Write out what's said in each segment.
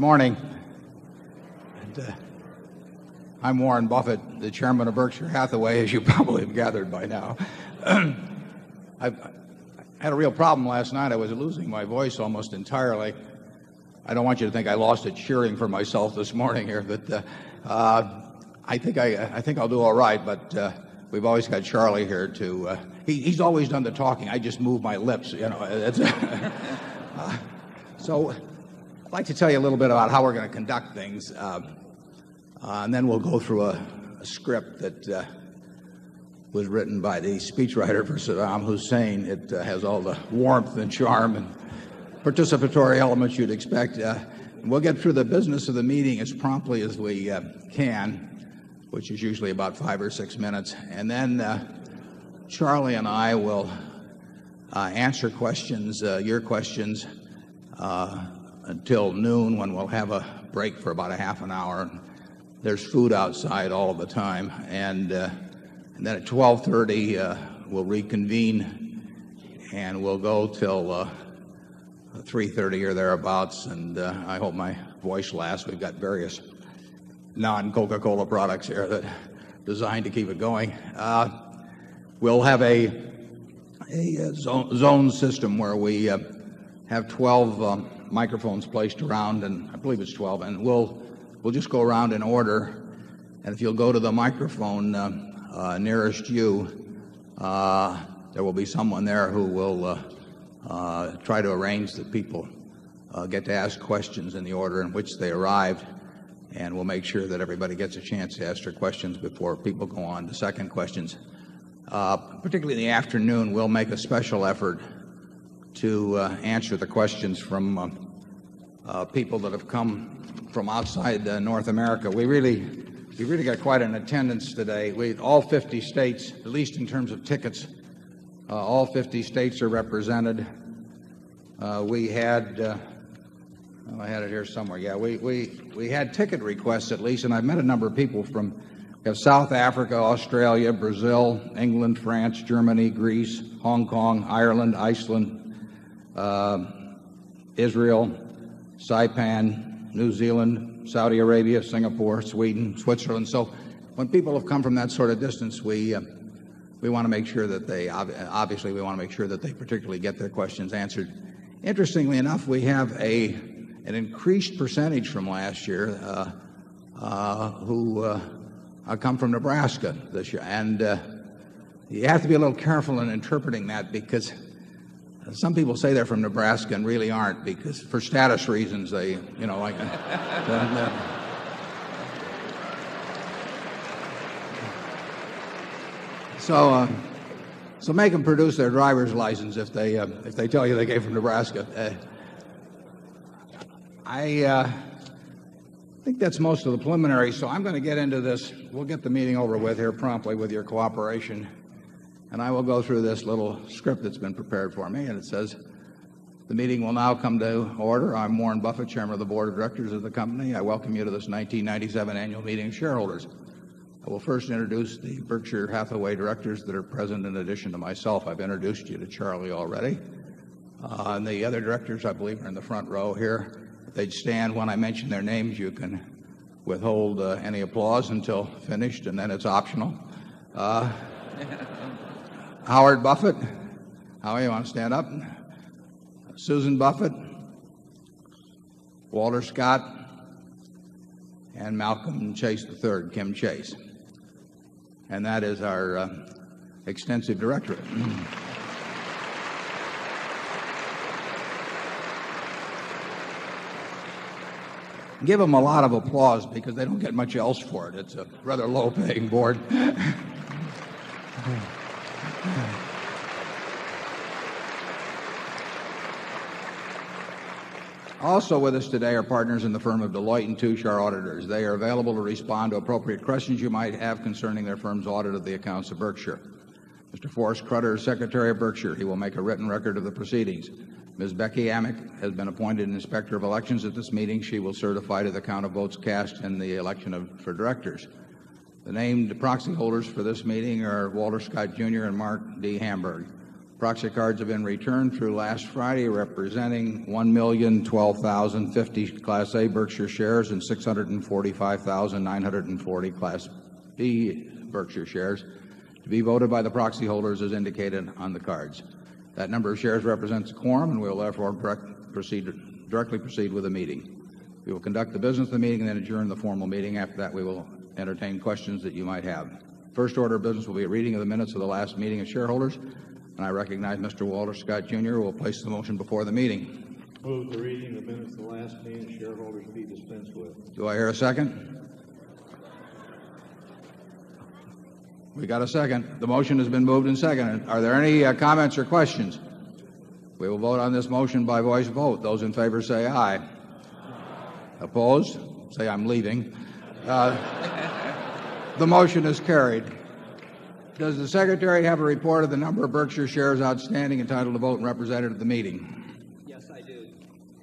Good morning. I'm Warren Buffett, the Chairman of Berkshire Hathaway, as you probably have gathered by now. I had a real problem last night. I was losing my voice almost entirely. I don't want you to think I lost it cheering for myself this morning here, but I think I'll do all right. But we've always got Charlie here to he's always done the talking. I just move my lips. So I'd like to tell you a little bit about how we're going to conduct things and then we'll go through a script that was written by the speechwriter for Saddam Hussein. It has all the warmth and charm and participatory elements you'd expect. We'll get through the business of the meeting as promptly as we can, which is usually about 5 or 6 minutes. And then Charlie and I will answer questions, your questions, until noon when we'll have a break for about half an hour. There's food outside all the time. And then at 12:30, we'll reconvene and we'll go till 3:30 or thereabouts and I hope my voice laughs. We've got various non Coca Cola products here that designed to keep it going. We'll have a zone system where we have 12 microphones placed around and I believe it's 12 and we'll just go around in order. And if you'll go to the microphone nearest you, there will be someone there who will try to arrange the people, get to ask questions in the order in which they arrived and we'll make sure that everybody gets a chance to ask their questions before people go on to second questions. Particularly in the afternoon, we'll make a special effort to answer the questions from people that have come from outside North America. We really got quite an attendance today with all 50 states, at least in terms of tickets, all 50 states are represented. We had I had it here somewhere. Yeah. We had ticket requests at least and I met a number of people from South Africa, Australia, Brazil, England, France, Germany, Greece, Hong Kong, Ireland, Iceland, Israel, Saipan, New Zealand, Saudi Arabia, Singapore, Sweden, Switzerland. So when people have come from that sort of distance, we want to make sure that they obviously, we want to make sure that they particularly get their questions answered. Interestingly enough, we have an increased percentage from last year who come from Nebraska this year. And you have to be a little careful in interpreting that because some people say they're from Nebraska and really aren't because for status reasons they, you know, like So make them produce their driver's license if they tell you they came from Nebraska. I think that's most of the preliminary. So I'm going to get into this. We'll get the meeting over with here promptly with your cooperation and I will go through this little script that's been prepared for me and it says, The meeting will now come to order. I'm Warren Buffett, Chairman of the Board of Directors of the company. I welcome you to this 1997 Annual Meeting of Shareholders. I will first introduce the Berkshire Hathaway directors that are present in addition to myself. I've introduced you to Charlie already. And the other directors, I believe, are in the front row here. If they'd stand when I mention their names, you can withhold any applause until finished and then it's optional. Howard Buffett. Howard, you want to stand up? Susan Buffett, Walter Scott and Malcolm Chase III, Kim Chase. And that is our extensive directorate. Give them a lot of applause because they don't get much else for it. It's a rather low paying board. Also with us today are partners in the firm of Deloitte and Touche, our auditors. They are available to respond to appropriate questions you might have concerning their firm's audit of the accounts of Berkshire. Mr. Forrest Crother is Secretary of Berkshire. He will make a written record of the proceedings. Ms. Becky Amick has been appointed an Inspector of Elections at this meeting. She will certify to the count of votes cast in the election for directors. The named proxy holders for this meeting are Walter Scott, Jr. And Mark D. Hamburg. Proxy cards have been returned through last Friday representing 1,012,050 Class A Berkshire Shares and 645,940 Class B Berkshire Shares to be voted by the proxy holders as indicated on the cards. That number of shares represents quorum and we will therefore proceed directly proceed with the meeting. We will conduct the business of the meeting and then adjourn the formal meeting. After that, we will entertain questions that you might have. First order of business will be a reading of the minutes of the last meeting of shareholders and I recognize Mr. Walter Scott, Jr. Who will place the motion before the meeting. Move the reading of the minutes of the last meeting of shareholders to be dispensed with. Do I hear a second? We got a second. The motion has been moved and seconded. Are there any comments or questions? We will vote on this motion by voice vote. Those in favor, say aye. Aye. Opposed? Say I'm leaving. The motion is carried. Does the Secretary have a report of the number of Berkshire shares outstanding entitled to vote and represented at the meeting? Yes, I do.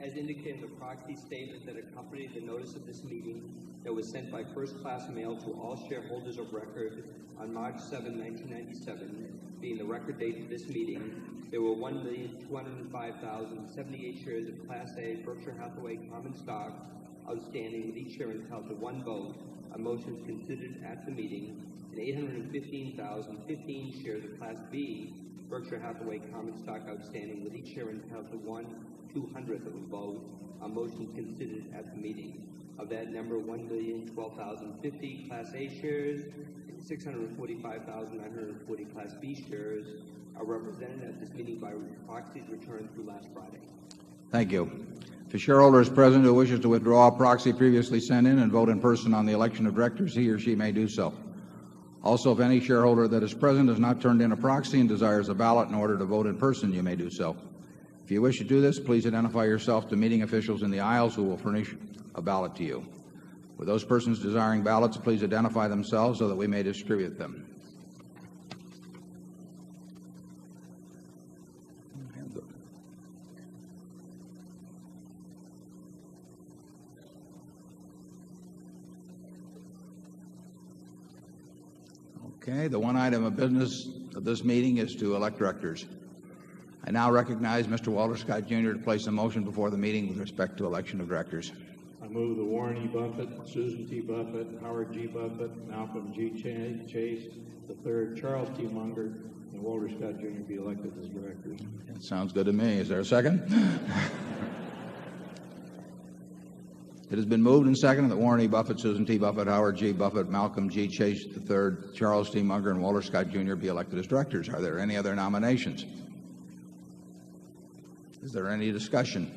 As indicated, the proxy statement that accompanies the notice of this meeting that was sent by First Class Mail to all shareholders of record on March 7, 1997 being the record date of this meeting. There were 1,205,078 shares of Class A Berkshire Hathaway common stock outstanding with each share entitled to 1 vote on motions considered at the meeting and 815,015 shares of Class B Berkshire Hathaway common stock outstanding with each share entitled to 1, 200 of them both on motion considered at the meeting. Of that number, 1,000,000 12,050 Class A Shares and 645,940 Class B Shares are represented at this meeting by proxies returned through last Friday. Thank you. To shareholders present who wishes to withdraw a proxy previously sent in and vote in person on the election of directors, he or she may do so. Also, if any shareholder that is present has not turned in a proxy and desires a ballot in order to vote in person, you may do so. If you wish to do this, please identify yourself to meeting officials in the aisles who will furnish a ballot to you. With those persons desiring ballots, please identify themselves so that we may distribute them. Okay. The one item of business of this meeting is to elect Directors. I now recognize Mr. Walter Scott Jr. To place a motion before the meeting with respect to election of Directors. I move that Warren E. Buffet, Susan D. Buffet, Howard G. Buffet, Malcolm G. Chase, the third Charles D. Munger and Walter Scott, Jr. Be elected as Directors. Sounds good to me. Is there a second? It has been moved and seconded that Warren Buffett, Susan T. Buffet, Howard G. Buffet, Malcolm G. Chase III, Charles T. Munger and Walter Scott, Jr. Be elected as Directors. Are there any other nominations? Is there any discussion?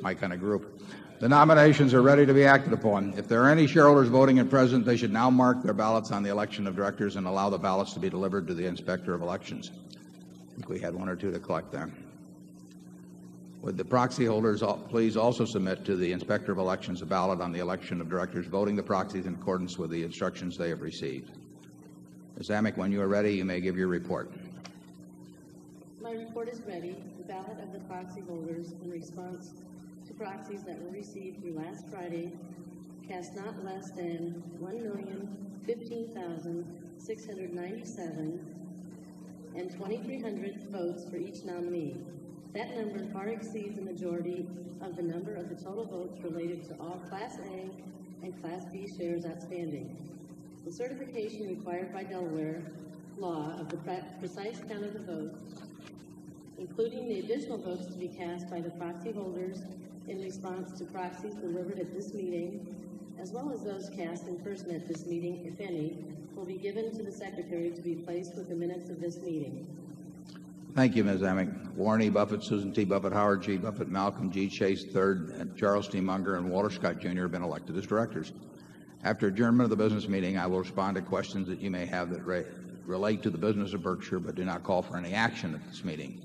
Mike on a group. The nominations are ready to be acted upon. If there are any shareholders voting at present, they should now mark their ballots on the Election of Directors and allow the ballots to be delivered to the Inspector of Elections. I think we had 1 or 2 to collect then. Would the proxy holders please also submit to the Inspector of Elections a ballot on the election of Directors voting the proxies in accordance with the instructions they have received. Ms. Amick, when you are ready, you may give your report. My report is ready. The ballot of the proxy voters in response to proxies that were received through last Friday cast not less than 1,000,000,15,690 7,200 votes for each nominee. That number far exceeds the majority of the number of the total votes related to all Class A and Class B shares outstanding. The certification required by Delaware law of the precise count of the votes, including the additional votes to be cast by the proxy holders in response to proxies delivered at this meeting, as well as those cast in person at this meeting, if any, will be given to the Secretary to be placed with the minutes of this meeting. Thank you, Ms. Emmick. Warren E. Buffet, Susan T. Buffet, Howard G. Buffet, Malcolm G. Chase, 3rd, Charles Steemunger and Walter Scott, Jr. Have been elected as Directors. After adjournment of the business meeting, I will respond to questions that you may have that relate to the business of Berkshire but do not call for any action at this meeting.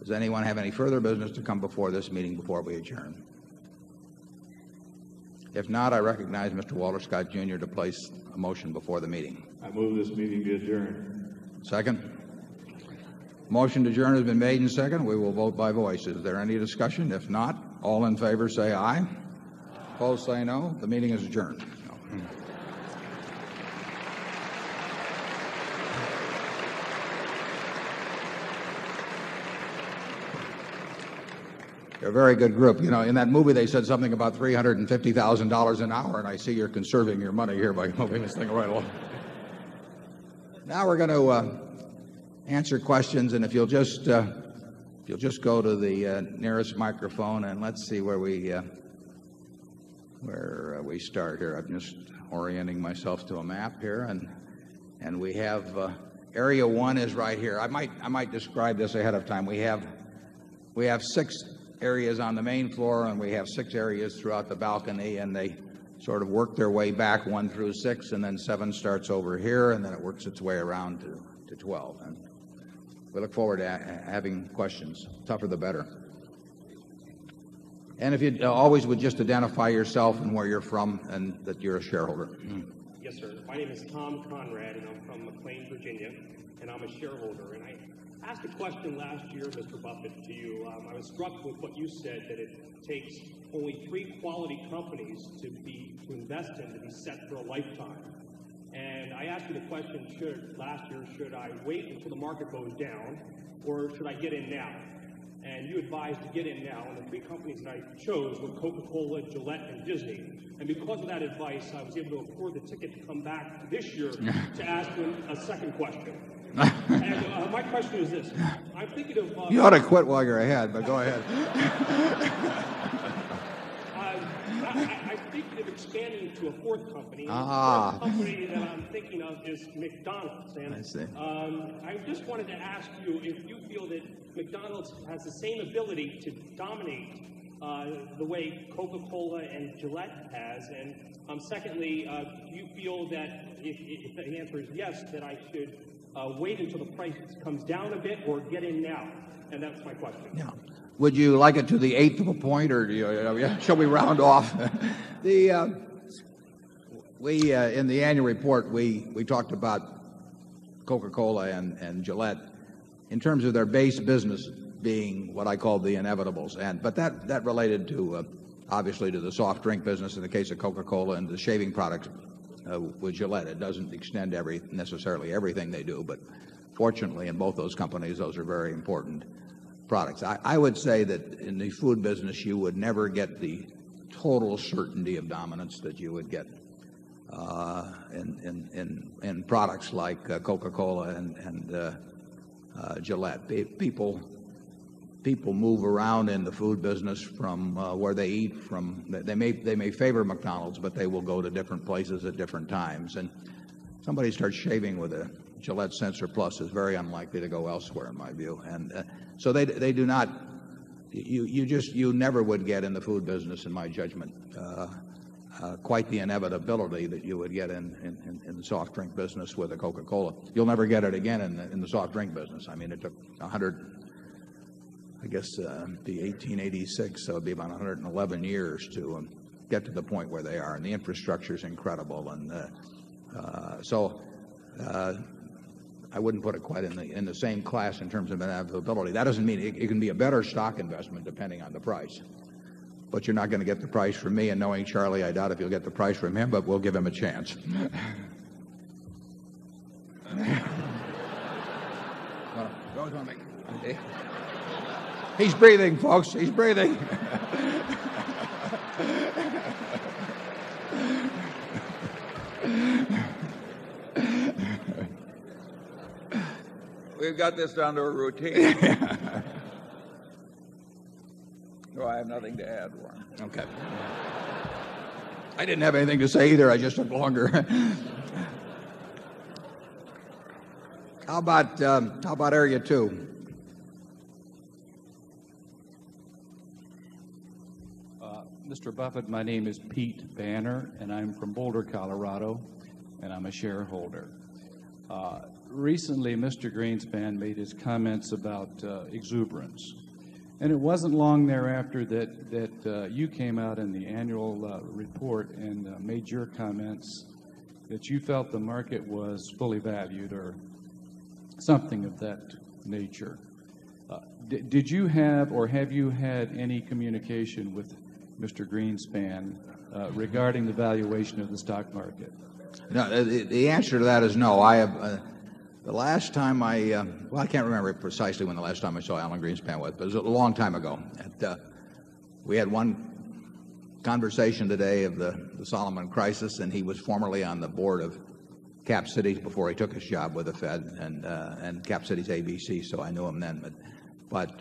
Does anyone have any further business to come before this meeting before we adjourn? If not, I recognize Mr. Walter Scott, Jr. To place a motion before the meeting. I move this meeting be adjourned. Second? Motion to adjourn has been made and seconded, we will vote by voice. Is there any discussion? If not, all in favor say aye. Opposed say no. The meeting is adjourned. A very good group. In that movie, they said something about $350,000 an hour and I see you're conserving your money here by moving this thing right along. Now we're going to answer questions and if you'll just go to the nearest microphone and let's see where we start here. I'm just orienting myself to a map here. And we have, Area 1 is right here. I might describe this ahead of time. We have 6 areas on the main floor and we have 6 areas throughout the balcony and they work their way back 1 through 6 and then 7 starts over here and then it works its way around to 12. We look forward to having questions, the tougher the better. And if you always would just identify yourself and where you're from and that you're a shareholder. Yes, sir. My name is Tom Conrad and I am from McLean, Virginia and I am a shareholder. And I asked a question last year, Mr. Buffet, to you. I was struck with what you said that it takes only 3 quality companies to be to invest in, to be set for a lifetime. And I asked you the question, should last year should I wait until the market goes down or should I get in now? And you advised to get in now and the 3 companies that I chose were Coca Cola, Gillette and Disney. And because of that advice, I was able to afford the ticket to come back to this year to ask you a second question. And my question is this. I'm thinking of You ought to quit, Wager, I had, but go ahead. I think of expanding to a 4th company. The 1st company that I'm thinking of is McDonald's. I just wanted to ask you if you feel that McDonald's has the same ability to dominate the way Coca Cola and Gillette has? And secondly, do you feel that if the answer is yes, that I should wait until the price comes down a bit or get in now? And that's my question. Would you like it to the 8th of a point or shall we round off? In the Annual Report, we talked about Coca Cola and Gillette in terms of their base business being what I call the inevitables. But that related to obviously to the soft drink business in the case of Coca Cola and the shaving products with Gillette. It doesn't extend necessarily everything they do but fortunately in both those companies, those are very important products. I would say that in the food business, you would never get the total certainty of dominance that you would get in products like Coca Cola and Gillette. People move around in the food business from where they eat from they may favor McDonald's, but they will go to different places at different times. And somebody starts shaving with a Gillette Sensor Plus is very unlikely to go elsewhere in my view. And so they do not you just you never would get in the food business, in my judgment, quite the inevitability that you would get in the soft drink business a Coca Cola. You'll never get it again in the soft drink business. I mean, it took 100, I guess, the 18/86, so it'd be about 111 years to get to the point where they are and the infrastructure is incredible. So I wouldn't put it quite in the same class in terms of inevitability. That doesn't mean it can be a better stock investment depending on the price, but you're not going to get the price from me. And knowing Charlie, I doubt if you'll get price from him, but we'll give him a chance. He's breathing, folks. He's breathing. We've got this down to a routine. I have nothing to add, Warren. Okay. I didn't have anything to say either. I just spoke longer. How about Area 2? Mr. Buffet, my name is Pete Banner and I'm from Boulder, Colorado and I'm a shareholder. Recently, Mr. Greenspan made his comments about exuberance and it wasn't long thereafter that you came out in the annual report and made your comments that you felt the market was fully valued or something of that nature. Did you have or have you had any communication with Mr. Greenspan regarding the valuation of the stock market? The answer to that is no. The last time I well, I can't remember precisely when the last time I saw Alan Greenspan was. It was a long time ago. We had one conversation today of the Solomon crisis and he was formerly on the Board of Cap Cities before he took his job with the Fed and Cap Cities ABC, so I knew him then. But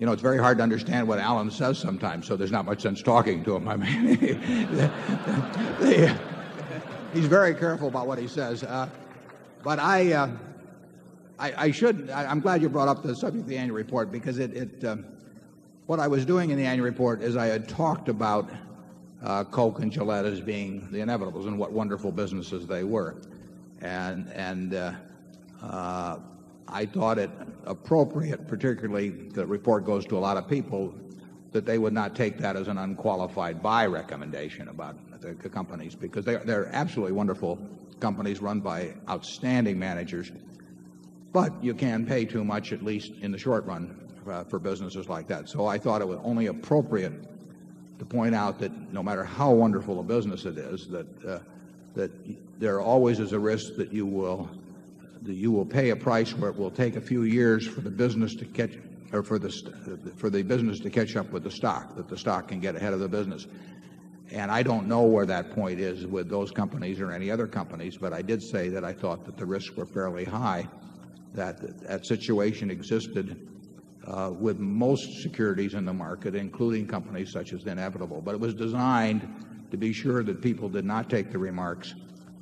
it's very hard to understand what Alan says sometimes, so there's not much sense talking to him. He's very careful about what he says. But I should I'm glad you brought up the subject of the annual report because it what I was doing in the annual report is I had talked about Coke and Gillette as being the inevitable and what wonderful businesses they were. And I thought it appropriate, particularly the report goes to a lot of people, that they would not take that as an unqualified buy recommendation about the companies because they're absolutely wonderful companies run by outstanding managers but you can pay too much at least in the short run for businesses like that. So I thought it was only appropriate to point out that no matter how wonderful a business it is, that there always is a risk that you will pay a price where it will take a few years for the business to catch or for the business to catch up with the stock, that the stock can get ahead of the business. And I don't know where that point is with those companies or any other companies, but I did say that I thought that the risks were fairly high that the the inevitable. But it was designed to be sure that people did not take the risk of the as Inevitable. But it was designed to be sure that people did not take the remarks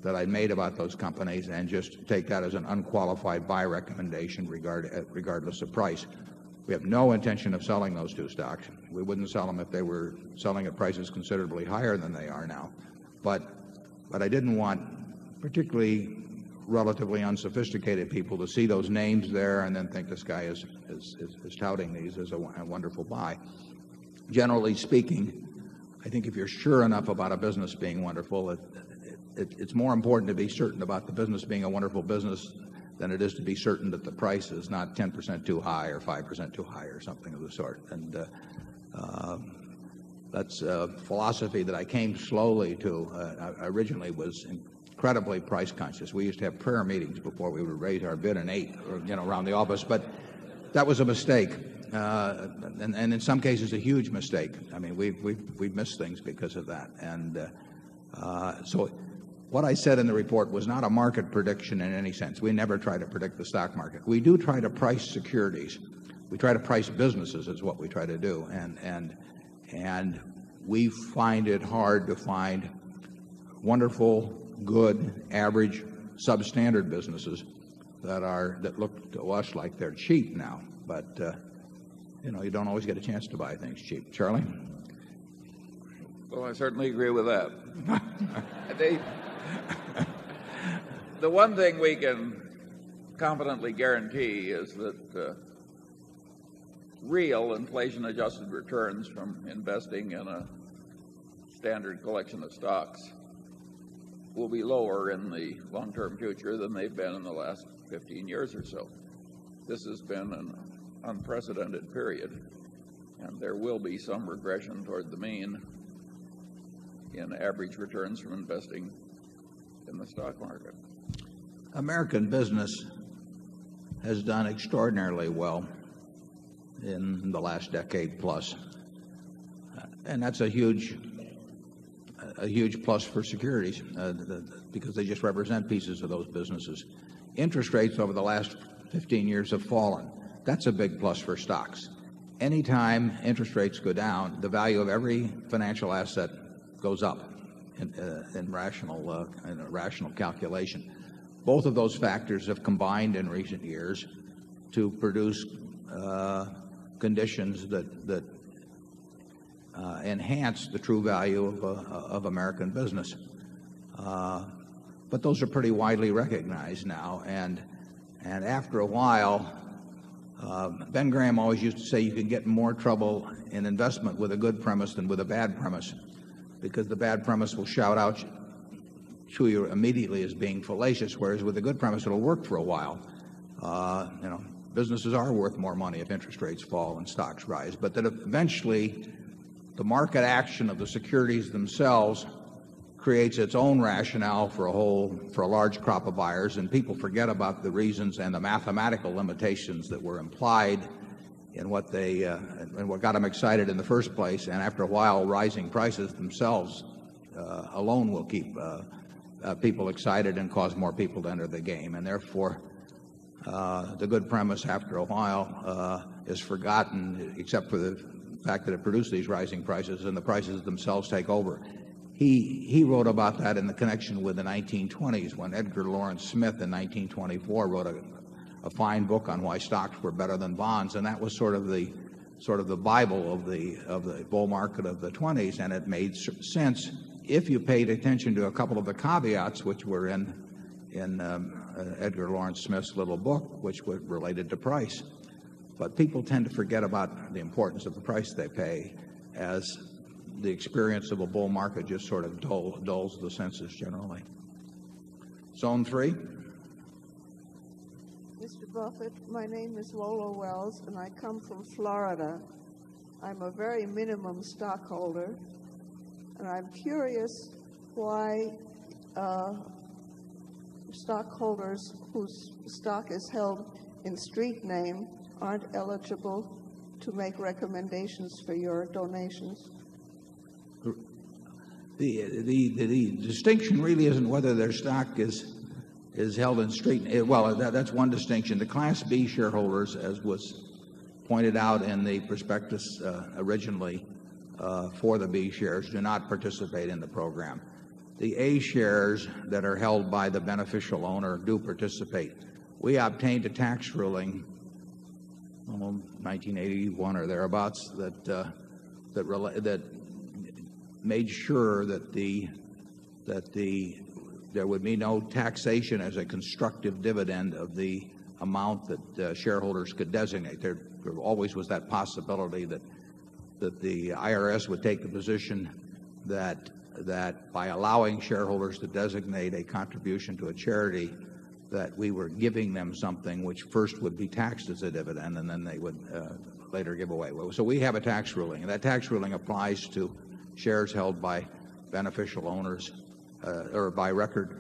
that I made about those companies and just take that as an unqualified buy recommendation regardless of price. We have no intention of selling those 2 stocks. We wouldn't sell them if they were selling at prices considerably higher than they are now. But I didn't want particularly relatively unsophisticated people to see those names there and then think this guy is touting these as a wonderful buy. Generally speaking, I think if you're sure enough about a business being wonderful, it's more important to be certain about the business being a wonderful business than it is to be certain that the price is not 10% too high or 5% too high or something of the sort. And that's a philosophy that I came slowly to. Originally, it was incredibly price conscious. We used to have prayer meetings before we would raise our bid an 8 around the office, but that was a mistake and in some cases, a huge mistake. I mean, we missed things because of that. And so what I said in the report was not a market prediction in any sense. We never try to predict the stock market. We do try to price securities. We try to price businesses is what we try to do and we find it hard to find wonderful, good, average, substandard businesses that are that look to us like they're cheap now. But you don't always get a chance to buy things cheap. Charlie? Well, I certainly agree with that. The one thing we can competently guarantee is that real inflation adjusted returns from investing in a standard collection of stocks will be lower in the long term future than they've been in the last 15 years or so. This has been an unprecedented period and there will be some regression towards the mean in average returns from investing in the stock market. American Business has done extraordinarily well in the last decade plus and that's a huge plus for securities because they just represent pieces of those businesses. Interest rates over the last 15 years have fallen. That's a big plus for stocks. Anytime interest rates go down, the value of every financial asset goes up in a rational calculation. Both of those factors have combined in recent years to produce conditions that enhance the true value of American business. But those are pretty widely recognized now. And after a while, Ben Graham always used to say you can get more trouble in investment with a good premise than with a bad premise because the bad premise will shout out to you immediately as being fallacious whereas with a good premise, it will work for a while. Businesses are worth more money if interest rates fall and stocks rise. But then eventually, the market action of the securities themselves creates its own rationale for a whole, for a large crop of buyers and people forget about the reasons and the mathematical limitations that were implied in what they and what got them excited in the 1st place. And after a while, rising prices themselves alone will keep people excited and cause more people to enter the game. And therefore, the good premise after a while is forgotten except for the fact that it produced these rising prices and the prices themselves take over. He wrote about that in the connection with the 1920s when Edgar Lawrence Smith in 1924 wrote a fine book on why stocks were better than bonds and that was sort of the bible of the bull market of the '20s and it made sense if you paid attention to a couple of the caveats which were in Edgar Lawrence Smith's little book which was related to price. But people tend to forget about the importance of the price they pay as the experience of a bull market just sort of dulls the census generally. Zone 3? Mr. Buffet, my name is Lola Wells and I come from Florida. I'm a very minimum stockholder and I'm curious why stockholders whose stock is held in street name aren't eligible to make recommendations for your donations? The distinction really isn't whether their stock is held in straight well, that's one distinction. The Class B shareholders, as was pointed out in the prospectus originally for the B shares, do not participate in the program. The A shares that are held by the beneficial owner do participate. We obtained a tax ruling, I don't know, 1981 or thereabouts that made sure that there would be no taxation as a constructive dividend of the amount that shareholders could designate. There always was that possibility that the IRS would take the position that by allowing shareholders to designate a contribution to a charity that we were giving them something which first would be taxed as a dividend and then they would later give away. So we have a tax ruling and that tax ruling applies to shares held by beneficial owners or by record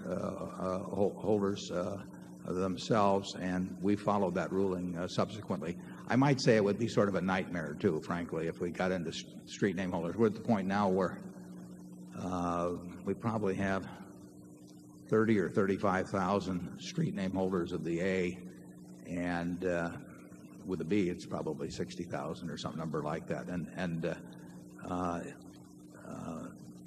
holders themselves and we follow that ruling subsequently. I might say it would be sort of a nightmare too, frankly, if we got into street name holders. We're at the point now where we probably have 30,000 or 35,000 street name holders of the A and with a B, it's probably 60,000 or something number like that. And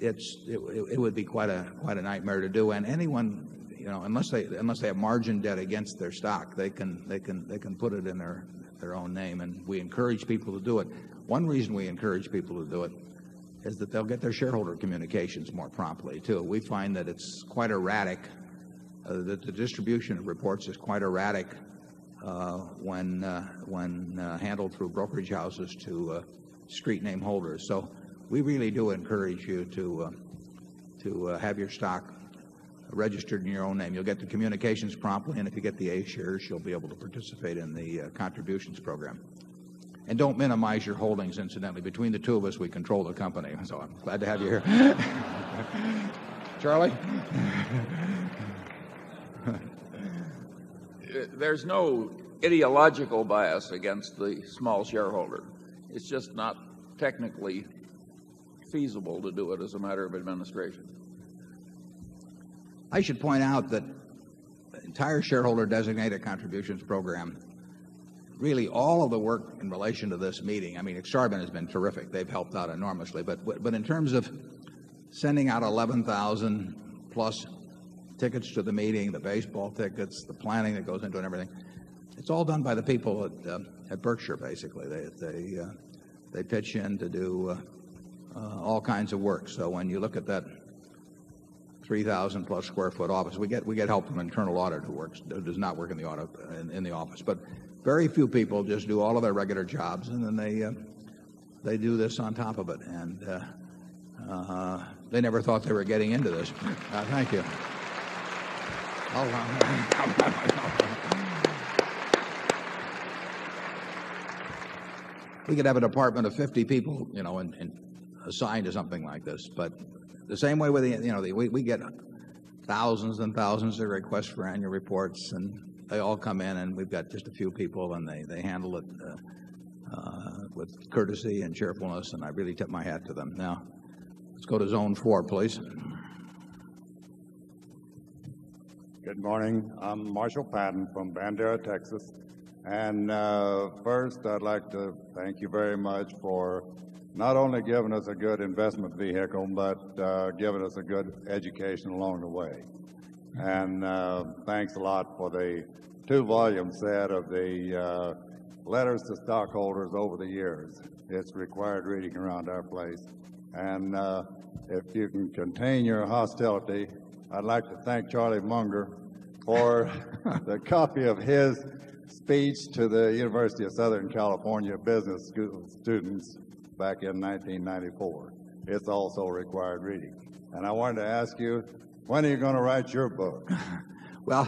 it would be quite a nightmare to do and anyone, unless they have margin debt against their stock, they can put it in their own name and we encourage people to do it. One reason we encourage people to do it is that they'll get their shareholder communications more promptly too. We find that it's quite erratic, that the distribution reports is quite erratic when handled through brokerage houses to street name holders. So we really do encourage you to have your stock registered in your own name. You'll get the communications promptly and if you get the A shares, you'll be able to participate in the contributions program. And don't minimize your holdings incidentally. Between the 2 of us, we control the company. So I'm glad to have you here. Charlie? There's no ideological bias against the small shareholder. It's just not technically feasible to do it as a matter of administration. I should point out that the entire shareholder designated contributions program, really all of the work in relation to this meeting, I mean, Exarban has been terrific. They've helped out enormously. But in terms of sending out 11,000 plus tickets to the meeting, the baseball tickets, the planning that goes into it and everything, it's all done by the people at Berkshire basically. They pitch in to do all kinds of work. So when you look at that 3,000 plus square foot office, we get help from internal audit who does not work in the office. But very few people just do all of their regular jobs and then they do this on top of it And they never thought they were getting into this. Thank you. We could have an apartment of 50 people assigned to something like this. But the same way with the we get thousands and thousands of requests for annual reports and they all come in and we've got just a few people and they handle it with courtesy and sharefulness and I really tip my hat to them. Now let's go to Zone 4, please. Good morning. I'm Marshall Patton from Bandera, Texas. And, first I'd like to thank you very much for not only giving us a good investment vehicle, but, giving us a good education along the way. And, thanks a lot for the 2 volume set of the, letters to stockholders over the years. It's required reading around our place. And, if you can contain your hostility, I'd like to thank Charlie Munger for the copy of his speech to the University of Southern California Business School Students back in 1994. It's also required reading. And I wanted to ask you, when are you going to write your book? Well,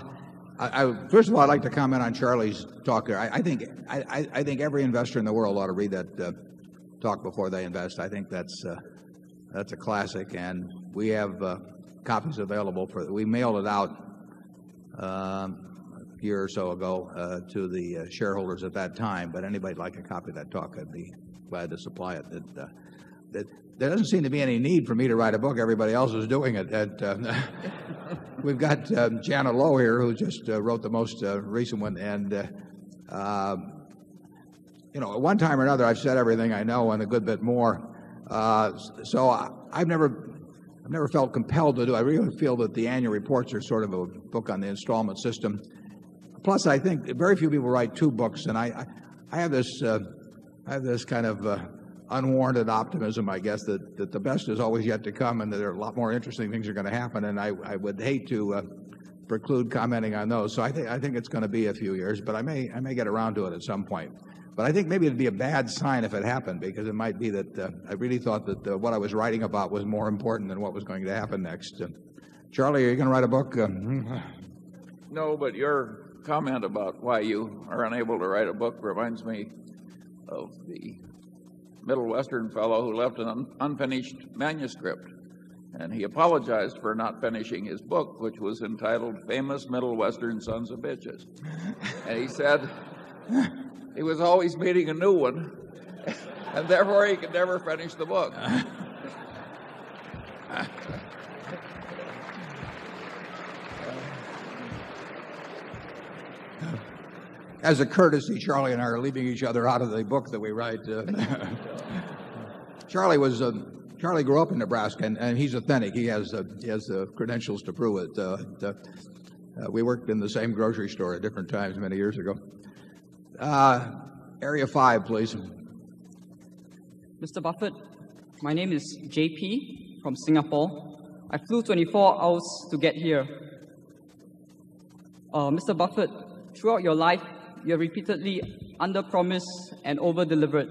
first of all, I'd like to comment on Charlie's talk. I think every investor in the world ought to read that talk before they invest. I think that's a classic and we have copies available for, we mailed it out a year or so ago to the shareholders at that time, but anybody would like a copy of that talk, I'd be glad to supply it. There doesn't seem to be any need for me to write a book. Everybody else is doing it. We've got Jana Lowe here who just wrote the most recent one. And at one time or another, I've said everything I know and a good bit more. So I've never felt compelled to do it. I really feel that the annual reports are sort of a book on the installment system. Plus, I think very few people write 2 books and I have this kind of unwarranted optimism, I guess, that the best is always yet to come and that a lot more interesting things are going to happen and I would hate to preclude commenting on those. So I think it's going to be a few years, but I may get around to it at some point. But I think maybe it'd be a bad sign if it happened because it might be that I really thought that what I was writing about was more important than what was going to happen next. Charlie, are you going to write a book? No. But your comment about why you are unable to write a book reminds me of the Middle Western fellow who left an unfinished manuscript. And he apologized for not finishing his book, which was entitled Famous Middle Western Sons of Bitches. And he said he was always meeting a new one and therefore he could never finish the book. As a courtesy, Charlie and I are leaving each other out of the book that we write. Charlie was Charlie grew up in Nebraska and he's authentic. He has the credentials to prove it. We worked in the same grocery store at different times many years ago. Area 5, please. Mr. Buffet, my name is JP from Singapore. I flew 24 hours to get here. Mr. Buffet, throughout your life, you have repeatedly under promised and over delivered.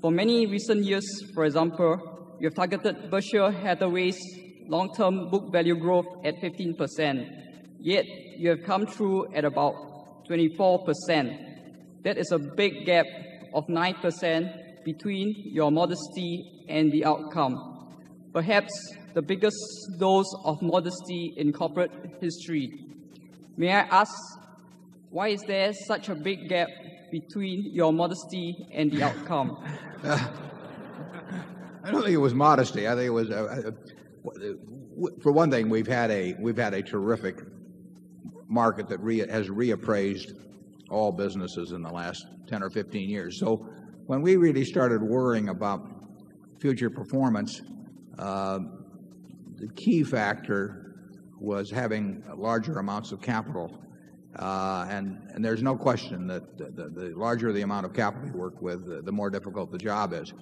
For many recent years, for example, you've targeted Berkshire Hathaway's long term book value growth at 15%, yet you have come through at about 24%. That is a big gap of 9% between your modesty and the outcome, perhaps the biggest dose of modesty in corporate history. May I ask why is there such a big gap between your modesty and the outcome? I don't think it was modesty. I think it was, for one thing, we've had a terrific market that has reappraised all businesses in the last 10 or 15 years. So when we really started worrying about future performance, the key factor was having larger amounts of capital. And there's no question that the larger the amount of capital you work with, the more difficult the job is.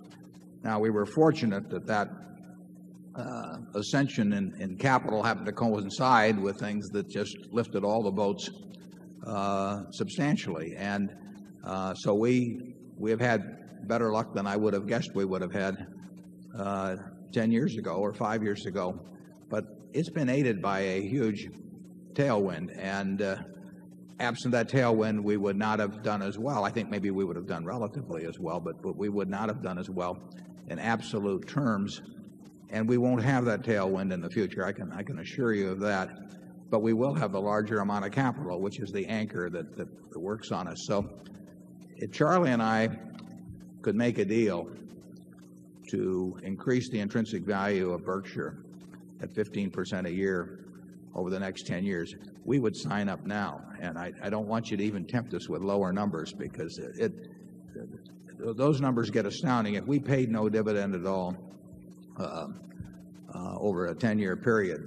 Now, we were fortunate that, that ascension in capital happened to coincide with things that just lifted all the votes substantially. And so we have had better luck than I would have guessed we would have had 10 years ago or 5 years ago, but it's been aided by a huge tailwind. And absent that tailwind, we would not have done as well. I think maybe we would have done relatively as well, but we would not have done as well in absolute terms. And we won't have that tailwind in the future. I can assure you of that, but we will have a larger amount of capital, which is the anchor that works on us. So if Charlie and I could make a deal to increase the intrinsic value of Berkshire at 15% a year over the next 10 years, we would sign up now. And I don't want you to even tempt us with lower numbers because those numbers get astounding. If we paid no dividend at all over a 10 year period,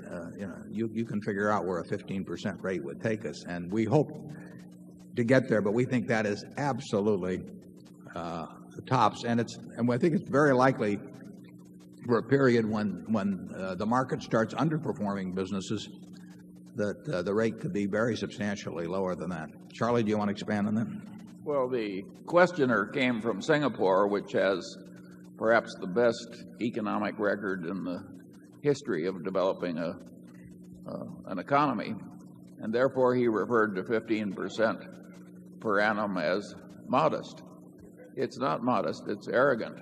you can figure out where a 15% rate would take us. And we hope to get there but we think that is absolutely tops. And I think it's very likely for a period when the market starts underperforming businesses that the rate could be very substantially lower than that. Charlie, do you want to expand on that? Well, the questioner came from Singapore, which has perhaps the best economic record in the history of developing an economy. And therefore he referred to 15% per annum as modest. It's not modest. It's arrogant.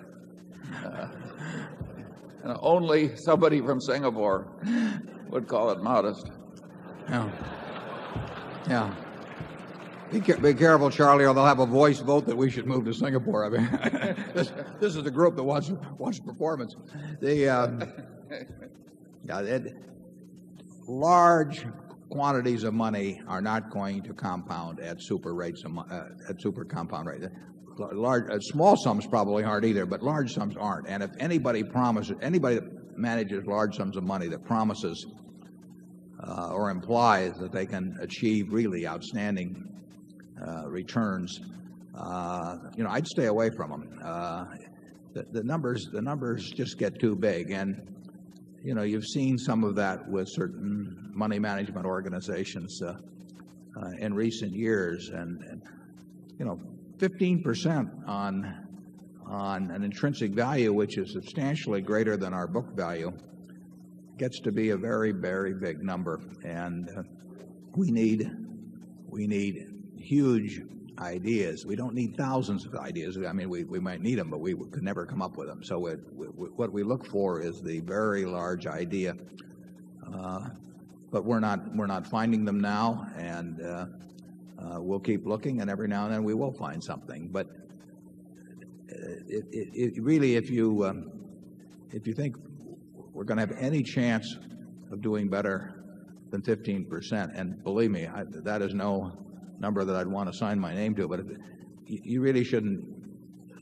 Be careful, Charlie, or they'll have a voice vote that we should move to Singapore. I mean, this is the group that watched performance. Large quantities of money are not going to compound at super rates at super compound rate. Rate. Small sum is probably hard either, but large sums aren't. And if anybody manages large sums of money that promises or implies that they can achieve really outstanding returns, I'd stay away from them. The numbers just get too big. And you've seen some of that with certain money management organizations in recent years. And 15% on an intrinsic value, which is substantially greater than our book value, gets to be a very, very big number. And we need huge ideas. We don't need thousands of ideas. I mean, we might need them, but we could never come up with them. So what we look for is the very large idea, but we're not finding them now and we'll keep looking and every now and then, we will find something. But really, if you think we're going to have any chance of doing better than 15%. And believe me, that is no number that I'd want to sign my name to, but you really shouldn't,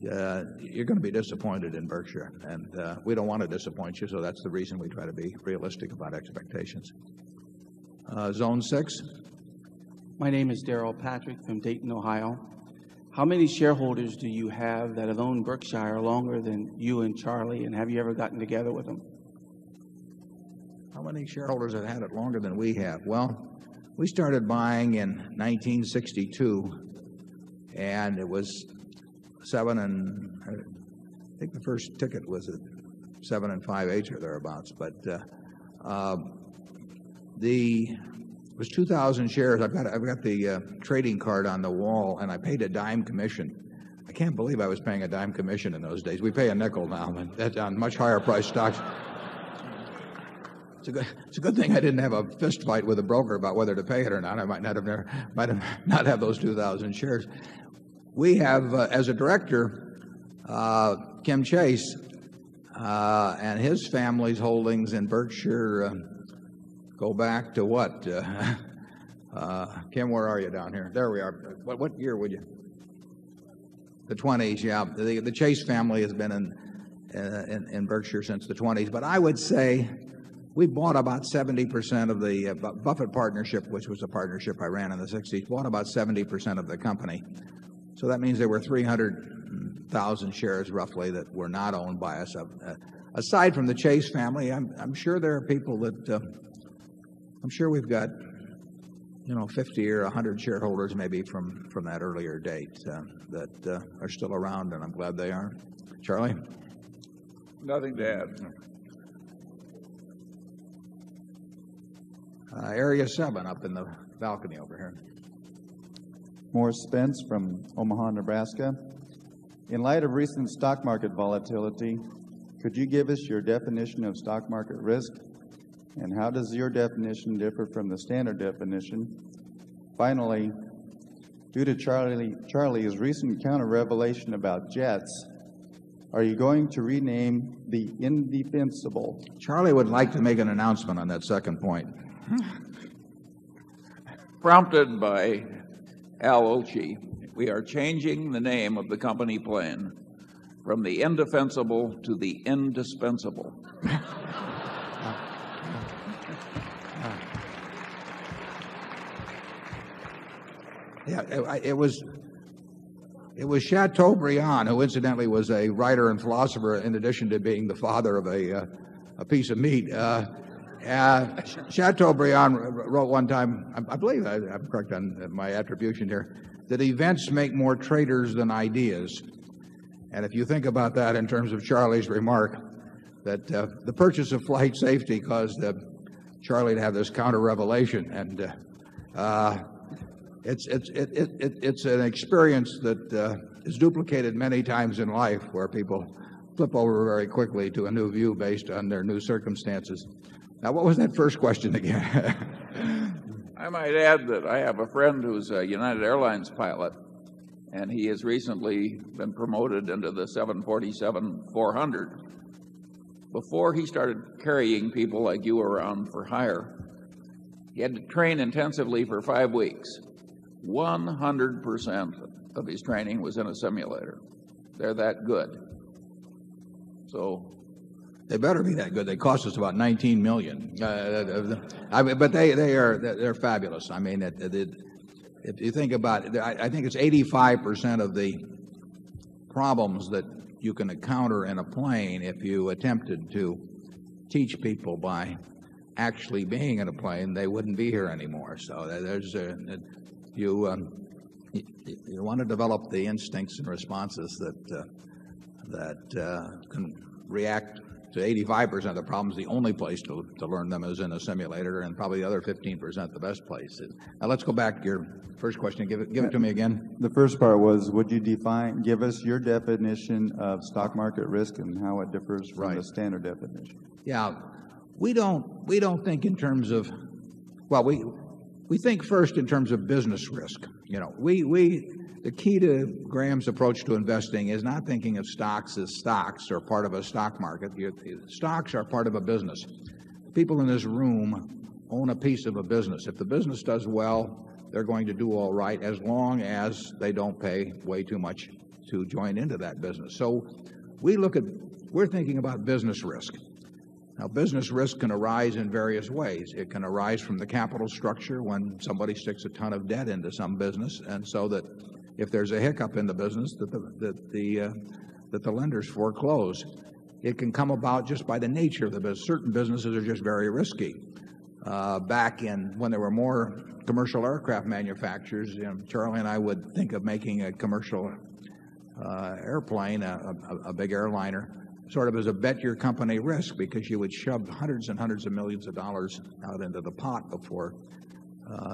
you're going to be disappointed in Berkshire. And we don't want to disappoint you, so that's the reason we try to be realistic about expectations. Zone 6? My name is Daryl Patrick from Dayton, Ohio. How many shareholders do you have that have owned Berkshire longer than you and Charlie? And have you ever gotten together with them? How many shareholders have had it longer than we have? Well, we started buying in 1962, and it was 7 and, I think the first ticket was 7 and 5.8 or thereabouts. But the, it was 2,000 shares. I've got the trading card on the wall and I paid a dime commission. I can't believe I was paying a dime commission in those days. We pay a nickel now on much higher priced stocks. It's a good thing I didn't have a fist fight with a broker about whether to pay or not. I might not have those 2,000 shares. We have, as a director, Kim Chase and his family's holdings in Berkshire go back to what? Kim, where are you down here? There we are. What year would you? The '20s, yes. The Chase family has been in Berkshire since the '20s. But I would say we bought about 70% of the Buffett Partnership, which was a partnership I ran in the '60s, bought about 70% of the company. That means there were 300,000 shares roughly that were not owned by us. Aside from the Chase family, I'm sure there are people that I'm sure we've got 50 or 100 shareholders maybe from that earlier date that are still around, and I'm glad they are. Charlie? Nothing to add. Morris Spence from Omaha, Nebraska. In light of recent stock market volatility, could you give us your definition of stock market risk and how does your definition differ from the standard definition? Finally, due to Charlie's recent counter revelation about Jets, are you going to rename the indefensible? Charlie would like to make an announcement on that second point. Prompted by Al Ouchi. We are changing the name of the company plane from the indefensible to the indispensable. It was Chateaubriand who incidentally was a writer and philosopher in addition to being the father of a piece of meat. Chateau Brion wrote one time, I believe I'm correct on my attribution here, that events make more traitors than ideas. And if you think about that in terms of Charlie's remark that the purchase of flight safety caused Charlie to have this counter revelation and it's an experience that is duplicated many times in life where people flip over very quickly to a new view based on their new circumstances. Now what was that first question again? I might add that I have a friend who's a United Airlines pilot and he has recently been promoted into the 747-400. Before he started carrying people like you around for hire. He had to train intensively for 5 weeks. 100% of his training was in a simulator. They're that good. So they better be that good. They cost us about $19,000,000 But they are fabulous. I mean, if you think about it, I think it's 85% of the problems that you can encounter in a plane if you attempted to teach people by actually being in a plane, they wouldn't be here anymore. So there's a, you want to develop the instincts and responses that can react to 85% of the problems. The only place to learn them is in a simulator and probably the other 15% the best places. Now let's go back to your first question and give it to me again. The first part was would you define give us your definition of stock market risk and how it differs from the standard definition? Carter:] Yeah. We don't think in terms of well, we think first in terms of business risk. The key to Graham's approach to investing is not thinking of stocks as stocks or part of a stock market. Stocks are part of a business. People in this room own a piece of a business. If the business does well, they're going to do all right as long as they don't pay way too much to join into that business. So we look at, we're thinking about business risk. Now business risk can arise in various ways. It can arise from the capital structure when somebody sticks a ton of debt into some business and so that if there's a hiccup in the business that the lenders foreclose, it can come about just by the nature that certain businesses are just very risky. Back in when there were more commercial aircraft manufacturers, Charlie and I would think of making a commercial airplane, a big airliner sort of as a bet your company risk because you would shove 100 and 100 of 1,000,000 of dollars out into the pot before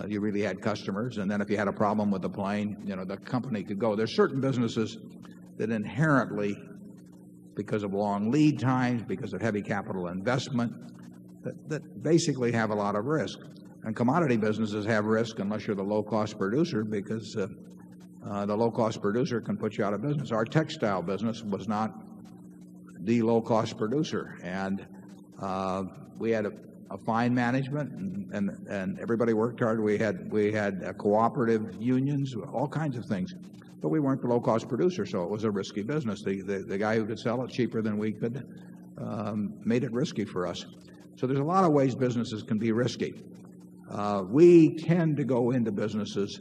you really had customers. And then if you had a problem with the plane, the company could go. There are certain businesses that inherently, because of long lead times, because of heavy capital investment, that basically have a lot of risk and commodity businesses have risk unless you're the low cost producer because the low cost producer can put you out of business. Our textile business was not the low cost producer and we had a fine management and everybody worked hard. We had cooperative unions, all kinds of things, But we weren't the low cost producer, so it was a risky business. The guy who could sell it cheaper than we could, made it risky for us. So there's a lot of ways businesses can be risky. We tend to go into businesses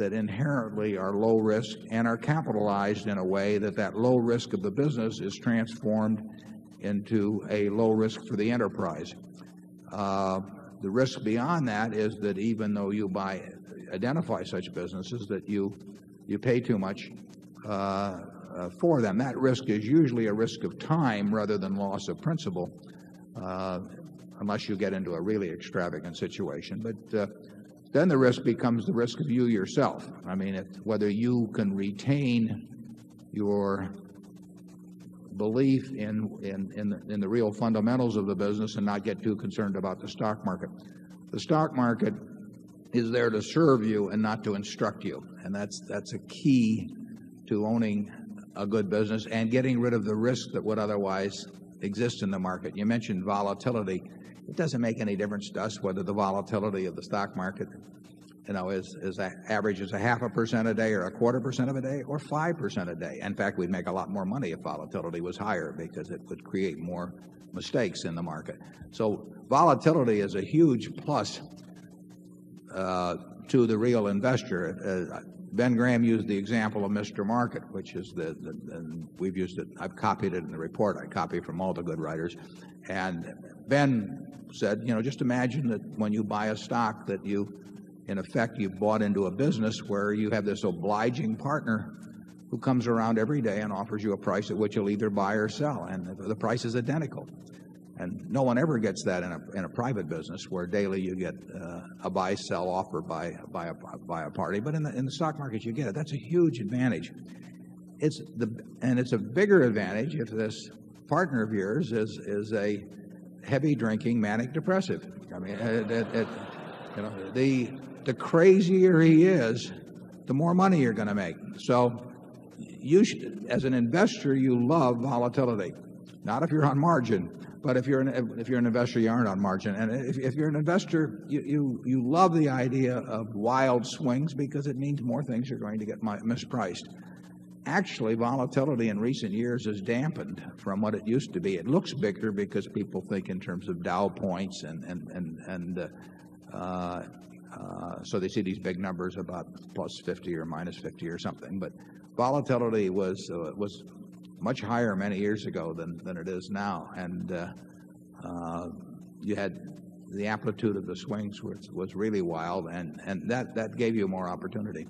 that inherently are low risk and are capitalized in a way that, that low risk of the business is transformed into a low risk for the enterprise. The risk beyond that is that even though you identify such businesses that you pay too much for them. That risk is usually a risk of time rather than loss of principal unless you get into a really extravagant situation. But then the risk becomes the risk of you yourself. I mean, whether you can retain your belief in the real fundamentals of the business and not get too concerned about the stock market. The stock market is there to serve you and not to instruct you and that's a key to owning a good business and getting rid of the risk that would otherwise exist in the market. You mentioned volatility. It doesn't make any difference to us whether the volatility of the stock market averages 0.5 percent a day or a quarter percent of a day or 5% a day. In fact, we'd make a lot more money if volatility was higher because it could create more mistakes in the market. So volatility is a huge plus to the real investor. Ben Graham used the example of Mr. Market, which is the, and we've used it. I've copied it in the report. I copy from all the good writers. And Ben said, Just imagine that when you buy a stock that you, in effect, you bought into a business where you have this obliging partner who comes around every day and offers you a price at which you'll either buy or sell and the price is identical. And no one ever gets that in a private business where daily you get a buy, sell, offer by a party. But in the stock market, you get it. That's a huge advantage. And it's a bigger advantage if this partner of yours is a heavy drinking manic depressive. I mean, The crazier he is, the more money you're going to make. So as an investor, you love volatility, not if you're on margin, but if you're an investor, you aren't on margin. And if you're an investor, you love the idea of wild swings because it means more things are going to get mispriced. Actually, volatility in recent years has dampened from what it used to be. It looks bigger because people think in terms of Dow points and so they see these big numbers about plus 50 or minus 50 or something. But volatility was much higher many years ago than it is now. And, you had the amplitude of the swings was really wild and that gave you more opportunity.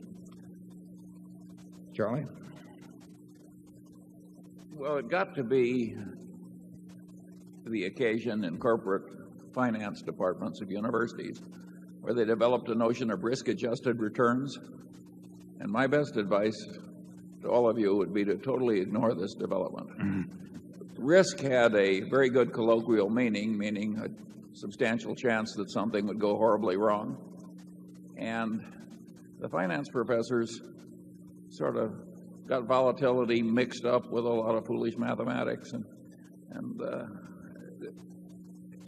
Charlie? Well, it got to be the occasion in corporate finance departments of universities where they developed a notion of risk adjusted returns. And my best advice to all of you would be to totally ignore this development. Risk had a very good colloquial meaning, meaning a substantial chance that something would go horribly wrong. And the finance professors sort of got volatility mixed up with a lot of foolish mathematics. And, and,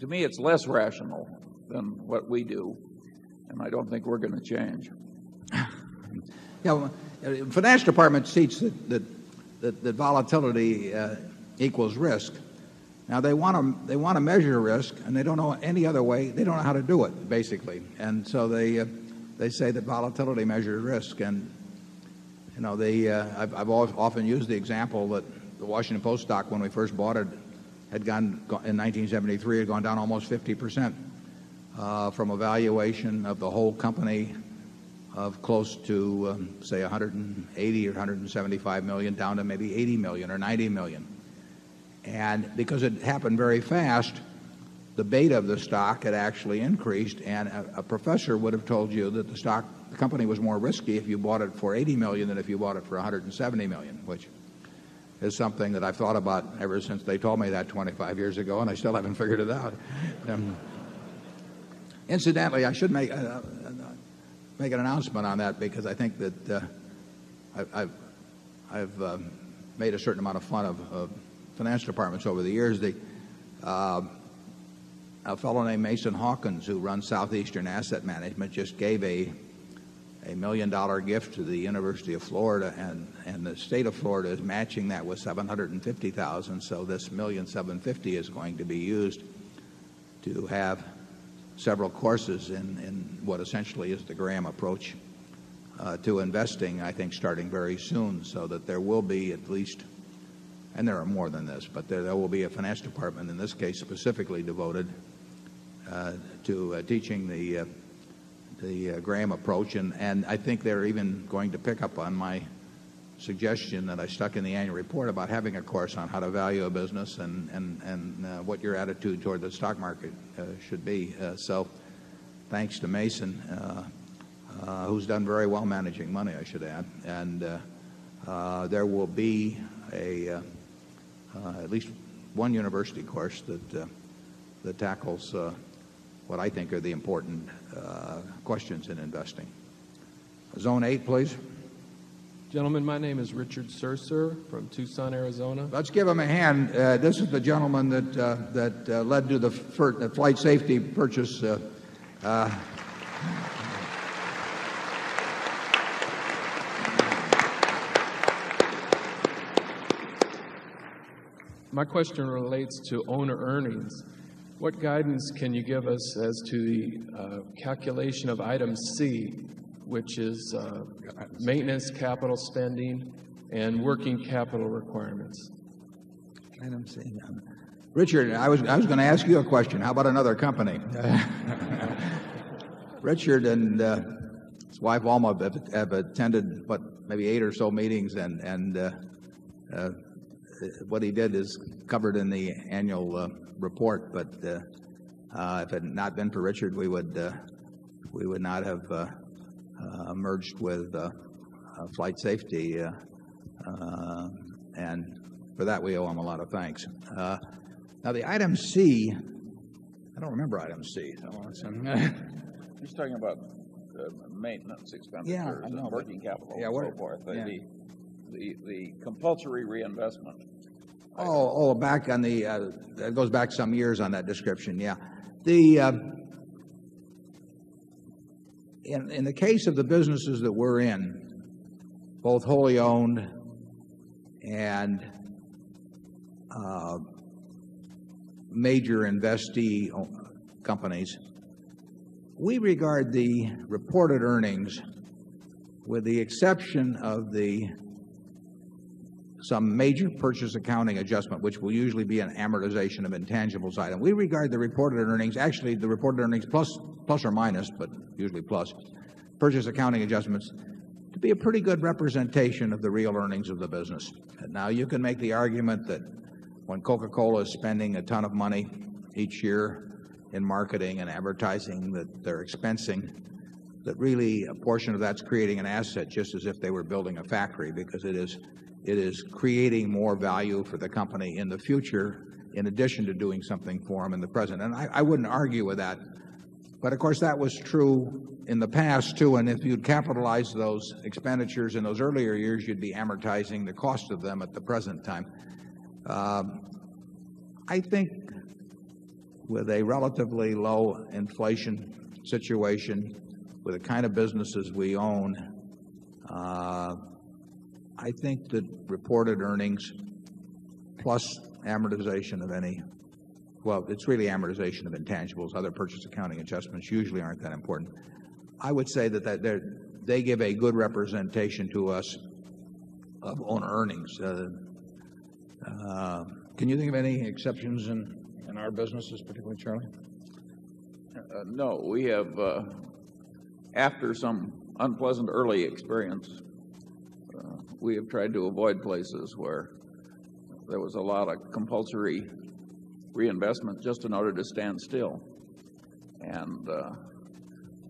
to me, it's less rational than what we do. And I don't think we're going to change. Yeah. Well, the Financial Department seats that that volatility equals risk. Now they want to they want to measure risk, and they don't know any other way. They don't know how to do it, basically. And so they they say that volatility measures risk. And they, I've often used the example that the Washington Post stock, when we first bought it, had gone in 1973, had gone down almost 50% from a valuation of the whole company of close to, say, $180,000,000 or $175,000,000 down to maybe $80,000,000 or $90,000,000 And because it happened very fast, the beta of the stock had actually increased. And a professor would have told you that the stock the company was more risky if you bought it for $80,000,000 than if you bought it for $170,000,000 which is something that I've thought about ever since they told me that 25 years ago, and I still haven't figured it out. Incidentally, I should make make an announcement on that because I think that I've made a certain amount of fun of finance departments over the years. A fellow named Mason Hawkins, who runs Southeastern Asset Management, just gave a $1,000,000 gift to the University of Florida, and the State of Florida is matching that with $750,000 So this $1,750,000 is going to be used to have several courses in what essentially is the Graham approach to investing, I think, starting very soon so that there will be at least and there are more than this, but there will be a finance department, in this case, specifically devoted to teaching the Graham approach. And I think they're even going to pick up on my suggestion that I stuck in the annual report about having a course on how to value a business and what your attitude toward the stock market should be. So thanks to Mason, who's done very well managing money, I should add. And there will be at least one university course that tackles what I think are the important questions in investing. Zone 8, please. Gentlemen, my name is Richard Surser from Tucson, Arizona. Let's give him a hand. This is the gentleman that led to the flight safety purchase. My question relates to owner earnings. What guidance can you give us as to the calculation of Item C, which is maintenance capital spending and working capital requirements? Richard, I was going to ask you a question. How about another company? Richard and his wife, Wilma, have attended, what, maybe 8 or so meetings and what he did is covered in the annual report. But if it had not been for Richard, we would not have merged with FlightSafety. And for that, we owe them a lot of thanks. Now the Item C, I don't remember Item C. I'm just talking about maintenance expenditures and working capital and so forth. The compulsory reinvestment. Oh, back on the, it goes back some years on that description. Yeah. In the case of the businesses that we're in, both wholly owned and major investee companies, we regard the reported earnings with the exception of the some major purchase accounting adjustment, which will usually be amortization of intangibles item. We regard the reported earnings, actually, the reported earnings plus or minus but usually plus, purchase accounting adjustments to be a pretty good representation of the real earnings of the business. Now you can make the argument that when Coca Cola is spending a ton of money each year in marketing and advertising that they're expensing, that really a portion of that's creating an asset just as if they were building a factory because it is creating more value for the company in the future in addition to doing something for them in the present. And I wouldn't argue with that. But, of course, that was true in the past, too. And if you'd capitalize those expenditures in those earlier years, you'd be amortizing the cost of them at the present time. I think with a relatively low inflation situation with the kind of businesses we own, I think that reported earnings plus amortization of any well, it's really amortization of intangibles. Other purchase accounting adjustments usually aren't that important. I would say that they give a good representation to us of owner earnings. Can you think of any exceptions in our businesses, particularly, Charlie? No. We have, after some unpleasant early experience, we have tried to avoid places where there was a lot of compulsory reinvestment just in order to stand still. And,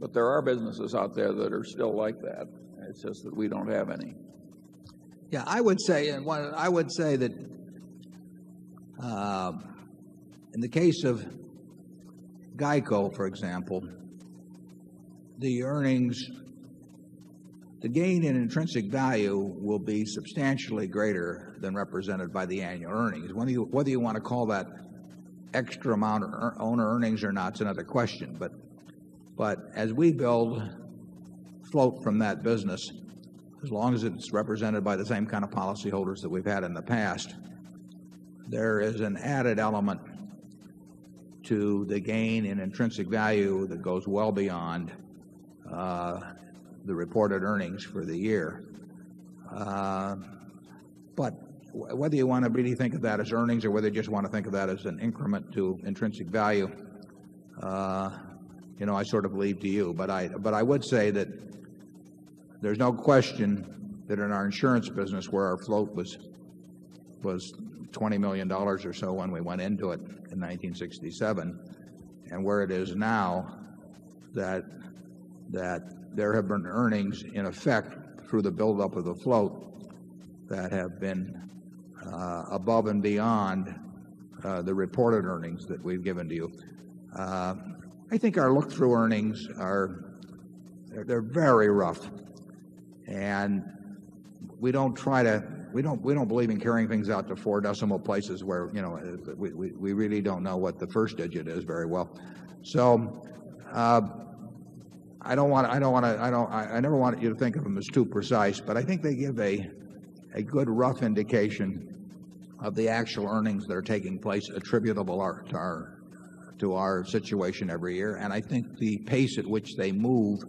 but there are businesses out there that are still like that. It's just that we don't have any. Carter:] Yeah. I would say, and I would say that, in the case of GEICO, for example, the earnings the gain in intrinsic value will be substantially greater than represented by the annual earnings. Whether you want to call that extra amount of owner earnings or not is another question. But as we build float from that business, as long as it's represented by the same kind of policyholders that we've had in the past, there is an added element to the gain in intrinsic value that goes well beyond the reported earnings for the year. But whether you want to really think of that as earnings or whether you just want to think of that as an increment to intrinsic value, I sort of leave to you. But I would say that there's no question that in our insurance business where our float was $20,000,000 or so when we went into it in 1967 and where it is now that there have been earnings in effect through the buildup of the float that have been above and beyond the reported earnings that we've given to you. I think our look through earnings are, they're very rough. And we don't try to, we don't believe in carrying things out to 4 decimal places where we really don't know what the first digit is very well. So I never want you to think of them as too precise, but I think they give a good rough indication of the actual earnings that are taking place attributable to our situation every year. And I think the pace at which they move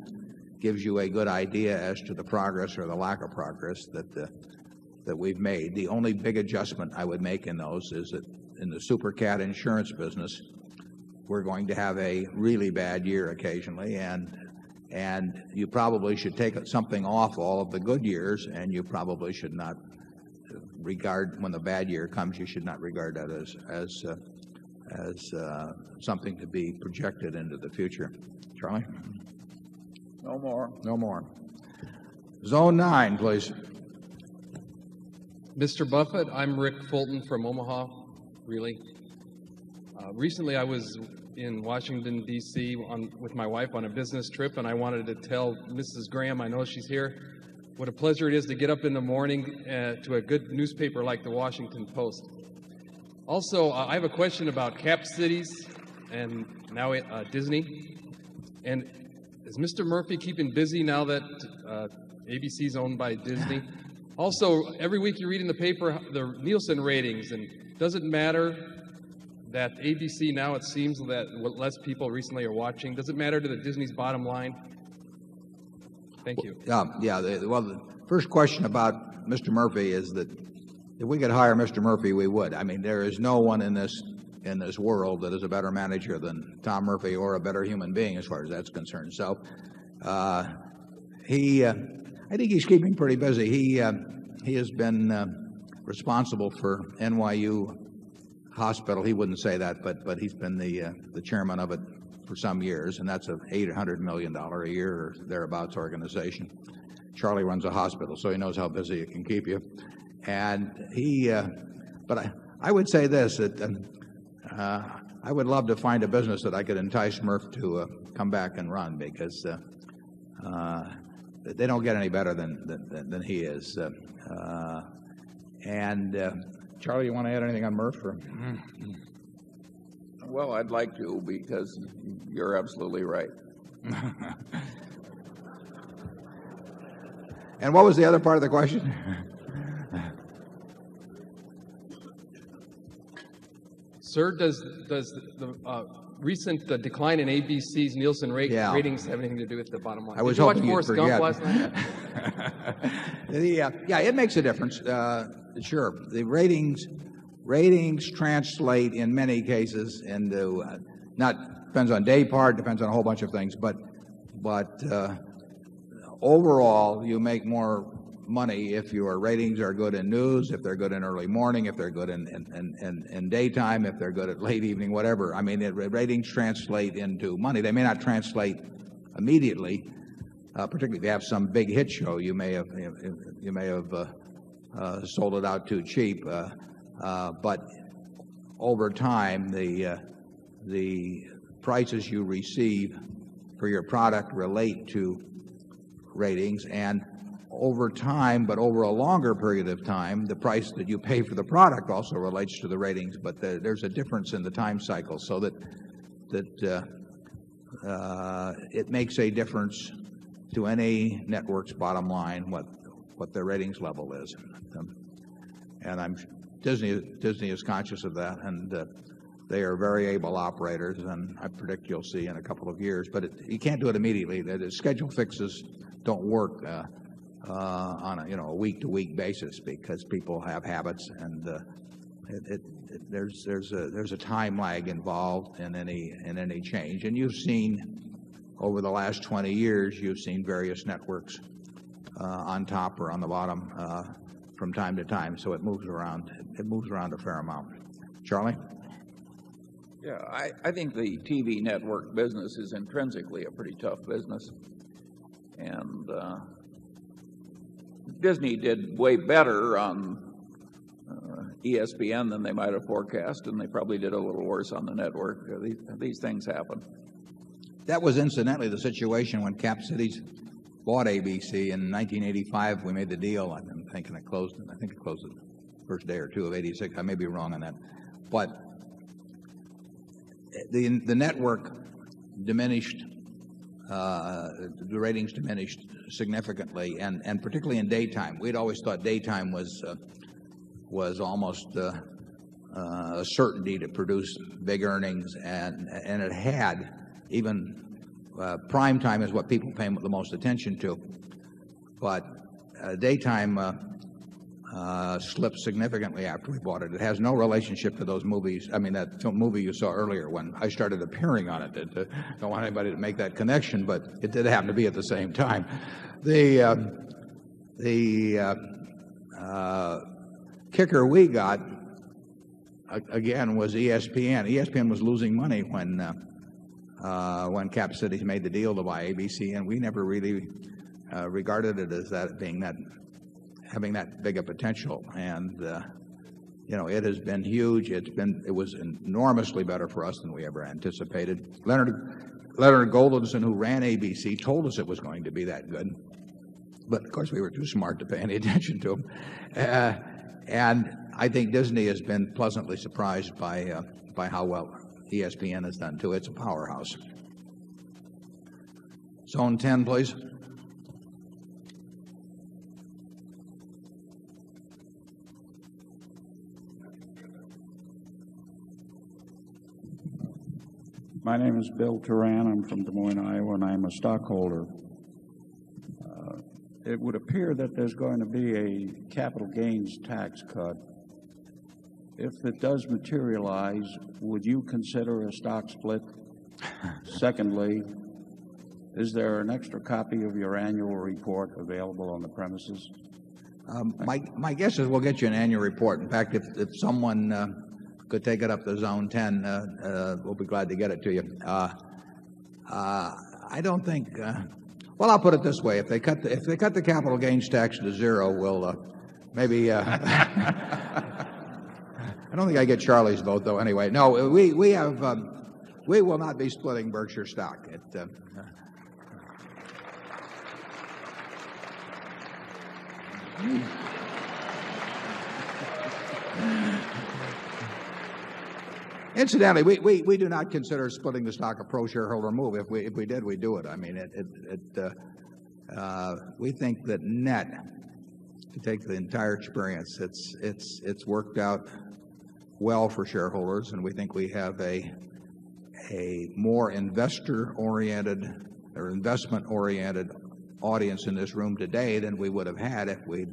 gives you a good idea as to the progress or the lack of progress that we've made. The only big adjustment I would make in those is that in the super cat insurance business, we're going to have a really bad year occasionally, And you probably should take something off all of the good years and you probably should not regard when the bad year comes, you should not regard that as something to be projected into the future. Charlie? No more. No more. Zone 9, please. Mr. Buffet, I'm Rick Fulton from Omaha, really. Recently, I was in Washington, D. C. With my wife on a business trip, and I wanted to tell Mrs. Graham, I know she's here, what a pleasure it is to get up in the morning to a good newspaper like the Washington Post. Also, I have a question about cap cities and now Disney. And is Mr. Murphy keeping busy now that ABC is owned by Disney? Also, every week you read in the paper the Nielsen ratings and does it matter that ABC now it seems that less people recently are watching? Does it matter to Disney's bottom line? Thank you. Yes. Well, first question about Mr. Murphy is that if we could hire Mr. Murphy, we would. I mean, there is no one in this world that is a better manager than Tom Murphy or a better human being as far as that's concerned. So I think he's keeping me pretty busy. He has been responsible for NYU Hospital. He wouldn't say that, but he's been the chairman of it for some years and that's an $800,000,000 a year or thereabouts organization. Charlie runs a hospital, so he knows how busy he can keep you. And he, but I would say this, that I would love to find a business that I could entice Murph to come back and run because they don't get any better than he is. And Charlie, you want to add anything on Murph? Well, I'd like to because you're absolutely right. And what was the other part of the question? Sir, does the recent decline in ABC's Nielsen ratings have anything to do with the bottom line? I was hoping for that. Yes. It makes a difference. Sure. The ratings translate in many cases into not depends on daypart, depends on a whole bunch of things, but overall, you make more money if your ratings are good in news, if they're good in early morning, if they're good in daytime, if they're good at late evening, whatever. I mean, ratings translate into money. They may not translate immediately, particularly if they have some big hit show. You may have sold it out too cheap. But over time, the prices you receive for your product relate to ratings. And over time, but over a longer period of time, the price that you pay for the product also relates to the ratings, but there's a difference in the time cycle so that it makes a difference to any network's bottom line what their ratings level is. And Disney is conscious of that and they are very able operators and I predict you'll see in a couple of years. But you can't do it immediately. The schedule fixes don't work on a week to week basis because people have habits and there's a time lag involved in any change. And you've seen, over the last 20 years, you've seen various networks on top or on the bottom from time to time. So it moves around a fair amount. Charlie? Yes. I think the TV network business is intrinsically a pretty tough business. And Disney did way better on ESPN than they might have forecasted and they probably did a worse on the network. These things happen. That was incidentally the situation when Cap Cities bought ABC in 1985. We made the deal and I'm thinking I closed it. I think I closed it 1st day or 2 of 'eighty six. I may be wrong on that. But the network diminished, the ratings diminished significantly and particularly in daytime. We'd always thought daytime was almost a certainty to produce big earnings and it had even prime time is what people pay the most attention to. But daytime slipped significantly after we bought it. It has no relationship to those movies I mean, that movie you saw earlier when I started appearing on it. I don't want anybody to make that connection, but it did happen to be at the same time. The kicker we got, again, was ESPN. ESPN was losing money when Cap Cities made the deal to buy ABC and we never really regarded it as that being that having that big a potential. And it has been huge. It's been it was enormously better for us than we ever anticipated. Leonard Goldblumsen, who ran ABC, told us it was going to be that good. But, of course, we were too smart to pay any attention to him. And I think Disney has been pleasantly surprised by how well ESPN has done, too. It's a powerhouse. Zone 10, please. My name is Bill Turan. I'm It would appear that there's going to be a capital gains tax cut. If it does materialize, would you consider a stock split? Secondly, is there an extra copy of your annual report available on the premises? C. Butler:] My guess is we'll get you an annual report. In fact, if someone could take it up to Zone 10, we'll be glad to get it to you. I don't think well, I'll put it this way. If they cut the capital gains tax to 0, we'll maybe I don't think I get Charlie's vote, though. Anyway, no, we will not be splitting Berkshire stock. Incidentally, we do not consider splitting the stock a pro shareholder move. If we did, we'd do it. I mean, we think that net, to take the entire experience, it's worked out well for shareholders and we think we have a more investor oriented or investment oriented audience in this room today than we would have had if we'd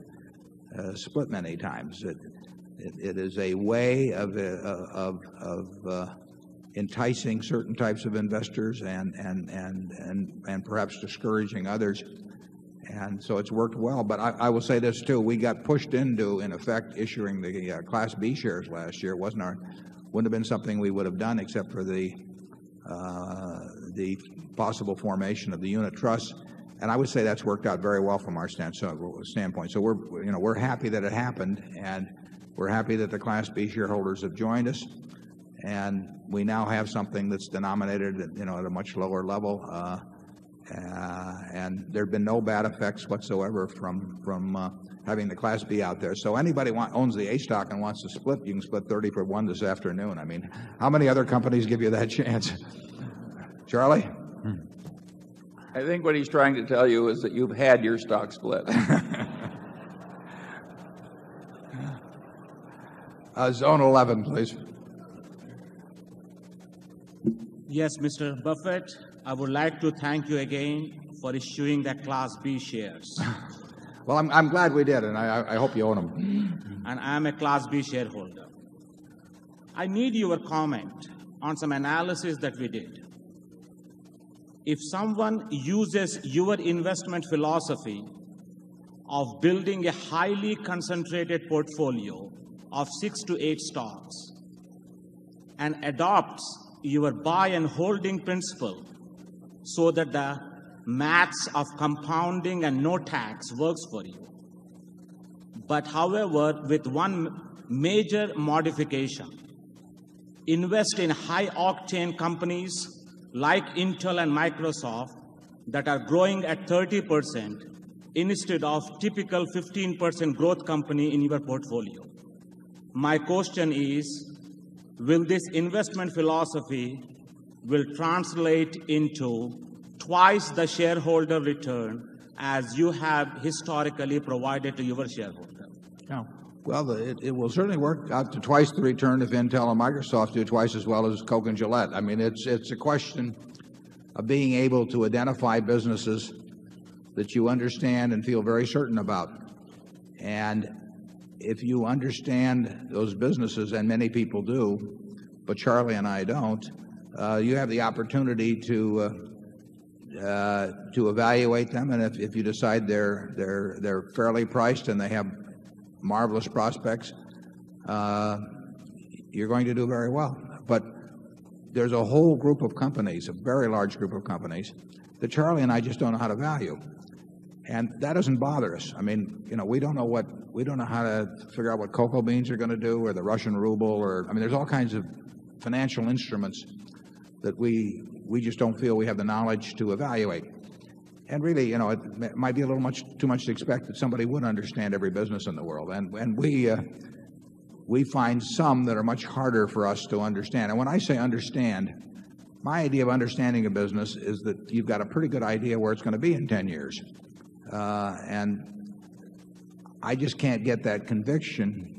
split many times. It is a way of enticing certain types of investors and perhaps discouraging others. And so it's worked well. But I will say this, too. We got pushed into, in effect, issuing the Class B shares last year. It wouldn't have been something we would have done except for the possible formation of the unit trust. And I would say that's worked out very well from our standpoint. So we're happy that it happened and we're happy that the Class B shareholders have joined us. And we now have something that's denominated at a much lower level. And there have been no bad effects whatsoever from having the Class B out there. So anybody who owns the H stock and wants to split, you can split 30 for 1 this afternoon. I mean, how many other companies give you that chance? Charlie? Charlie Carter:] I think what he's trying to tell you is that you've had your stock split. Zone 11, please. Yes, Mr. Buffet, I would like to thank you again for issuing the Class B shares. Well, I'm glad we did and I hope you own them. And I'm a Class B shareholder. I need your comment on some analysis that we did. If someone uses your investment philosophy of building a highly concentrated portfolio of 6 to 8 stocks and adopts your buy and holding principle so that the maths of compounding and no tax works for you. But however with one major modification, invest in high octane companies like Intel and Microsoft that are growing at 30% instead of typical 15% growth company in your portfolio. My question is, will this investment philosophy will translate into twice the shareholder return as you have historically provided to your shareholders? Well, it will certainly work out to twice the return if Intel and Microsoft do twice as well as Coke and Gillette. I mean, it's a question of being able to identify businesses that you understand and feel very certain about. And if you understand those businesses, and many people do, but Charlie and I don't, you have the opportunity to evaluate them. And if you decide they're fairly priced and they have marvelous prospects, you're going to do very well. But there's a whole group of companies, a very large group of companies Charlie and I just don't know how to value and that doesn't bother us. I mean, we don't know how to figure out what cocoa beans are going to do or the Russian ruble or I mean there's all kinds of financial instruments that we just don't feel we have the knowledge to evaluate. And really, it might be a little much much to expect that somebody wouldn't understand every business in the world. And we find some that are much harder for us to understand. And when I say understand, my idea of understanding a business is that you've got a pretty good idea where it's going to be in 10 years. And I just can't get that conviction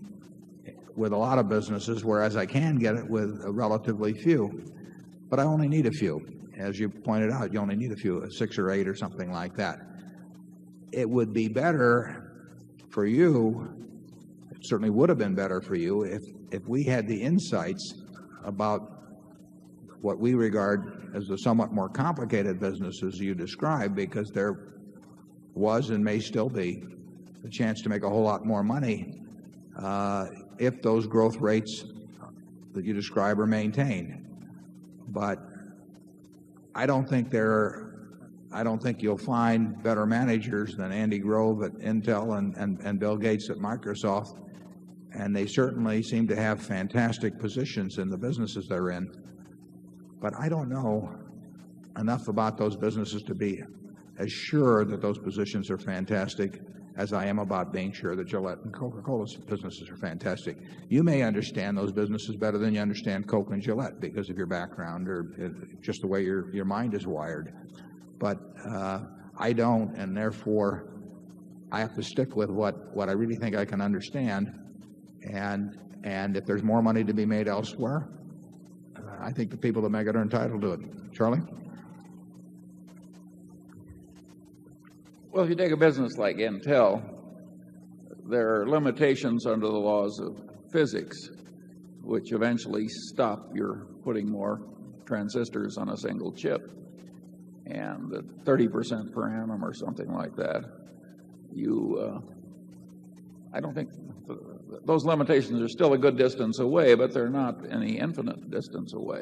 with a lot of businesses whereas I can get it with relatively few. But I only need a few. As you pointed out, you only need a few, 6 or 8 or something like that. It would be better for you, certainly would have been better for you, if we had the insights about what we regard as a somewhat more complicated business as you described because there was and may still be a chance to make a whole lot more money if those growth rates that you described are maintained. But I don't think there are are I don't think you'll find better managers than Andy Grove at Intel and Bill Gates at Microsoft. And they certainly seem to have fantastic positions in the businesses they're in. But I don't know enough about those businesses to be as sure that those positions are fantastic as I am about being sure that Gillette and Coca Cola's businesses are fantastic. You may understand those businesses better than you understand Coke and Gillette because of your background or just the way your mind is wired. But I don't, and therefore, I have to stick with what I really think I can understand. And if there's more money to be made elsewhere, I think the people that make it are entitled to it. Charlie? Well, if you take a business like Intel, there are limitations under the laws of physics, which eventually stop your putting more transistors on a single chip and 30% per annum or something like that. You, I don't think those limitations are still a good distance away, but they're not any infinite distance away.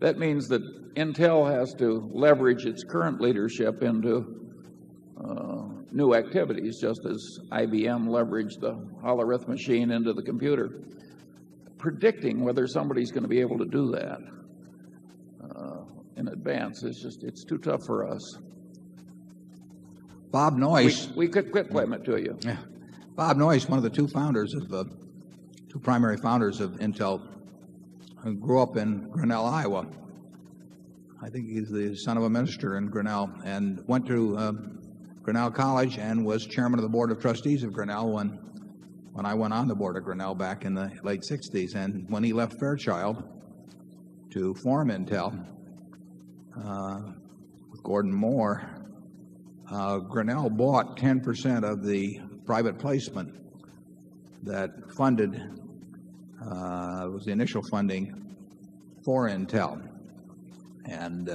That means that Intel has to leverage its current leadership into, new activities just as IBM leveraged the Hala Rith machine into the computer, predicting whether somebody is going to be able to do that, in advance is just, it's too tough for us. Bob Noyce. We could give appointment to you. Bob Noyce, one of the 2 founders of the 2 primary founders of Intel, grew up in Grinnell, Iowa. I think he's the son of a minister in Grinnell and went to Grinnell College and was Chairman of the Board of Trustees of Grinnell when I went on the Board of Grinnell back in the late '60s. And when he left Fairchild to form Intel, Gordon Moore, Grinnell bought 10% of the private placement that funded, was the initial funding for Intel. And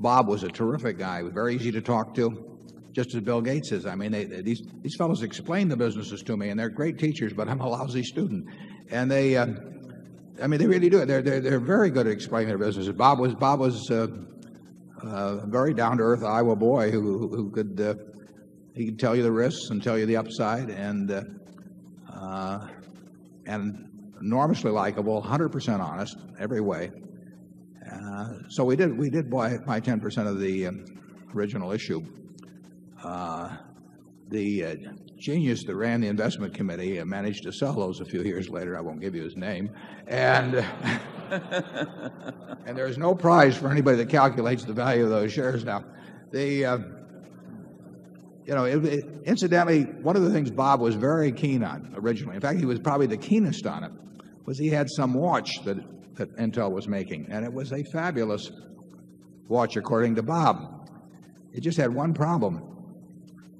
Bob was a terrific guy, very easy to talk to just as Bill Gates is. I mean, these fellows explain the businesses to me and they're great teachers but I'm a lousy student. And they, I mean, they really do it. They're very good at explaining their businesses. Bob was a very down to earth Iowa boy who could he could tell you the risks and tell you the upside and enormously likable, 100% honest every way. So we did buy 10% of the original issue. The genius that ran the investment committee managed to sell those a few years later. I won't give you his name. And there is no prize for anybody that calculates the value of those shares. Incidentally, one of the things Bob was very keen on originally, in fact, he was probably the keenest on it, was he had some watch that that Intel was making and it was a fabulous watch according to Bob. It just had one problem.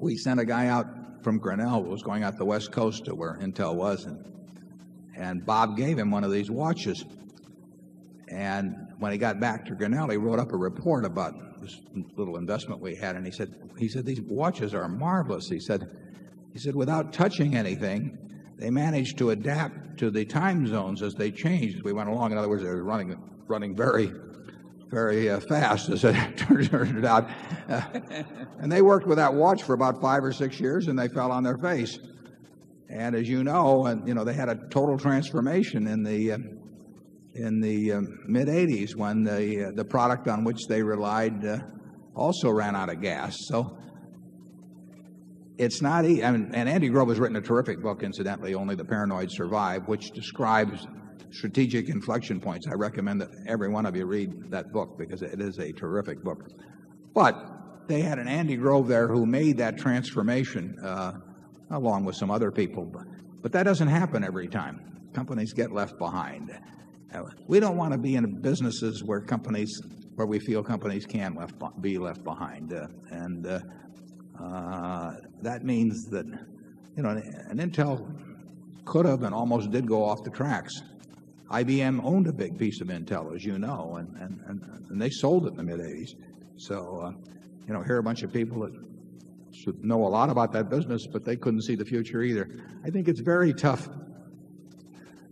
We sent a guy out from Grinnell who was going out the West Coast to where Intel was and Bob gave him one of these watches. And when he got back to Granada, he wrote up a report about this little investment we had and he said, These watches are marvelous. He said, Without touching anything, they managed to adapt to the time zones as they changed as we went along. In other words, they were running very, very fast as I turned it out. And they worked with that watch for about 5 or 6 years and they fell on their face. And as you know, they had a total transformation in the mid-80s when the product on which they relied also ran out of gas. So it's not and Andy Grove has written a terrific book, incidentally, Only the Paranoid Survive, which describes strategic inflection points. I recommend that every one of you read that book because it is a terrific book. But they had an Andy Grove there who made that transformation along with some other people. But that doesn't happen every time. Companies get left behind. We don't want to be in businesses where companies we feel companies can be left behind. And that means that an Intel could have and almost did go off the tracks. IBM owned a big piece of Intel, as you know, and they sold it in the mid-80s. So here are a bunch of people that should know a lot about that business, but they couldn't see the future either. I think it's very tough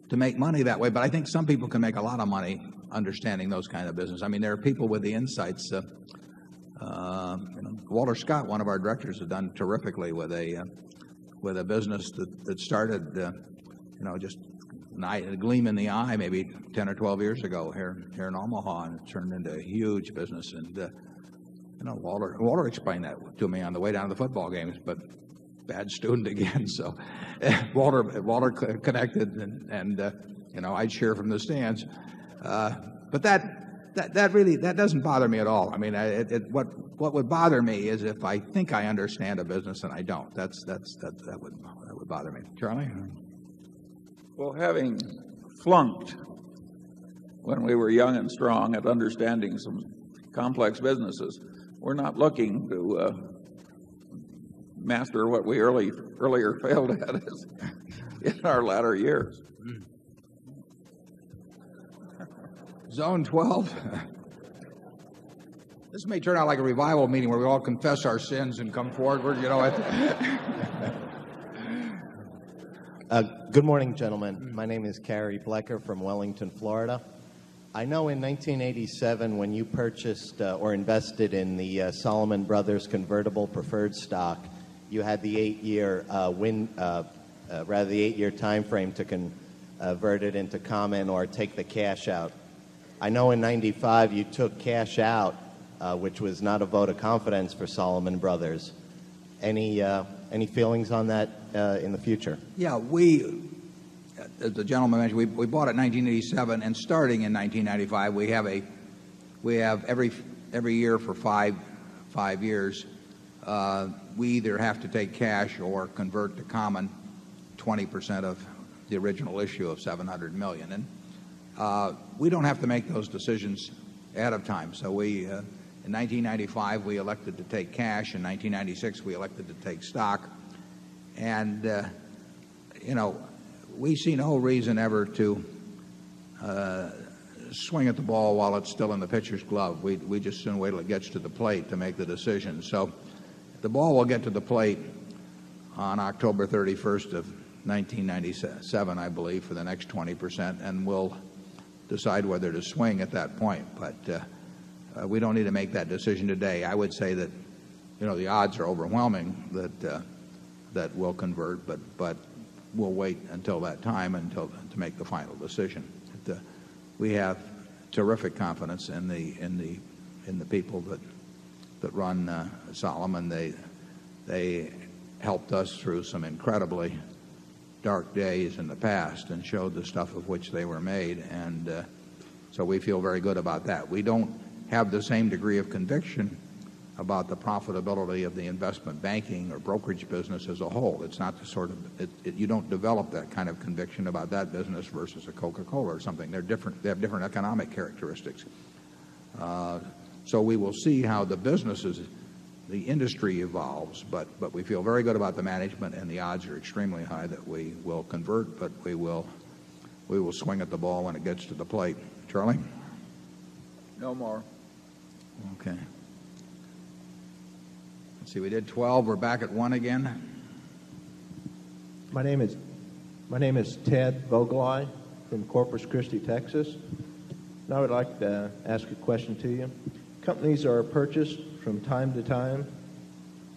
to make money that way, but I think some people can make a lot of money understanding those kind of business. I mean, there are people with the insights. Walter Scott, one of our directors, has done terrifically with a business that started just a gleam in the eye maybe 10 or 12 years ago here in Omaha and turned into a huge business. And Walter explained that to me on the way down to football games, but bad student again. So Walter connected and I'd share from the stands. But that doesn't bother me at all. I mean, what would bother me is if I think I understand a business and I don't. That would bother me. Charles Ferrante:] Well, having flunked when we were young and strong at understanding some complex businesses, We're not looking to master what we earlier failed at in our latter years. Zone 12. This may turn out like a revival meeting where we all confess our sins and come forward. Good morning, gentlemen. My name is Cary Blecker from Wellington, Florida. I know in 1987 when you purchased or invested in the Solomon Brothers convertible preferred stock, you had the 8 year win rather, the 8 year time frame to convert it into common or take the cash out. I know in 'ninety five, you took cash out, which was not a vote of confidence for Salomon Brothers. Any feelings on that in the future? Yes. We as the gentleman mentioned, we bought it 1987. And starting in 1995, we have every year for 5 years, we either have to take cash or convert to common 20% of the original issue of $700,000,000 And we don't have to make those decisions out of time. So we in 1995, we elected to take cash. In 1996, we elected to take stock. And, you know, we see no reason ever to, swing at the ball while it's still in the pitcher's glove. We just soon wait until it gets to the plate to make the decision. So the ball will get to the plate on October 31st 1997, I believe, for the next 20%. And we'll decide whether to swing at that point. But we don't need to make that decision today. I would say that the odds are overwhelming that we'll convert. But we'll wait until that time until to make the final decision. We have terrific confidence in the people that run Solom, and they helped us through some incredibly dark days in the past and showed the stuff of which they were made. And so we feel very good about that. We don't have the same degree of conviction about the profitability of the investment banking or brokerage business as a whole. It's not the sort of it it you don't develop that kind of conviction about that business versus a Coca Cola or something. They're different they have different economic characteristics. So we will see how the businesses the industry evolves. But we feel very good about the management, and the odds are extremely high that we will convert. But we will swing at the ball when it gets to the plate. Charlie? No more. Okay. Let's see. We did 12. We're back at 1 again. My name is my name is ted Vogelai from Corpus Christi, Texas. I would like to ask a question to you. Companies are purchased from time to time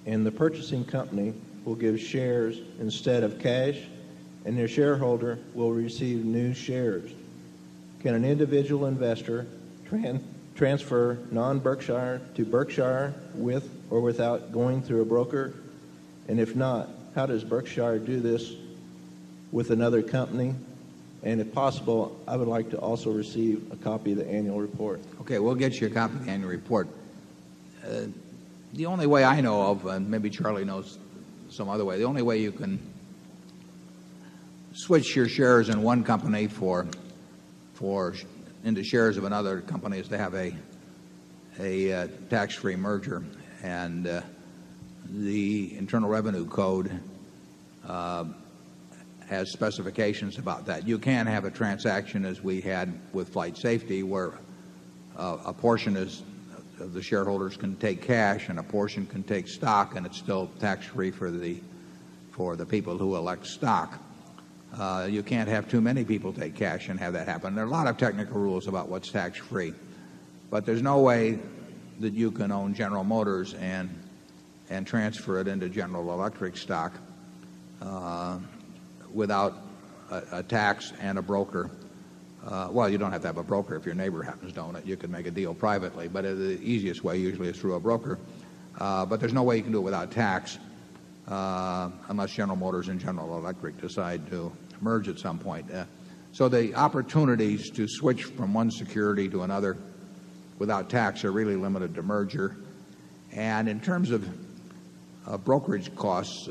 and the purchasing company will give shares instead of cash and their shareholder will receive new shares. Can an individual investor transfer non Berkshire to Berkshire with or without going through a broker? And if not, how does Berkshire do this with another company? And if possible, I would like to also receive a copy of the annual report. We'll get you a copy of the annual report. The only way I know of, and maybe Charlie knows some other way, the only way you can switch your shares in one company for into shares of another company is to have a tax free merger. And the Internal Revenue Code has specifications about that. You can have a transaction as we had with FlightSafety, where a portion is the shareholders can take cash and a portion can take stock, and it's still tax free for the for the people who elect stock. You can't have too many people take cash and have that happen. There are a lot of technical rules about what's tax free, but there's no way that you can own General Motors and transfer it into General Electric stock without a tax and a broker. Well, you don't have to have a broker. If your neighbor happens to own it, you can make a deal privately. But the easiest way usually is through a broker. But there's no way you can do it without tax, unless General Motors and General Electric decide to merge at some point. So the opportunities to switch from one security to another without tax are really limited to merger. And in terms of brokerage costs,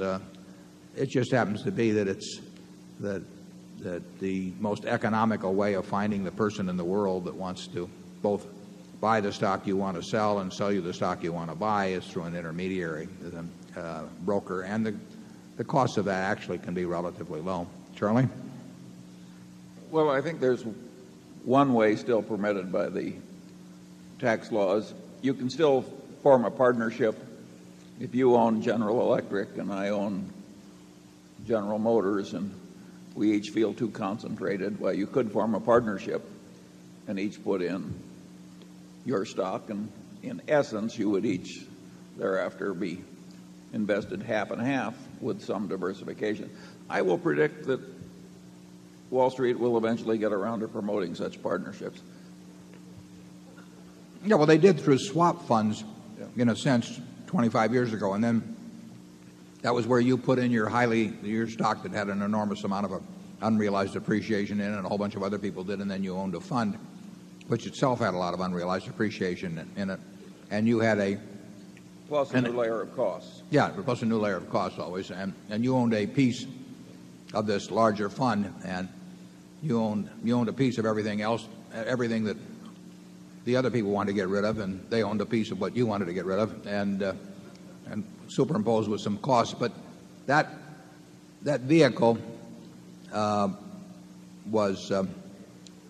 it just happens to be that it's that the most economical way of finding the person in the world that wants to both buy the stock you want to sell and sell you the stock you want to buy is through an intermediary, a broker. And the cost of that actually can be relatively low. Charlie? Well, I think there's one way still permitted by the tax laws. You can still form a partnership if you own General Electric and I own General Motors and we each feel too concentrated, well, you could form a partnership and each put in your stock. And in essence, you would each thereafter be invested half and half with some diversification. I will predict that Wall Street will eventually get around to promoting such partnerships. Yes. Well, they did through swap funds in a sense 25 years ago. And then that was where you put in your highly your stock that had an enormous amount of unrealized appreciation in it and a whole bunch of other people did and then you owned a fund, which itself had a lot of unrealized appreciation in it. And you had a Plus a new layer of cost. Yes, plus a new layer of cost always. And you owned a piece of this larger fund and you owned a piece of everything else, everything that the other people want to get rid of and they owned a piece of what you wanted to get rid of and superimposed with some costs. But that that vehicle was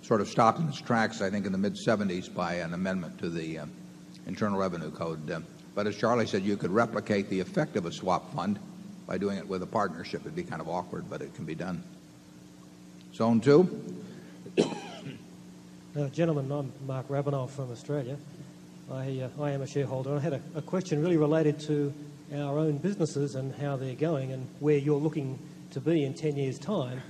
sort of stopped in its tracks, I think, in the mid-70s by an amendment to the internal revenue code. But as Charlie said, you could replicate the effect of a swap fund by doing it with a partnership. It would be kind of awkward, but it can be done. Zone 2? Gentlemen, I'm Mark Rabenow from Australia. I am a shareholder. I had a question really related to our own businesses and how they're going and where you're looking to be in 10 years' time.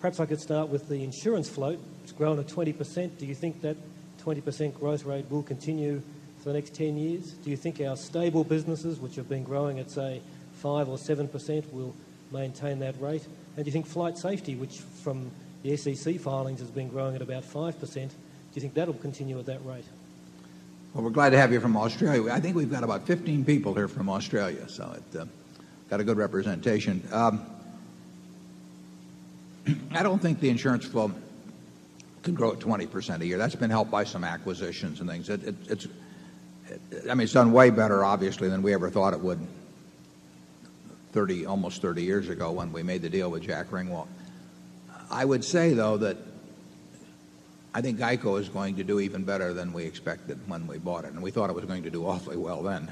Perhaps I could start with the insurance float, it's grown at 20%. Do you think that 20% growth rate will continue for the next 10 years? Do you our stable businesses which have been growing at say 5% or 7% will maintain that rate? And do you think flight safety from the SEC filings has been growing at about 5%, do you think that will continue at that rate? Well, we're glad to have you from Australia. I think we've got about 15 people here from Australia. So it got a good representation. I don't think the insurance flow could grow at 20% a year. That's been helped by some acquisitions and things. I mean, it's done way better obviously than we ever thought it would almost 30 years ago when we made the deal with Jack Ringwald. I would say though that I think GEICO is going to do even better than we expected when we bought it. And we thought it was going to do awfully well then.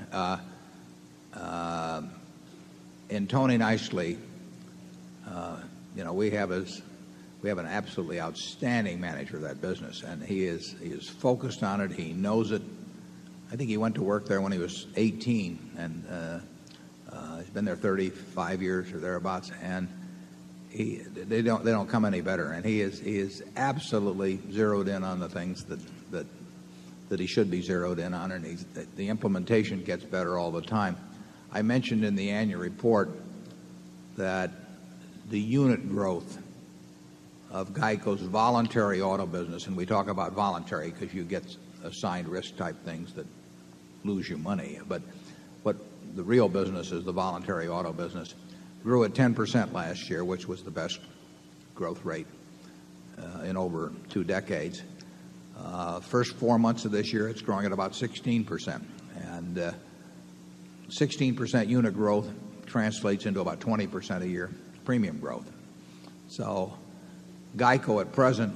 And Tony Nicely, we have an absolutely outstanding manager of that business, and he is focused on it. He knows it. I think he went to work there when he was 18, and he's been there 35 years or thereabouts. And they don't come any better. And he is absolutely zeroed in on the things that he should be zeroed in on. And the implementation gets better all the time. I mentioned in the annual report that the unit growth of GEICO's voluntary auto business, and we talk about voluntary because you get assigned risk type things that lose you money. But the real business is the voluntary auto business grew at 10% last year, which was the best growth rate in over 2 decades. 1st 4 months of this year, it's growing at about 16%. And 16% unit growth translates into about 20% a year premium growth. So GEICO, at present,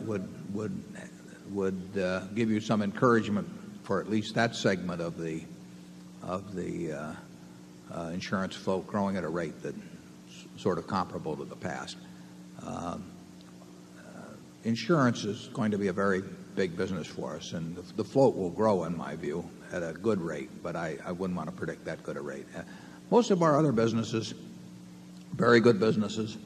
would give you some encouragement for at least that segment of the insurance flow growing at a rate that's sort of comparable to the past. Insurance is going to be a very big business for us. And the float will grow, in my view, at a good rate, but I wouldn't want to predict that good a rate. Most of our other businesses, very good businesses,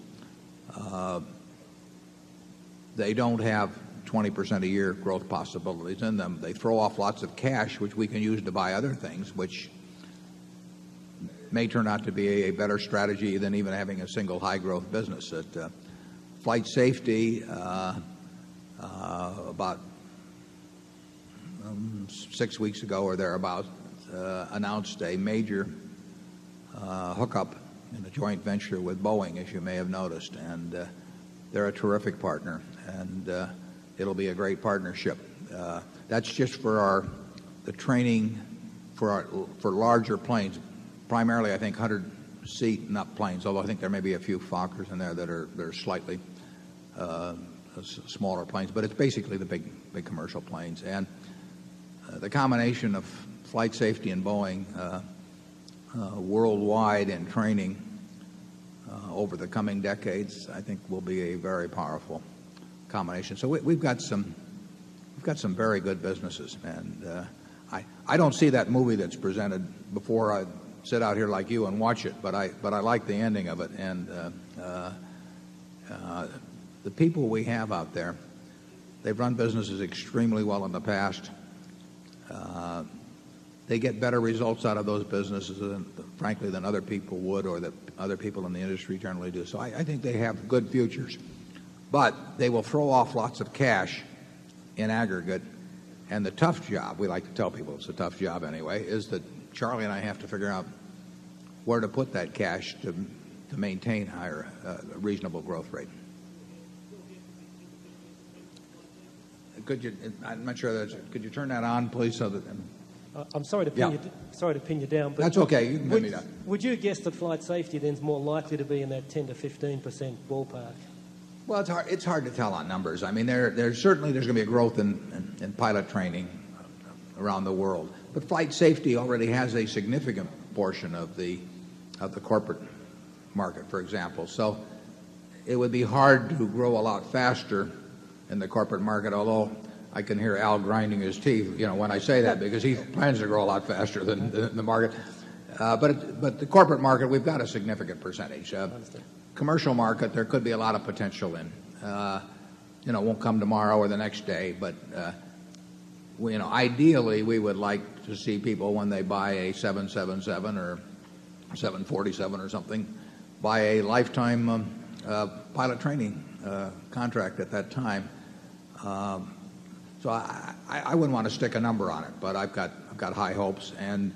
they don't have 20% a year growth possibilities in them. They throw off lots of cash, which we can use to buy other things, which may turn out to be a better strategy than even having a single high growth business. At flight safety, about 6 weeks ago or thereabouts, announced a major hookup in the joint venture with Boeing, as you may have noticed. And they're a terrific partner. And it'll be a great partnership. That's just for our the training for larger planes, primarily, I think, 100 seat not planes, although I think there may be a few Fockers in there that are slightly smaller planes. But it's basically the big commercial planes. And the combination of FlightSafety and Boeing worldwide in training over the coming decades, I will be a very powerful combination. So we've got some very good businesses. And I don't see that movie that's presented before I sit out here like you and watch it, but I like the ending of it. And the people we have out there, they've run businesses extremely well in the past. They get better results out of those businesses, frankly, than other people would or that other people in the industry generally do. So I think they have good futures. But they will throw off lots of cash in aggregate. And the tough job, we like to tell people it's a tough job anyway, is that Charlie and I have to figure out where to put that cash to maintain higher reasonable growth rate. Could you I'm not sure that's could you turn that on, please? I'm sorry to pin you down. That's okay. You can put me down. Would you guess that FlightSafety then is more likely to be in that 10% to 15% ballpark? Well, it's hard to tell on numbers. I mean, there's certainly there's going to be a growth in pilot training around the world. But flight safety already has a significant portion of the corporate market, for example. So it would be hard to grow a lot faster in the corporate market, although I can hear Al grinding his teeth when I say that because he plans to grow a lot faster than the market. But the corporate market, we've got a significant percentage. Commercial market, there could be a lot of potential in. It won't come tomorrow or the next day. But ideally, we would like to see people when they buy a 777 or 747 or something, buy a lifetime pilot training contract at that time. So I wouldn't want to stick a number on it, but I've got high hopes. And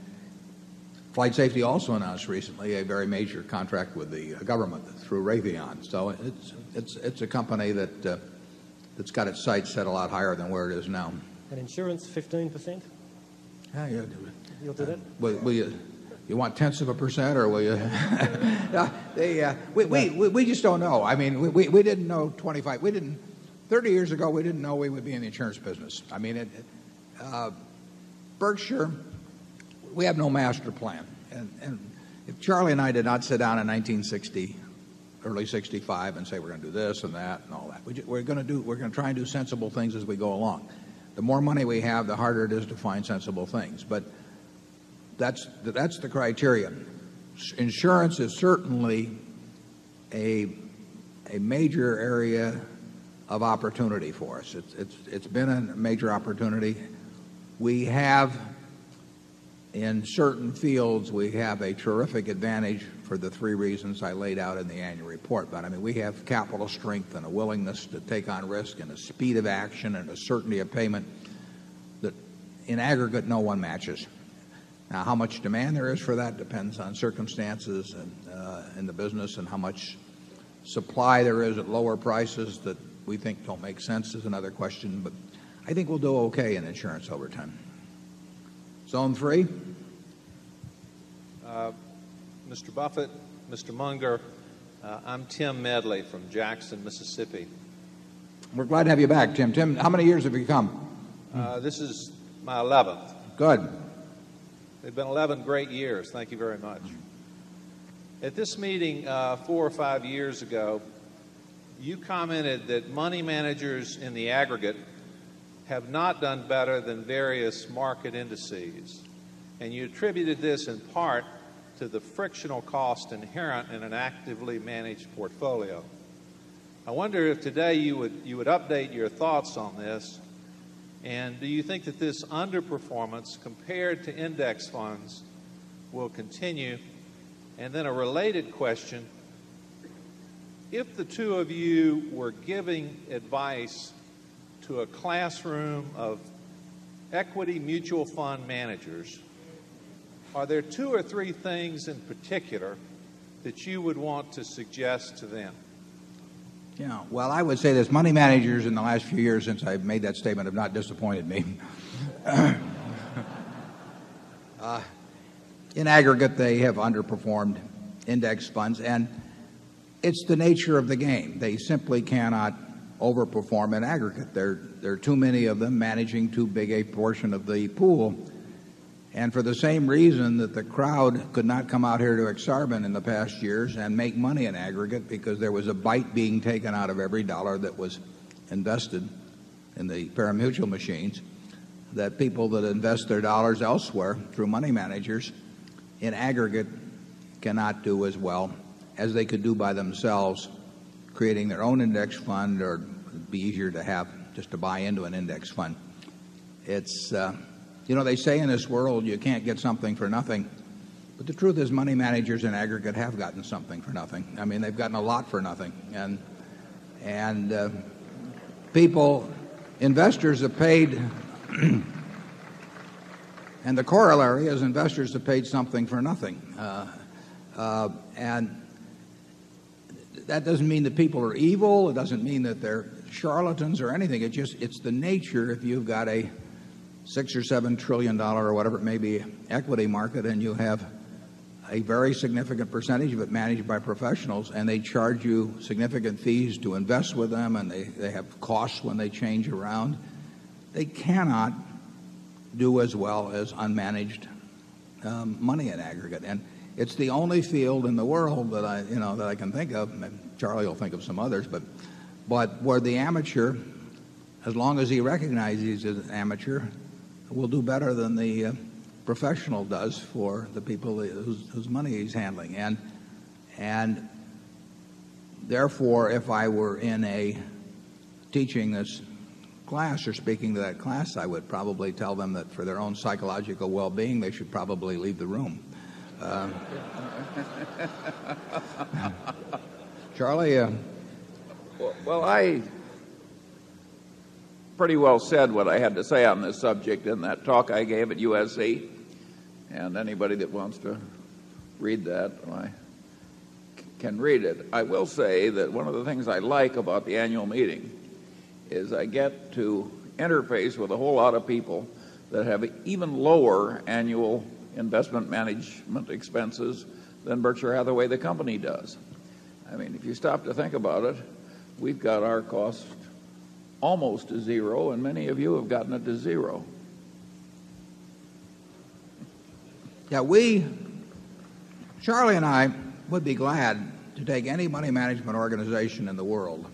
FlightSafety also announced recently a very major contract with the government through Raytheon. So it's a company that that's got its sights set a lot higher than where it is now. And insurance, 15%? Yes. I'll do that. You'll do that? You want 10ths of a percent or will you? Yes. We just don't know. I mean, we didn't know 25. We didn't 30 years ago, we didn't know we would be in the insurance business. I mean, Berkshire, we have no master plan. And Charlie and I did not sit down in 1960, early 'sixty 5 and say we're going to do this and that and all that. We're going to do we're going to try and do sensible things as we go along. The more money we have, the harder it is to find sensible things. But that's the criteria. Insurance is certainly a major area of opportunity for us. It's been a major opportunity. We have in certain fields, we have a terrific advantage for the three reasons I laid out in the annual report. But I mean, we have capital strength and a willingness to take on risk and a speed of action and a certainty of payment that, in aggregate, no one matches. Now how much demand there is for that depends on circumstances in the business and how much supply there is at lower prices that we think don't make sense is another question. But I think we'll do okay in insurance over time. Zone 3? Mr. Buffet, Mr. Munger, I'm Tim Medley from Jackson, Mississippi. We're glad to have you back, Tim. Tim, how many years have you come? This is my 11th. Good. It's been 11 great years. Thank you very much. At this meeting, 4 or 5 years ago, you commented that money managers in the aggregate have not done better than various market indices, and you attributed this in part to the frictional cost inherent in an actively managed portfolio. I wonder if today you would update your thoughts on this. And do you think that this underperformance compared to index funds will continue? And then a related question, if the 2 of you were giving advice to a classroom of equity mutual fund managers, are there 2 or 3 things in particular that you would want to suggest to them? Yes. Well, I would say this, money managers in the last few years since I've made that statement have not disappointed me. In aggregate, they have underperformed index funds. And it's the nature of the game. They simply cannot overperform in aggregate. There there are too many of them managing too big a portion of the pool. And for the same reason that the crowd could not come out here to exorbitant in the past years and make money in aggregate because there was a bite being taken out of every dollar that was invested in the parimutial machines, that people that invest their dollars elsewhere through money managers, in aggregate, cannot do as well as they could do by themselves, creating their own index fund or be easier to have just to buy into an index fund. It's they say in this world, you can't get something for nothing. But the truth is money managers in aggregate have gotten something for nothing. I mean, they've gotten a lot for nothing. And people investors have paid and the corollary is investors have paid something for nothing. And that doesn't mean that people are evil. It doesn't mean that they're charlatans or anything. It's just it's the nature. If you've got a $6,000,000,000,000 or $7,000,000,000,000 or whatever it may be, equity market and you have a very significant percentage of it managed by professionals and they charge you significant fees to invest with them and they have costs when they change around, they cannot do as well as unmanaged money in aggregate. And it's the only field in the world that I can think of. Charlie will think of some others. But where the amateur, as long as he recognizes he's an amateur, will do better than the professional does for the people whose money he's handling. And therefore, if I were in a teaching this class or speaking to that class, I would tell them that for their own psychological well-being, they should probably leave the room. Charlie? Well, I pretty well said what I had to say on this subject in that talk I gave at USC. And anybody that wants to read that, I can read it. I will say that one of the things I like about the Annual Meeting is I get to interface with a whole lot of people that have even lower annual investment management expenses than Berkshire Hathaway, the company, does. I mean, if you stop to think about it, we've got our cost almost to 0. And many of you have gotten it to 0. Yeah. We, Charlie and I would be glad to take any money management organization in the world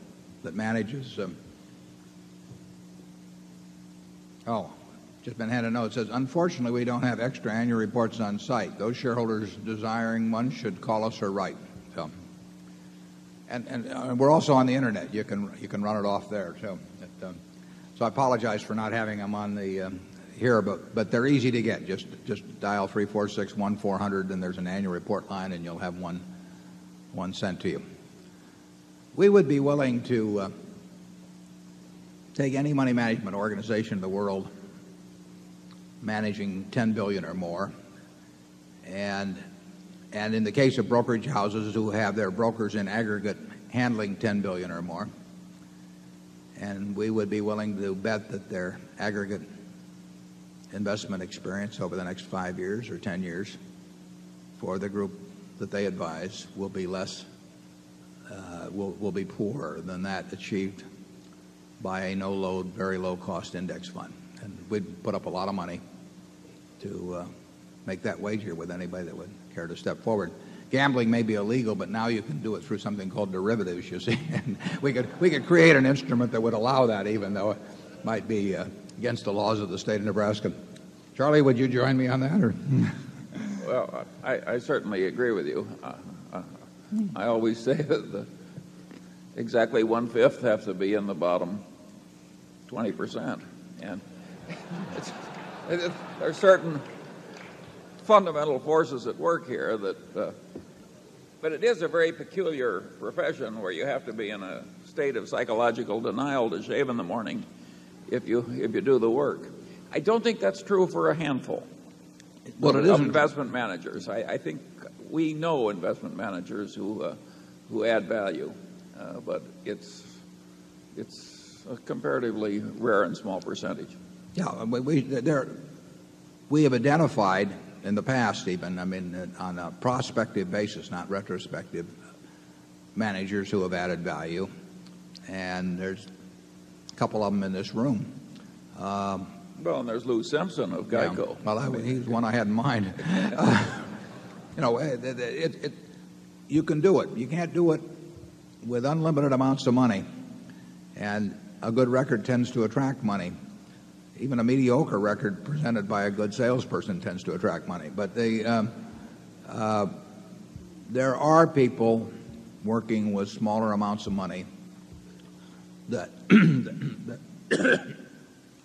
that manages oh, just been had a note. It says, unfortunately, we don't have extra annual reports on site. Those shareholders desiring 1 should call us or write. And we're also on the Internet. You can run it off there. So I apologize for not having them on the here, but they're easy to get. Just dial 346-1400 and there's an annual report line and you'll have one sent to you. We would be willing to take any money management organization in the world managing $10,000,000,000 or more. And in the case of brokerage houses who have their brokers in aggregate handling $10,000,000,000 or more, And we would be willing to bet that their aggregate investment experience over the next 5 years or 10 years for the group that they advise will be less will be poorer than that achieved by a no load, very low cost index fund. And we'd put up a lot of money to make that wager with anybody that would care to step forward. Gambling may be illegal, but now you can do it through something called derivatives, you see. And we could we could create an instrument that would allow that even though it might be against the laws of the state of Nebraska. Charlie, would you join me on that? Or Well, I certainly agree with you. I always say that exactly 1 5th has to be in the bottom 20%. And there are certain fundamental forces at work here that, but it is a very peculiar profession where you have to be in a state of psychological denial to shave in the morning if you do the work. I don't think that's true for a handful. Investment managers. I think we know investment managers who add value. But it's a comparatively rare and small percentage. Yes. We have identified in the past, Stephen, I mean, on a prospective basis, not retrospective, managers who have added value. And there's a couple of them in this room. Well, and there's Lou Simpson of GEICO. Well, I mean, he's the one I had in mind. You know, it you can do it. You can't do it with unlimited amounts of money, and a good record tends to attract money. Even a mediocre record presented by a good salesperson tends to attract money. But they there are people working with smaller amounts of money that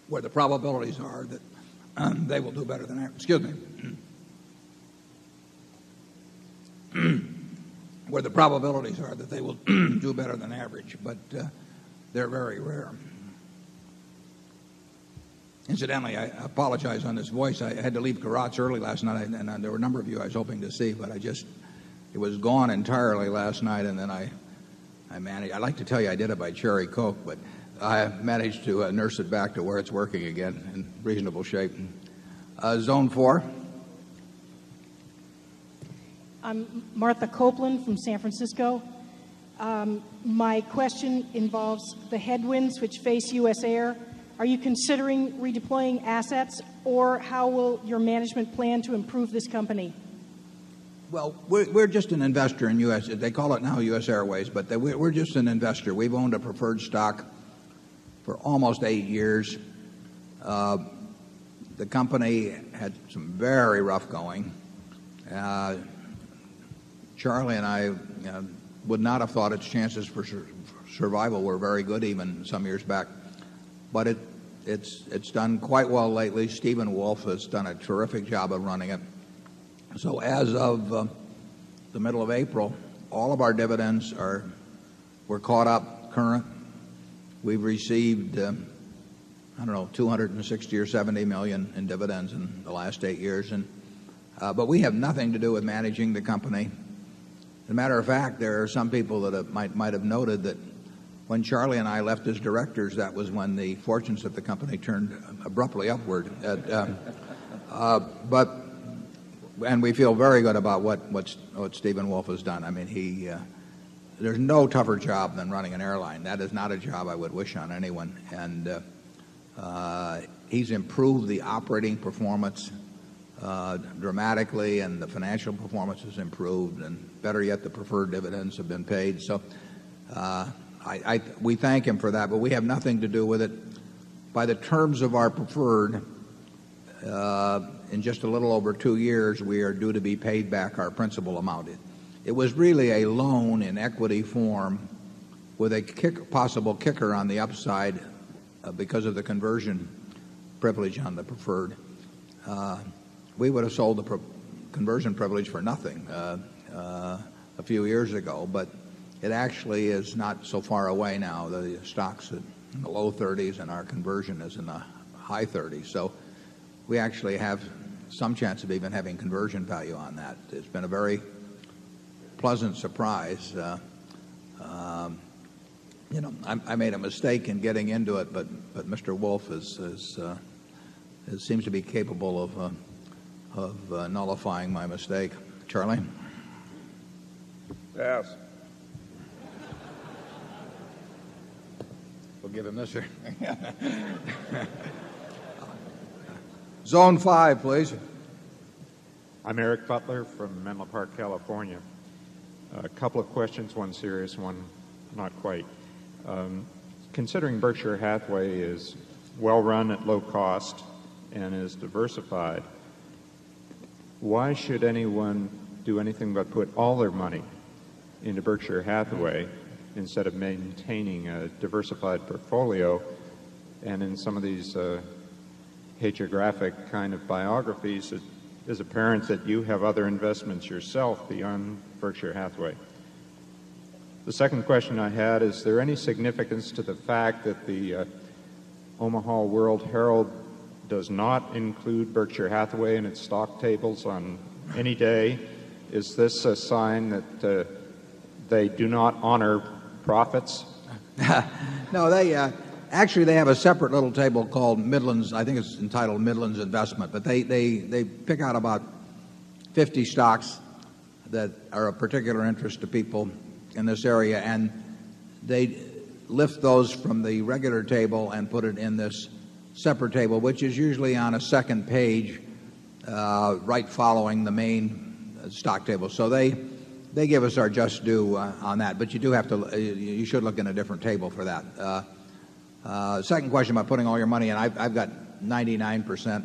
where the probabilities are that they will do better than excuse me. Where the probabilities are that they will do better than average, but they're very rare. Incidentally, I apologize on this voice. I had to leave garage early last night. And there were a number of you I was hoping to see. But I just it was gone entirely last night. And then I managed I'd like to tell you I did it by cherry Coke, but I managed to nurse it back to where it's working again in reasonable shape. Zone 4? Martha Copeland from San Francisco. The headwinds which face U. S. Air. Are you considering redeploying assets? Or how will your management plan to improve this company? Well, we're just an investor in U. S. They call it now U. S. Airways, but we're just an investor. We've owned a preferred stock for almost 8 years. The company had some very rough going. Charlie and I would not have thought its chances for survival were very good even some years back. But it's done quite well lately. Stephen Wolf has done a terrific job of running it. So as of the middle of April, all of our dividends are were caught up current. We've received, I don't know, dollars 260,000,000 or $70,000,000 in dividends in the last 8 years. But we have nothing to do with managing the company. As a matter of fact, there are some people that might have noted that when Charlie and I left as directors, that was when the fortunes of the company turned abruptly upward. But and we feel very good about what what Steven Wolf has done. I mean, he there's no tougher job than running an airline. That is not a job I would wish on anyone. And he's improved the operating performance dramatically and the financial performance has improved. And better yet, the preferred dividends have been paid. So, I we thank him for that, but we have nothing to do with it. By the terms of our preferred, in just a little over 2 years, we are due to be paid back our principal amount. It was really a loan in equity form with a possible kicker on the upside because of the conversion privilege on the preferred. We would have sold the conversion privilege for nothing a few years ago, but it actually is not so far away now. The stock's in the low 30s and our conversion is in the high 30s. So we actually have some chance of even having conversion value on that. It's been a very pleasant surprise. I made a mistake in getting into it, but Mr. Wolf is seems to be capable of of nullifying my mistake. Charlie? Yes. We'll give him this year. Zone 5, please. I'm Eric Butler from Menlo Park, California. A couple of questions, one serious one, not quite. Considering Berkshire Hathaway is well run at low cost and is diversified, Why should anyone do anything but put all their money into Berkshire Hathaway instead of maintaining a diversified portfolio? And in some of these, hat geographic kind of biographies, it is apparent that you have other investments yourself beyond Berkshire Hathaway. The second question I had is, is there any significance to the fact that the Omaha World Herald does not include Berkshire Hathaway and its stock tables on any day. Is this a sign that they do not honor profits? No. They, actually, they have a separate little table called Midlands. I think it's entitled Midlands Investment. But they pick out about 50 stocks that are of particular interest to people in this area. And they lift those from the regular table and put it in this separate table, which is usually on a second page, right following the main stock table. So they give us our just due on that. But you do have to you should look in a different table for that. Second question about putting all your money in. I've got 99%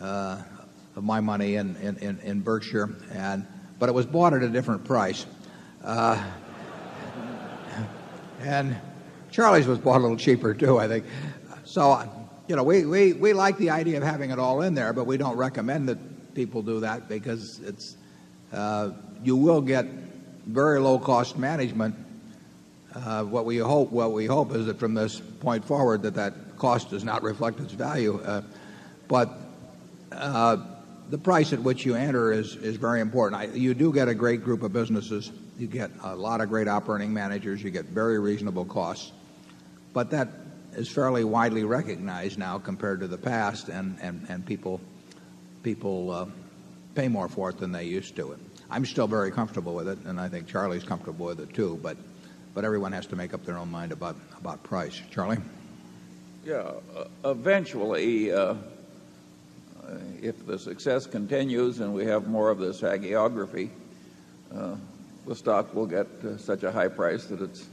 of my money in Berkshire. And but it was bought at a different price. And Charlie's was bought a little cheaper too, I think. So we like the idea of having it all in there, but we don't recommend that people do that because it's, you will get very low cost management. What we hope what we hope is that from this point forward that, that cost does not reflect its value. But the price at which you enter is very important. You do get a great group of businesses. You get a lot of great operating managers. You get very reasonable costs. But that is fairly widely recognized now compared to the past, and people pay more for it than they used to. I'm still very comfortable with it. And I think Charlie's comfortable with it, too. But everyone has to make up their own mind about price. Charlie? Yes. Eventually, if the success continues and we have more of the saggiography, the stock will get such a high price that it's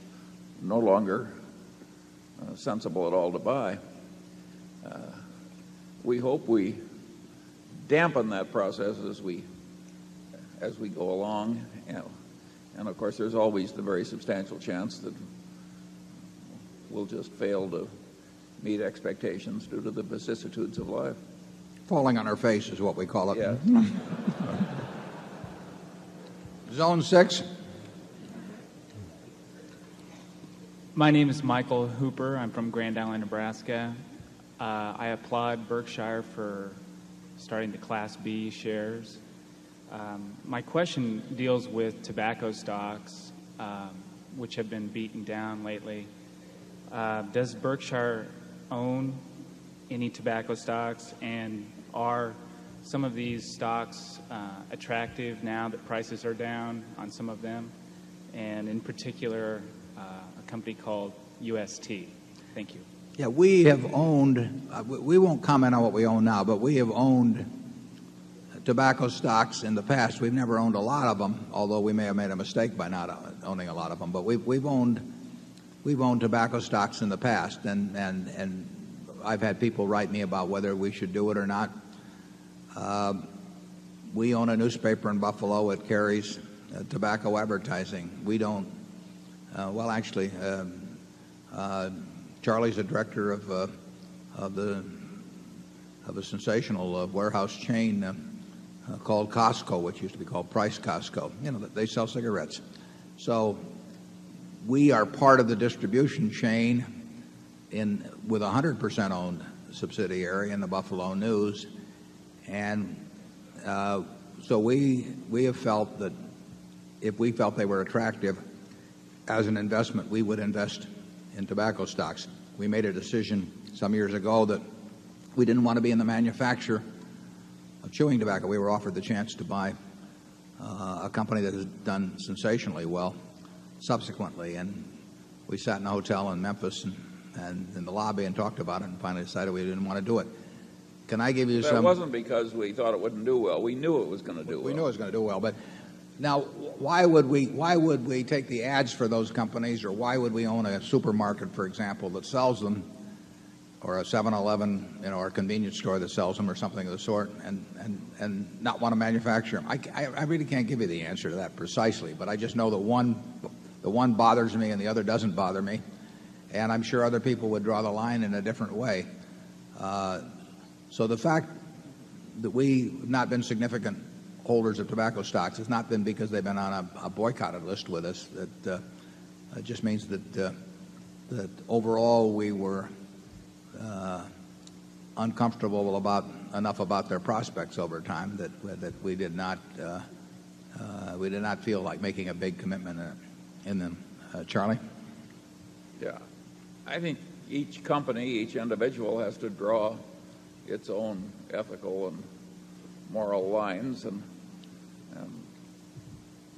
no longer sensible at all to buy. We hope we dampen that process as we go along. And of course, there's always the very substantial chance that we'll just fail to meet expectations due to the vicissitudes of life. Falling on our face is what we call it. Yes. Zone 6. My name is Michael Hooper. I'm from Grand Island, Nebraska. I applaud Berkshire for starting the Class B shares. My question deals with tobacco stocks, which have been beaten down lately. Does Berkshire own any tobacco stocks? And are some of these stocks attractive now that prices are down on some of them? And in particular, a company called UST? Yes. We have owned we won't comment on what we own now, but we have owned tobacco stocks in the past. We've never owned a lot of them, although we may have made a mistake by not owning a lot of them. But we've owned tobacco stocks in the past, and I've had people write me about whether we should do it or not. We own a newspaper in Buffalo. It carries tobacco advertising. We don't well, actually, Charlie is the director of the sensational warehouse chain called Costco, which used to be called Price Costco. They sell cigarettes. So we are part of the distribution chain in with 100% owned subsidiary in the Buffalo News. And so we have felt that if we felt they were attractive as an investment, we would invest in tobacco stocks. We made a decision some years ago that we didn't want to be in the manufacture of chewing tobacco. We were offered the chance to buy a company that has done sensationally well subsequently. And we sat in a hotel in Memphis and in the lobby and talked about it and finally decided we didn't want to do it. Can I give you some That wasn't because we thought it wouldn't do well? We knew it was going to do well. We knew it was going to do well. But now why would we take the ads for those companies? Or why would we own a supermarket, for example, that sells them or a 711 or a convenience store that sells them or something of the sort and not want to manufacture them. I really can't give you the answer to that precisely. But I just know that one bothers me and the other doesn't bother me. And I'm sure other people would draw the line in a different way. So the fact that we have not been significant holders of tobacco stocks has not been because they've been on a boycotted list with us. It just means that overall, we were uncomfortable about enough about their prospects over time that we did not feel like making a big commitment in them. Charlie? Yes. I think each company, each individual has to draw its own ethical and moral lines. And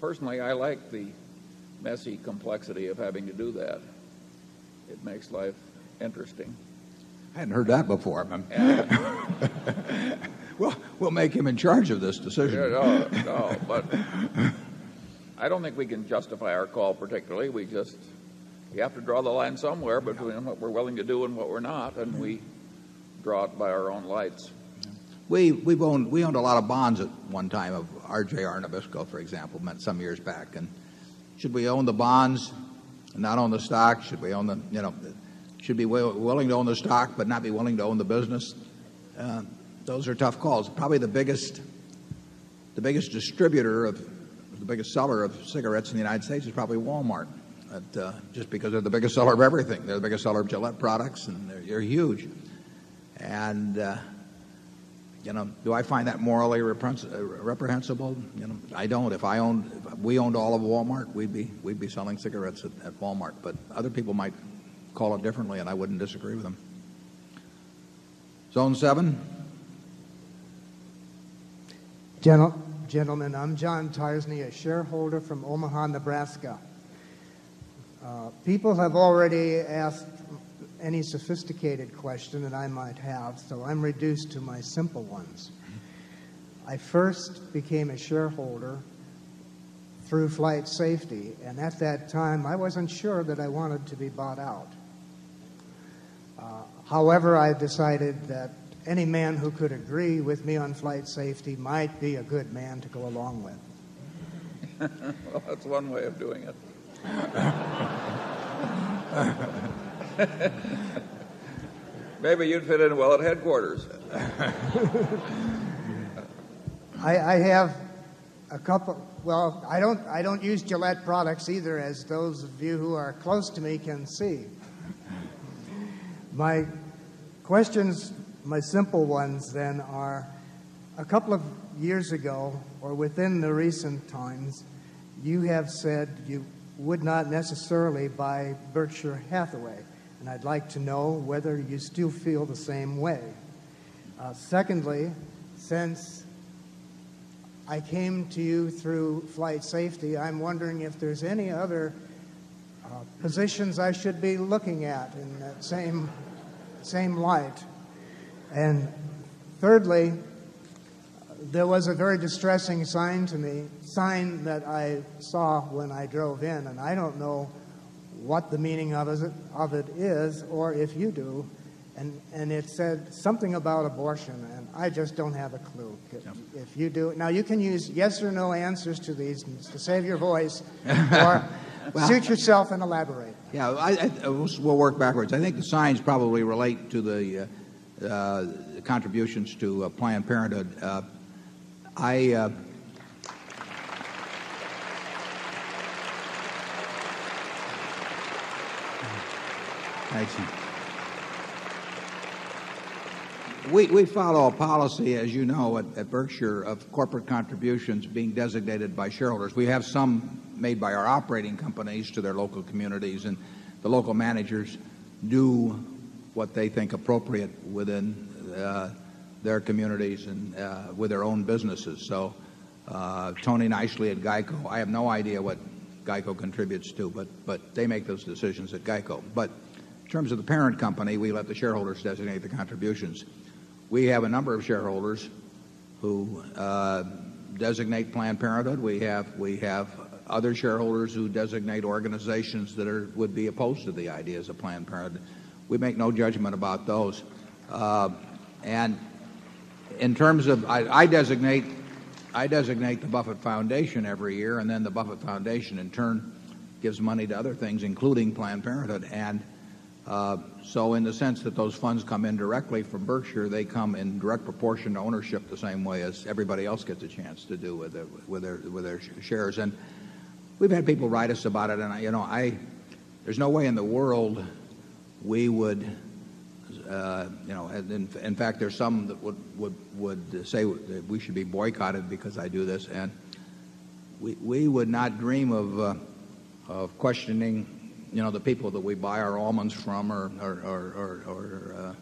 personally, I like the messy complexity of having to do that. It makes life interesting. I hadn't heard that before. Well, we'll make him in charge of this decision. No, no. But I don't think we can justify our call particularly. We have to draw the line somewhere between what we're willing to do and what we're not. And we draw it by our own lights. We owned a lot of bonds at one time of RJR Nabisco, for example, meant some years back. And should we own the bonds and not own the stock? Should we own the should we be willing to own the stock but not be willing to own the business? Those are tough calls. Probably the biggest distributor of the biggest seller of cigarettes in the United States is probably Walmart at just because they're the biggest seller of everything. They're the biggest seller of Gillette products, and they're huge. And do I find that morally reprehensible? I don't. If I owned if we owned all of Walmart, we'd be selling cigarettes at Walmart. But other people might call it differently and I wouldn't disagree with them. Zone 7. Gentlemen, I'm John Tiresney, a shareholder from Omaha, Nebraska. People have already asked any sophisticated question that I might have, so I'm reduced to my simple ones. I first became a shareholder through flight safety. And at that time, I wasn't sure that I wanted to be bought out. However, I decided that any man who could agree with me on flight safety might be a good man to go along with. That's one way of doing it. Maybe you'd fit in well at headquarters. I have a couple well, I don't use Gillette products either as those of you who are close to me can see. My questions, my simple ones then are, a couple of years ago or within the recent times, you have said you would not necessarily buy Berkshire Hathaway. And I'd like to know whether you still feel the same way. Secondly, since I came to you through flight safety, I'm wondering if there's any other positions I should be looking at in that same light. And thirdly, there was a very distressing sign to me, sign that I saw when I drove in. And I don't know what the meaning of it is or if you do. And it said something about abortion. And I just don't have a clue. If you do it, now you can use yes or no answers to these to save your voice or suit yourself and elaborate. Yeah. I I we'll work backwards. I think the signs probably relate to the contributions to planned parenthood. I We follow a policy, as you know, at Berkshire of corporate contributions being designated by shareholders. We have some made by our operating companies to their local communities. And the local managers do what they think appropriate within their communities and with their own businesses. So Tony Nicely at GEICO, I have no idea what GEICO contributes to, but they make those decisions at GEICO. But in terms of the parent company, we let the shareholders designate the contributions. We have a number of shareholders who designate Planned Parenthood. We have other shareholders who designate organizations that are would be opposed to the ideas of Planned Parenthood. We make no judgment about those. And in terms of I designate the Buffett Foundation every year. And then the Buffett Foundation, in turn, gives money to other things, including Planned Parenthood. And so in the sense that those funds come in directly from Berkshire, they come in direct proportion to ownership the same way as everybody else gets a chance to do with their shares. And we've had people write us about it. And I there's no way in the world we would, in fact, there's some that would say that we should be boycotted because I do this. And we would not dream of questioning the people that we buy our almonds from or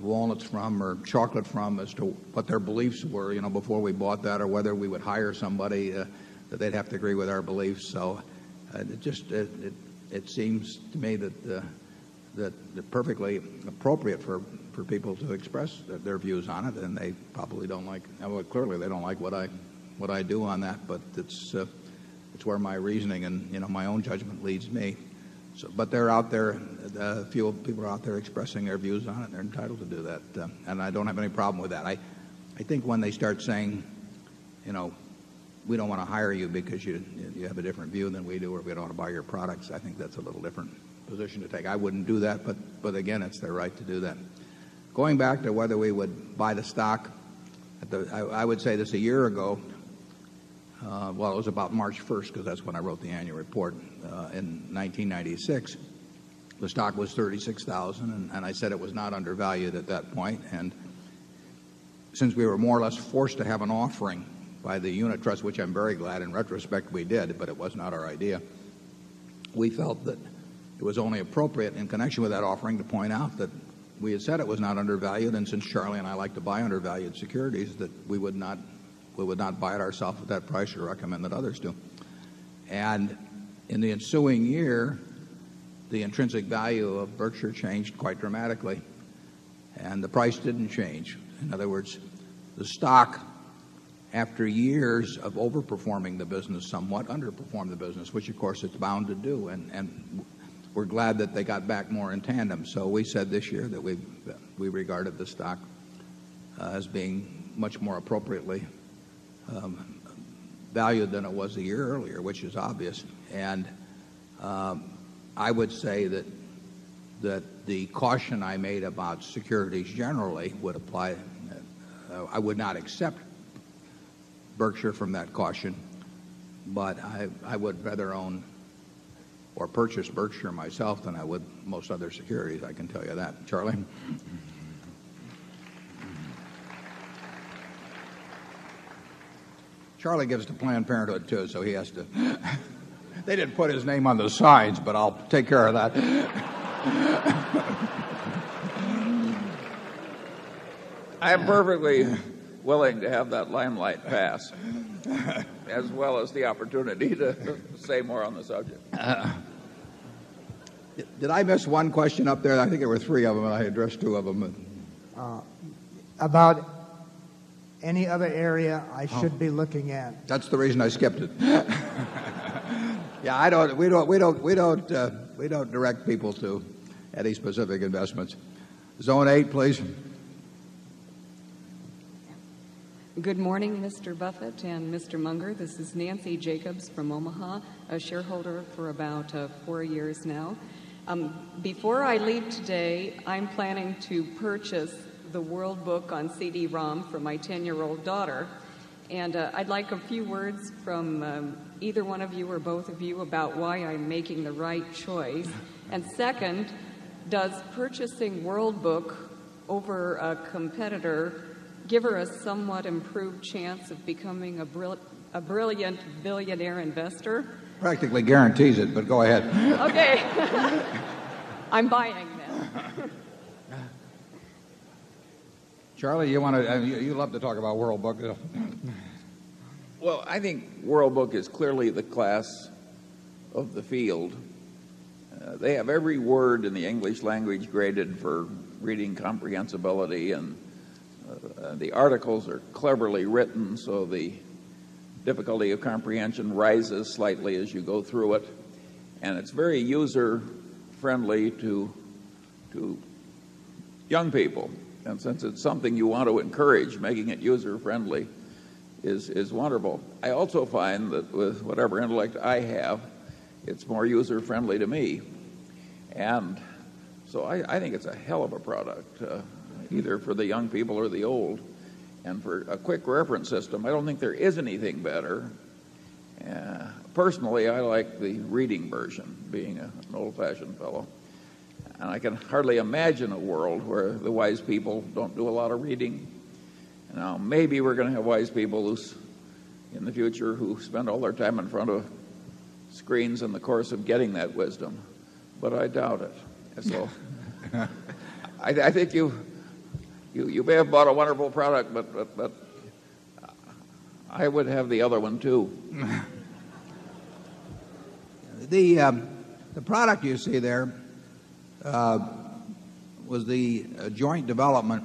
walnuts from or chocolate from as to what their beliefs were before we bought that or whether we would hire somebody that they'd have to agree with our beliefs. So it just it seems to me that perfectly appropriate for people to express their views on it. And they probably don't like clearly they don't like what I do on that. But it's where my reasoning and my own judgment leads me. But they're out there a few people are out there expressing their views on it. They're entitled to do that. And I don't have any problem with that. I think when they start saying, we don't want to hire you because you have a different view than we do or we don't want to buy your products, I think that's a little different position to take. I wouldn't do that. But again, it's their right to do that. Going back to whether we would buy the stock, I would say this a year ago. Well, it was about March 1 because that's when I wrote the annual report. In 1996. The stock was $36,000 And I said it was not undervalued at that point. And since we were more or less forced to have an offering by the unit trust, which I'm very glad, in retrospect we did, but it was not our idea, we felt that it was only appropriate in connection with that offering to point out that we had said it was not undervalued. And since Charlie and I like to buy undervalued securities, that we would not buy it ourselves at that price or recommend that others do. And in the ensuing year, the intrinsic value of Berkshire changed quite dramatically and the price didn't change. In other words, the stock, after years of overperforming the business somewhat, underperformed the business, which, of course, it's bound to do. And we're glad that they the business, which of course it's bound to do. And we're glad that they got back more in tandem. So we said this year that we regarded the stock as being much more appropriately valued than it was a year earlier, which is obvious. And I would say that the caution I made about securities generally would apply I would not accept Berkshire from that caution. But I would rather own or purchase Berkshire myself than I would most other securities, I can tell you that. Charlie? Charlie gives to Planned Parenthood too. So he has to they didn't put his name on the sides, but I'll take care of that. I am perfectly willing to have that limelight pass as well as the opportunity to say more on the subject. Did I miss one question up there? I think there were 3 of them. I addressed 2 of them. About any other area I should be looking at? That's the reason I skipped it. Yeah. I don't we don't we don't we don't, we don't direct people to any specific investments. And Mr. This is Nancy Jacobs from Omaha, a shareholder for about 4 years now. Before I leave today, I'm planning to purchase the world book on CD ROM for my 10 year old daughter. And I'd like a few words from either one of you or both of you about why I'm making the right choice. And second, does purchasing World Book over a competitor give her a somewhat improved chance of becoming a brilliant billionaire investor? Practically guarantees it, but go ahead. Okay. I'm buying now. Charlie, you want to, you love to talk about World Book. Well, I think World Book is clearly the class of the field. They have every word in the English language graded for reading comprehensibility. And the articles are cleverly written, so the difficulty of comprehension rises slightly as you go through it. And it's very user friendly to young people. And since it's something you want to encourage, making it user friendly is wonderful. I also find that with whatever intellect I have, it's more user friendly to me. And so I think it's a hell of a product, either for the young people or the old. And for a quick reference system, I don't think there is anything better. Personally, I like the reading version, being an old fashioned fellow. And I can hardly imagine a world where the wise people don't do a lot of But I doubt it. So But I doubt it. So I think you may have bought a wonderful product, but I would have the other one too. The product you see there was the joint development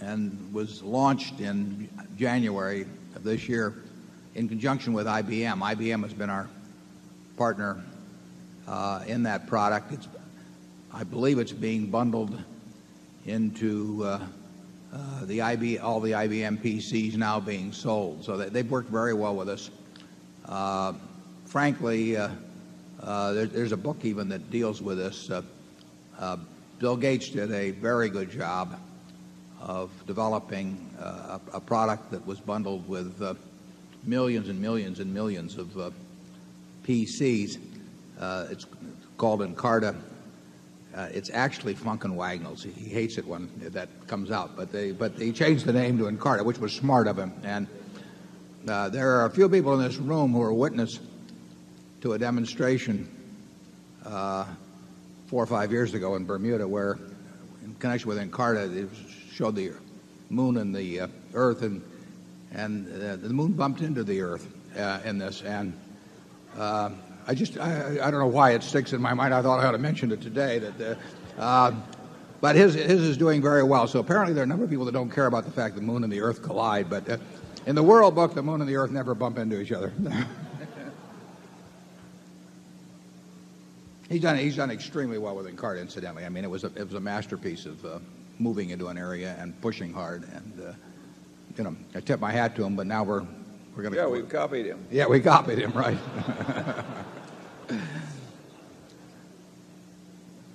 and was launched in January of this year in conjunction with IBM. IBM has been our partner in that product. I believe it's being bundled into the IV all the IBM PCs now being sold. So they've worked very well with us. Frankly, there's a book even that deals with this. Bill Gates did a very good job of developing a product that was bundled with 1,000,000 and 1,000,000 and 1,000,000 of PCs. It's called Encarta. It's actually Funk and Wagnalls. He hates it when that comes out, but they but they changed the name to Encarta, which was smart of him. And there are a few people in this room who are witness to a demonstration, 4 or 5 years ago in Bermuda where in connection with Encarta, it showed the moon and the earth. And the moon bumped into the earth in this. And I just I don't know why it sticks in my mind. I thought I ought to mention it today that the but his his is doing very well. So apparently, there are a number of people that don't care about the fact that moon and the earth collide. But in the world book, the moon and the earth never bump into each other. He's done extremely well with a card incidentally. I mean, it was a masterpiece of moving into an area and pushing hard. And I tip my hat to him, but now we're going to Yes, we copied him. Yes, we copied him, right?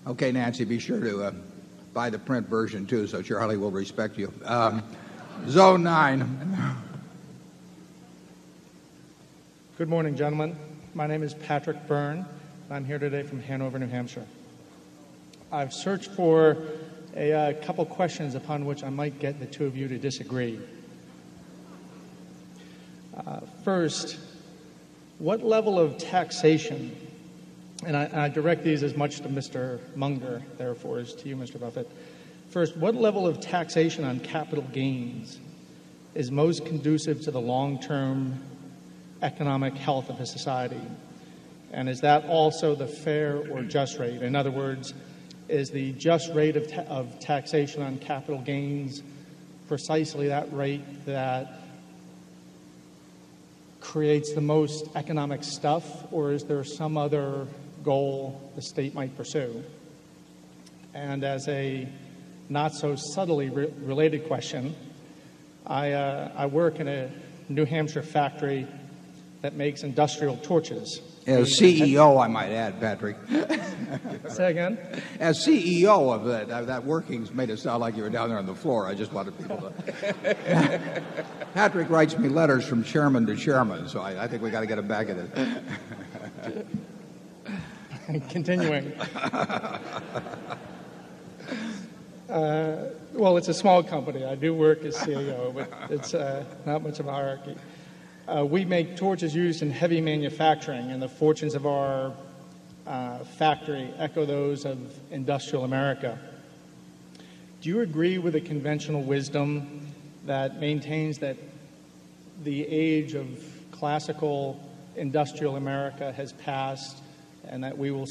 Okay, Nancy, be sure to buy the print version too, so Charlie will respect you. Zone 9. Good morning, gentlemen. My name is Patrick Byrne. I'm here today from Hanover, New Hampshire. I've searched for a couple of questions upon which I might get the 2 of you to disagree. First, what level of taxation and I direct these as much to mister Munger, therefore, as to you, mister Buffet. First, what level of taxation on capital gains is most conducive to the long term economic health of a society? And is that also the fair or just rate? In other words, is the just rate of taxation on capital gains precisely that rate that creates the most economic stuff? Or is there some other goal the state might pursue? And as a not so subtly related question, I work in a New Hampshire factory that makes industrial torches. As CEO, I might add, Patrick. Say again. As CEO of that that workings made it sound like you were down there on the floor. I just wanted people to Patrick writes me letters from chairman to chairman. So I think we got to get a bag of it. Continuing. Well, it's a small company. I do work as CEO, but it's not much of a hierarchy. We make torches use in heavy manufacturing and the fortunes of our factory echo those of industrial America. Do you agree with the conventional wisdom that maintains that the age of classical industrial America has passed and that we will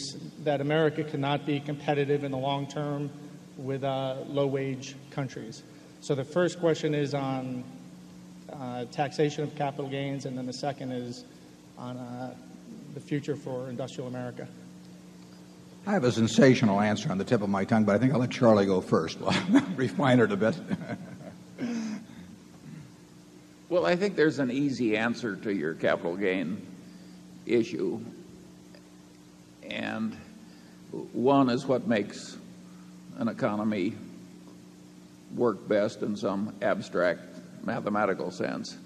that America cannot be competitive in the long term with low wage countries. So the first question is on taxation of capital gains. And then the second is on the future for industrial America. I have a sensational answer on the tip of my tongue, but I think I'll let Charlie go first. Refine her the best. Well, I think there's an easy answer to your capital gain issue. And one is what makes an economy work best in some abstract mathematical sense.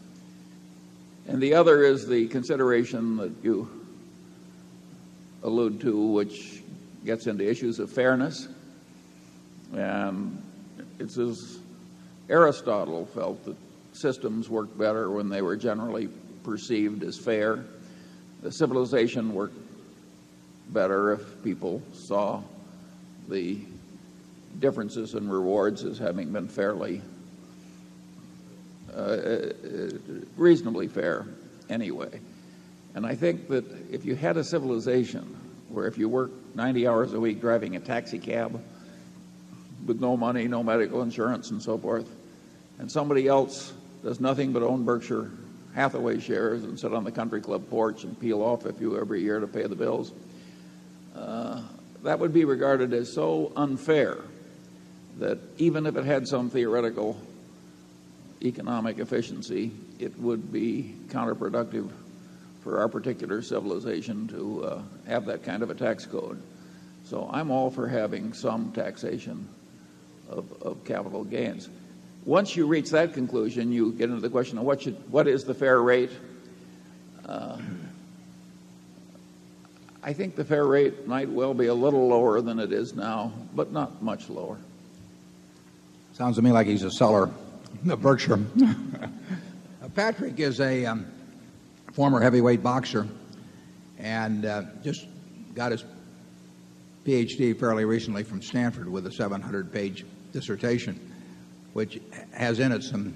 And the other is the consideration that you allude to, which gets into issues of fairness. It's as Aristotle felt that systems worked better when they were generally perceived as fair. The civilization worked better if people saw the differences in rewards as having been fairly reasonably fair anyway. And I think that if you had a civilization where if you worked 90 hours a week driving a taxi cab with no money, no medical insurance and so forth, and somebody else does nothing but own Berkshire Hathaway shares and sit on the country club porch and peel off a few every year to pay the bills, that would be regarded as so unfair that even if it had some theoretical economic efficiency, it would be counterproductive for our particular civilization to have that kind of a tax code. So I'm all for having some taxation of capital gains. Once you reach that conclusion, you get into the question of what is the fair rate. I think the fair rate might well be a little lower than it is now, but not much lower. Sounds to me like he's a seller. No, Vircher. Patrick is a former heavyweight boxer and just got his PhD fairly recently from Stanford with a 700 page dissertation, which has in it some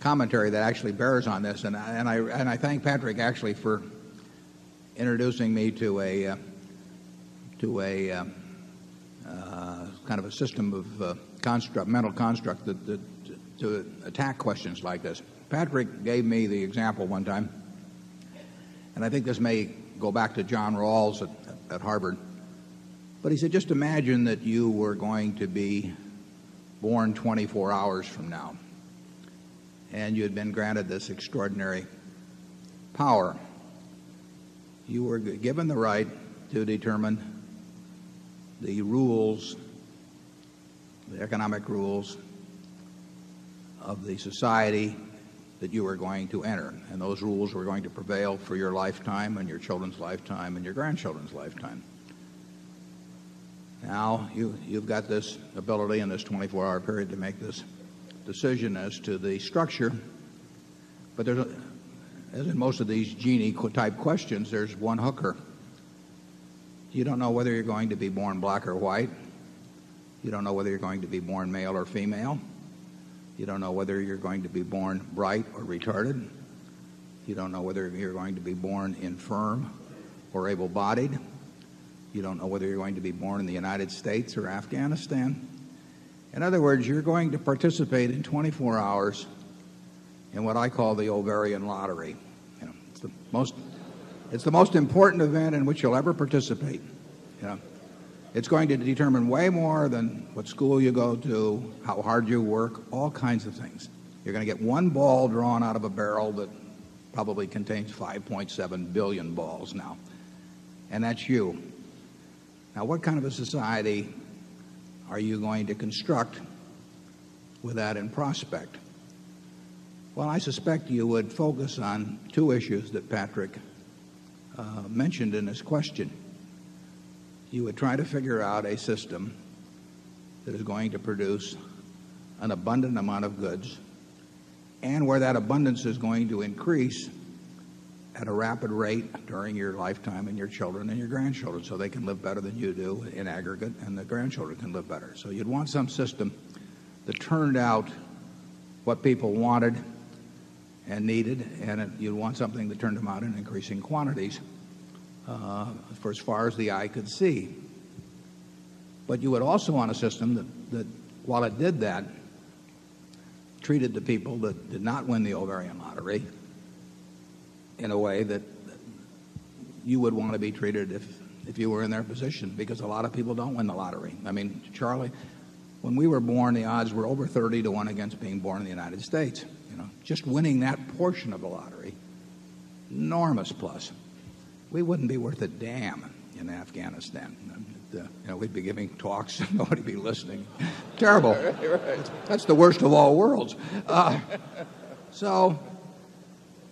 commentary that actually bears on this. And I and I and I thank Patrick actually for introducing me to a to a, kind of a system of construct mental construct that that to attack questions like this. Patrick gave me the example one time, and I think this may go back to John Rawls at at Harvard. But he said, just imagine that you were going to be born 24 hours from now, and you had been granted this extraordinary power. You were given the right to determine the rules, the economic rules of the society that you are going to enter. And those rules were going to prevail for your lifetime and your children's lifetime and your grandchildren's lifetime. Now you've you've got this ability in this 24 hour period to make this decision as to the structure. But there's a as in most of these genie type questions, there's one hooker. You don't know whether you're going to be born black or white. You don't know whether you're going to be born male or female. You don't know whether you're going to be born bright or retarded. You don't know whether you're going to be born infirm or able-bodied. You don't know whether you're going to be born in the United States or Afghanistan. In other words, you're going to participate in 24 hours in what I call the ovarian lottery. It's the most it's the most important event in which you'll ever participate. Yeah. It's going to determine way more than what school you go to, how hard you work, all kinds of things. You're going to get 1 ball drawn out of a barrel that probably contains 5,700,000,000 balls now, and that's you. Now what kind of a society are you going to construct with that in prospect? Well, I suspect you would focus on 2 issues that Patrick mentioned in his question. You would try to figure out a system that is going to produce an abundant amount of goods. And where that abundance is going to increase at a rapid rate during your lifetime and your children and your grandchildren so they can live better than you do in aggregate and the grandchildren can live better. So you'd want some system that turned out what people wanted and needed. And you'd want something that turned them out in increasing quantities, for as far as the eye could see. But you would also want a system that that, while it did that, treated the people that did not win the ovarian lottery in a way that you would want to be treated if you were in their position because a lot of people don't win the lottery. I mean, Charlie, when we were born, the odds were over 30 to 1 against being born in the United States. You know? Just winning that portion of the lottery, enormous plus. We wouldn't be worth a damn in Afghanistan. And, we'd be giving talks and nobody'd be listening. Terrible. That's the worst of all worlds. So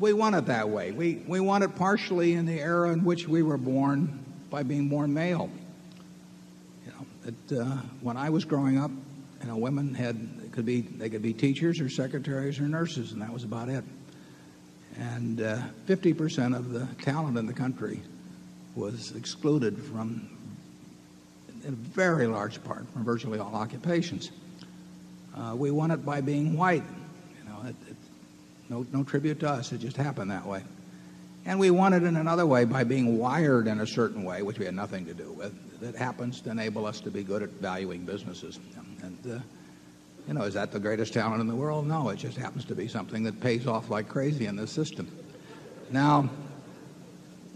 we want it that way. We we want it partially in the era in which we were born by being born male. You know, that, when I was growing up, you know, women had it could be they could be teachers or secretaries or nurses, and that was about it. And, 50% of the talent in the country was excluded from a very large part from virtually all occupations. We won it by being white. No tribute to us. It just happened that way. And we won it in another way by being wired in a certain way, which we had nothing to do with. That happens to enable us to be good at valuing businesses. And is that the greatest talent in the world? No. It just happens to be something that pays off like crazy in the system. Now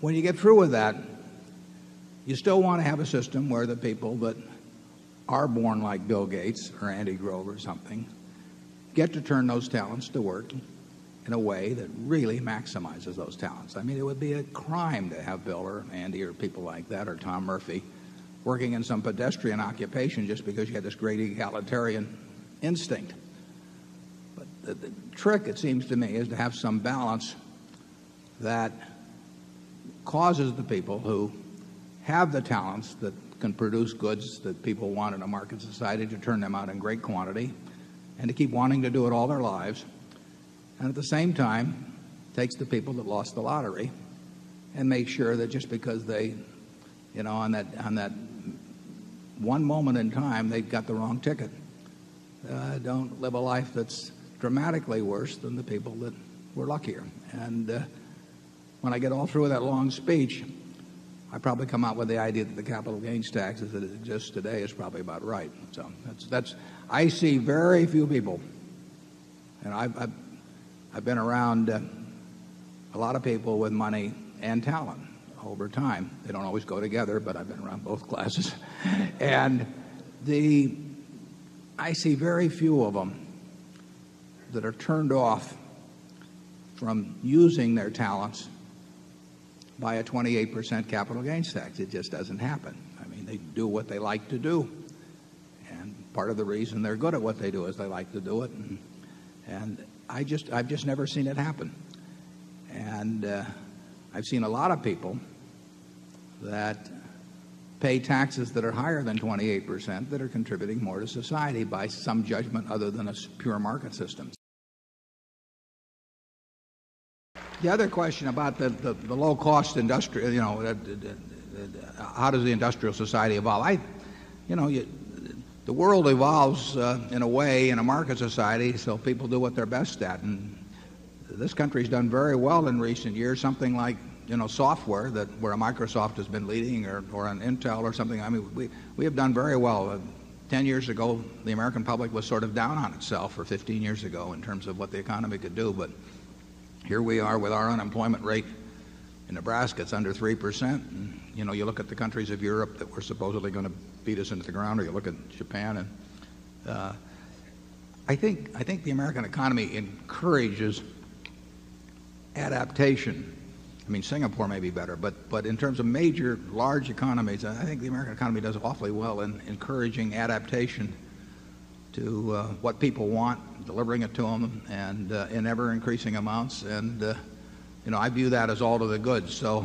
when you get through with that, you still want to have a system where the people that are born like Bill Gates or Andy Grove or something get to turn those talents to work in a way that really maximizes those talents. I mean, it would be a crime to have Bill or Andy or people like that or Tom Murphy working in some pedestrian occupation just because you got this great egalitarian instinct. But the trick, it seems to me, is to have some balance that causes the people who have the talents that can produce goods that people want in a market society to turn them out in great quantity and to keep wanting to do it all their lives. And at the same time, it takes the people that lost the lottery and make sure that just because they, you know, on that on that one moment in time, they've got the wrong ticket. Don't live a life that's dramatically worse than the people that were luckier. And when I get all through with that long speech, I probably come out with the idea that the capital gains taxes that exist today is probably about right. So that's I see very few people. And I've been around a lot of people with money and talent over time. They don't always go together, but I've been around both classes. And the I see very few of them that are turned off from using their talents by a 28% capital gains tax. It just doesn't happen. I mean, they do what they like to do. And part of the reason they're good at what they do is they like to do it. And I've just never seen it happen. And I've seen a lot of people that pay taxes that are higher than 28% that are contributing more to society by some judgment other than a pure market system. The other question about the the the low cost industrial, you know, how does the industrial society evolve? I you know, the world evolves in a way in a market society so people do what they're best at. And this country has done very well in recent years. Something like, you know, software that where Microsoft has been leading or or an Intel or something. I mean, we we have done very well. 10 years ago, the American public was sort of down on itself or 15 years ago in terms of what the economy could do. But here we are with our unemployment rate in Nebraska. It's under 3%. And, you know, you look at the countries of Europe that were supposedly gonna beat us into the ground or you look at Japan. And I think I think the American economy encourages adaptation. I mean, Singapore may be better, but but in terms of major large economies, I think the American economy does awfully well in encouraging adaptation to what people want, delivering it to them, and in ever increasing amounts. And, you know, I view that as all to the good. So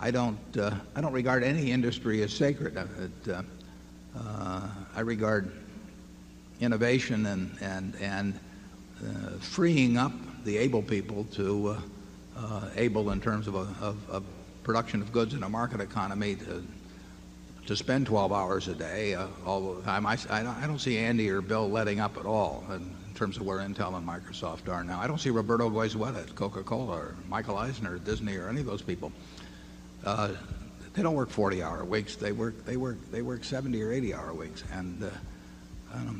I don't I don't regard any industry as sacred. I regard innovation and freeing up the able people to able in terms of production of goods in a market economy to spend 12 hours a day, although I'm I I don't see Andy or Bill letting up at all in terms of where Intel and Microsoft are now. I don't see Roberto Boisweta, Coca Cola or Michael Eisner or Disney or any of those people. They don't work 40 hour weeks. They work they work they work 70 or 80 hour weeks. And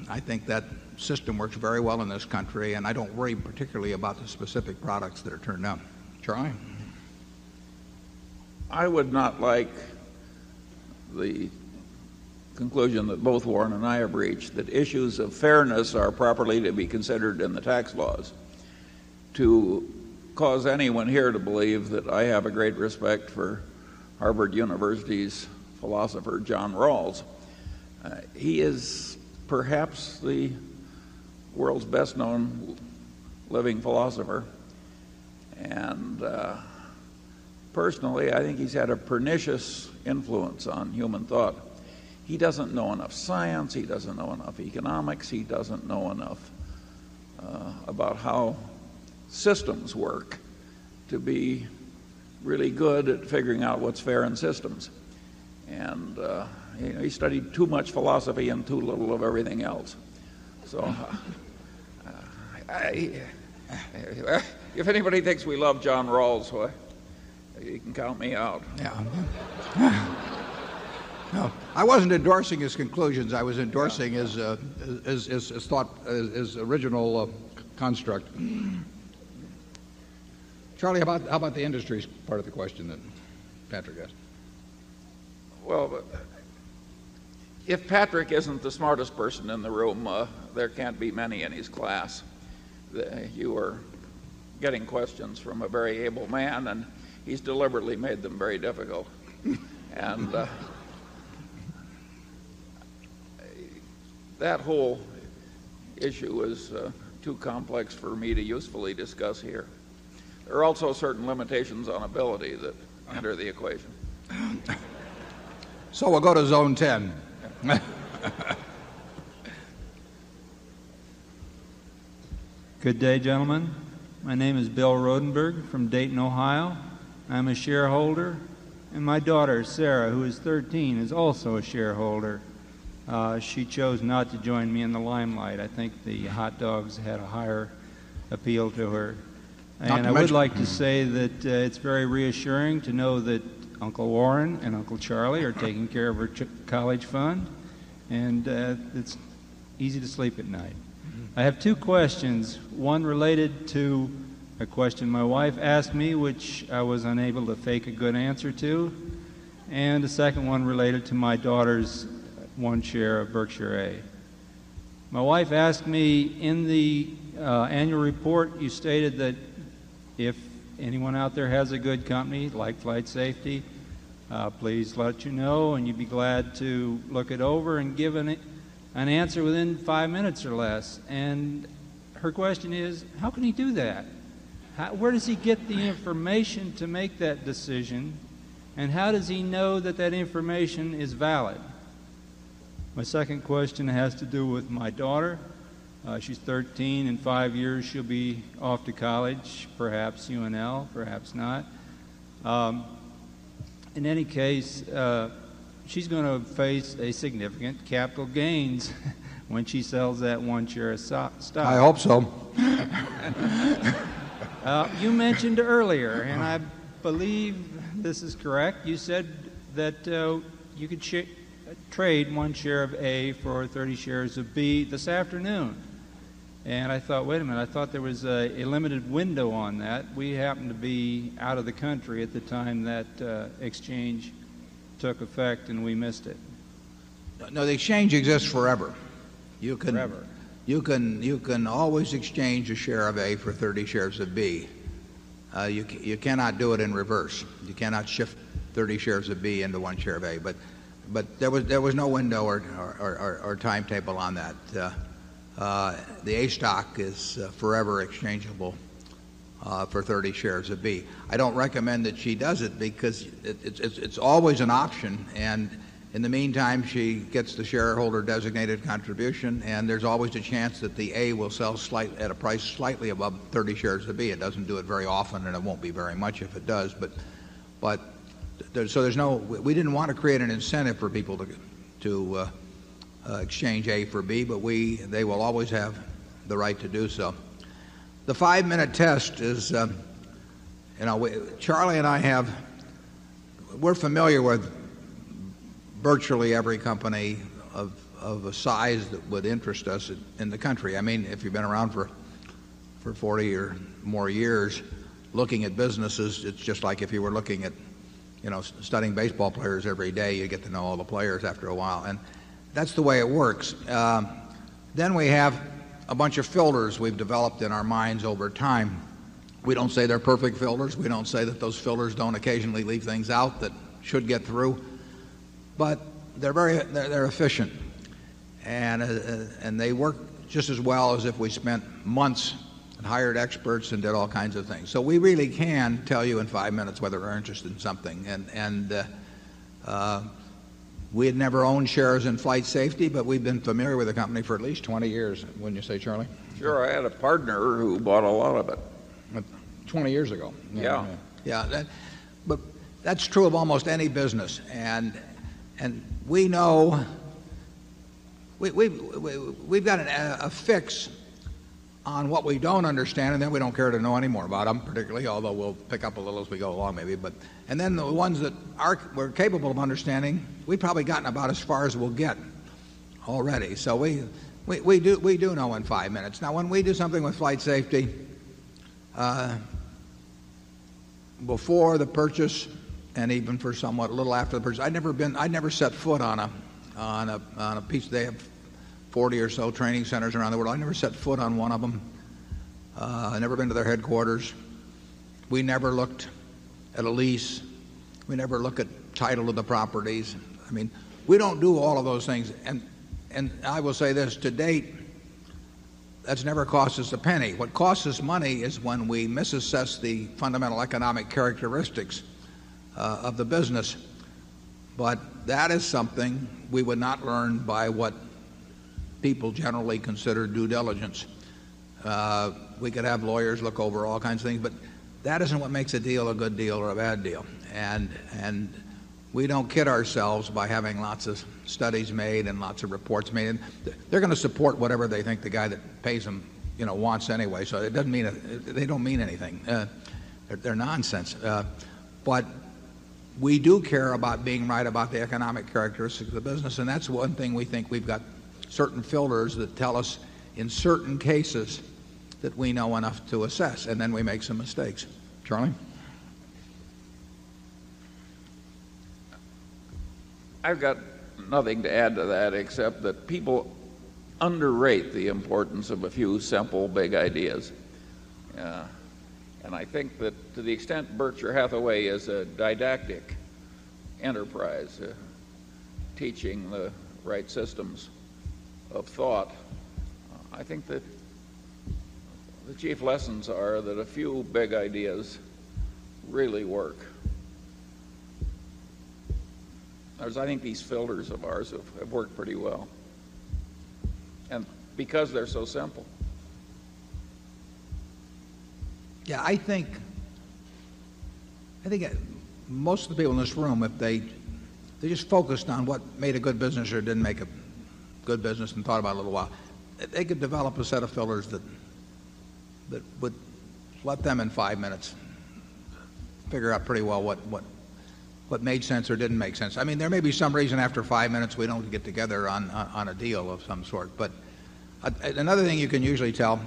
I think that system works very well in this country, and I don't worry particularly about the specific products that are turned out. Troy? I would not like the conclusion that both Warren and I have reached that issues of fairness are properly to be considered in the tax laws. To cause anyone here to believe that I have a great respect for Harvard University's philosopher, John Rawls. He is perhaps the world's best known living philosopher. And personally, I think he's had a pernicious influence on human thought. He doesn't know enough science. He doesn't know enough economics. He doesn't know enough about how systems work to be really good at figuring out what's fair in systems. And he studied too much philosophy and too little of everything else. So if anybody thinks we love John Rawls, you can count me out. No. I wasn't endorsing his conclusions. I was endorsing his his his thought his original construct. Charlie, how about how about the industries part of the question that Patrick asked? Well, if Patrick isn't the smartest person in the room, there can't be many his class. You are getting questions from a very able man, and he's deliberately made them very difficult. And that whole issue is too complex for me to usefully discuss here. There are also certain limitations on ability that's under the equation. So we'll go to zone 10. Good day, gentlemen. My name is Bill Rodenberg from Dayton, Ohio. I'm a shareholder, And my daughter, Sarah, who is 13, is also a shareholder. She chose not to join me in the limelight. I think the hot dogs had a higher appeal to her. And I would like to say that, it's very reassuring to know that Uncle Warren and Uncle Charlie are taking care of her college fund, And it's easy to sleep at night. I have 2 questions, one related to a question my wife asked me, which I was unable to fake a good answer to, and the second one related to my daughter's one share of Berkshire My wife asked me, in the annual report, you stated that if anyone out there has a good company like FlightSafety, please let you know, and you'd be glad to look it over and give an answer within 5 minutes or less. And her question is, how can he do that? Where does he get the information to make that decision? And how does he know that that information is valid? My second question has to do with my daughter. She's 13. In 5 years, she'll be off to college, perhaps UNL, perhaps not. In any case, she's going to face a significant capital gains when she sells that 1 share stock. I hope so. You mentioned earlier, and I believe this is correct, you said that you could trade 1 share of A for 30 shares of B this afternoon. And I thought, wait a minute, I thought there was a limited window on that. We happened to be out of the country at the time that exchange took effect and we missed it? No, the exchange exists forever. You can Forever. You can always exchange a share of A for 30 shares of B. You cannot do it in reverse. You cannot shift 30 shares of B into 1 share of A. But there was no window or timetable on that. The A stock is forever exchangeable for 30 shares of B. I don't recommend that she does it because it's always an option. And in the meantime, she gets the shareholder designated contribution and there's always a chance that the A will sell slight at a price slightly above 30 shares to B. It doesn't do it very often and it won't be very much if it does. But there's so there's no we didn't want to create an incentive for people to exchange A for B, but we they will always have the right to do so. The 5 minute test is, you know, Charlie and I have we're familiar with virtually every company of a size that would interest us in the country. I mean, if you've been around for 40 or more years looking at businesses, it's just like if you were looking at studying baseball players every day, you get to know all the players after a while. And that's the way it works. Then we have a bunch of filters we've developed in our minds over time. We don't say they're perfect filters. We don't say that those filters don't occasionally leave things out that should get through. But they're very they're efficient. And and they work just as well as if we spent months and hired experts and did all kinds of things. So we really can tell you in 5 minutes whether we're interested in something. And and, we had never owned shares in flight safety, but we've been familiar with the company for at least 20 years. Wouldn't you say, Charlie? Sure. I had a partner who bought a lot of it. 20 years ago. Yeah. Yeah. But that's true of almost any business. And we know we've got a fix on what we don't understand, and then we don't care to know anymore about them, particularly, although we'll pick up a little as we go along maybe. But and then the ones that are we're capable of understanding, we've probably gotten about as far as we'll get already. So we we do we do know in 5 minutes. Now when we do something with flight safety Before the purchase and even for somewhat a little after the purchase, I'd never been I'd never set foot on a on a piece. They have 40 or so training centers around the world. I never set foot on one of them. I never been to their headquarters. We never looked at a lease. We never look at title of the properties. I mean, we don't do all of those things. And I will say this: To date, that's never cost us a penny. What costs us money is when we miss assess the fundamental economic characteristics, of the business. But that is something we would not learn by what people generally consider due diligence. We could have lawyers look over all kinds of things, but that isn't what makes a deal a good deal or a bad deal. And we don't kid ourselves by having lots of studies made and lots of reports made. They're going to support whatever they think the guy that pays them wants anyway. So it doesn't mean they don't mean anything. They're nonsense. But we do care about being right about the economic characteristics of the business, and that's one thing we think we've got certain filters that tell us in certain cases that we know enough to assess. And then we make some mistakes. Charlie? I've got nothing to add to that except that people underrate the importance of a few simple big ideas. And I think that to the extent Berkshire Hathaway is a didactic enterprise teaching the right systems of thought, I think that the chief lessons are that a few big ideas really work. I think these filters of ours have worked pretty well and because they're so simple. Yeah. I think I think most of the people in this room, if they just focused on what made a good business or didn't make a good business and thought about it a little while, they could develop a set of fillers that would let them in 5 minutes, figure out pretty well what made sense or didn't make sense. I mean, there may be some reason after 5 minutes we don't get together on a deal of some sort. But another thing you can usually tell,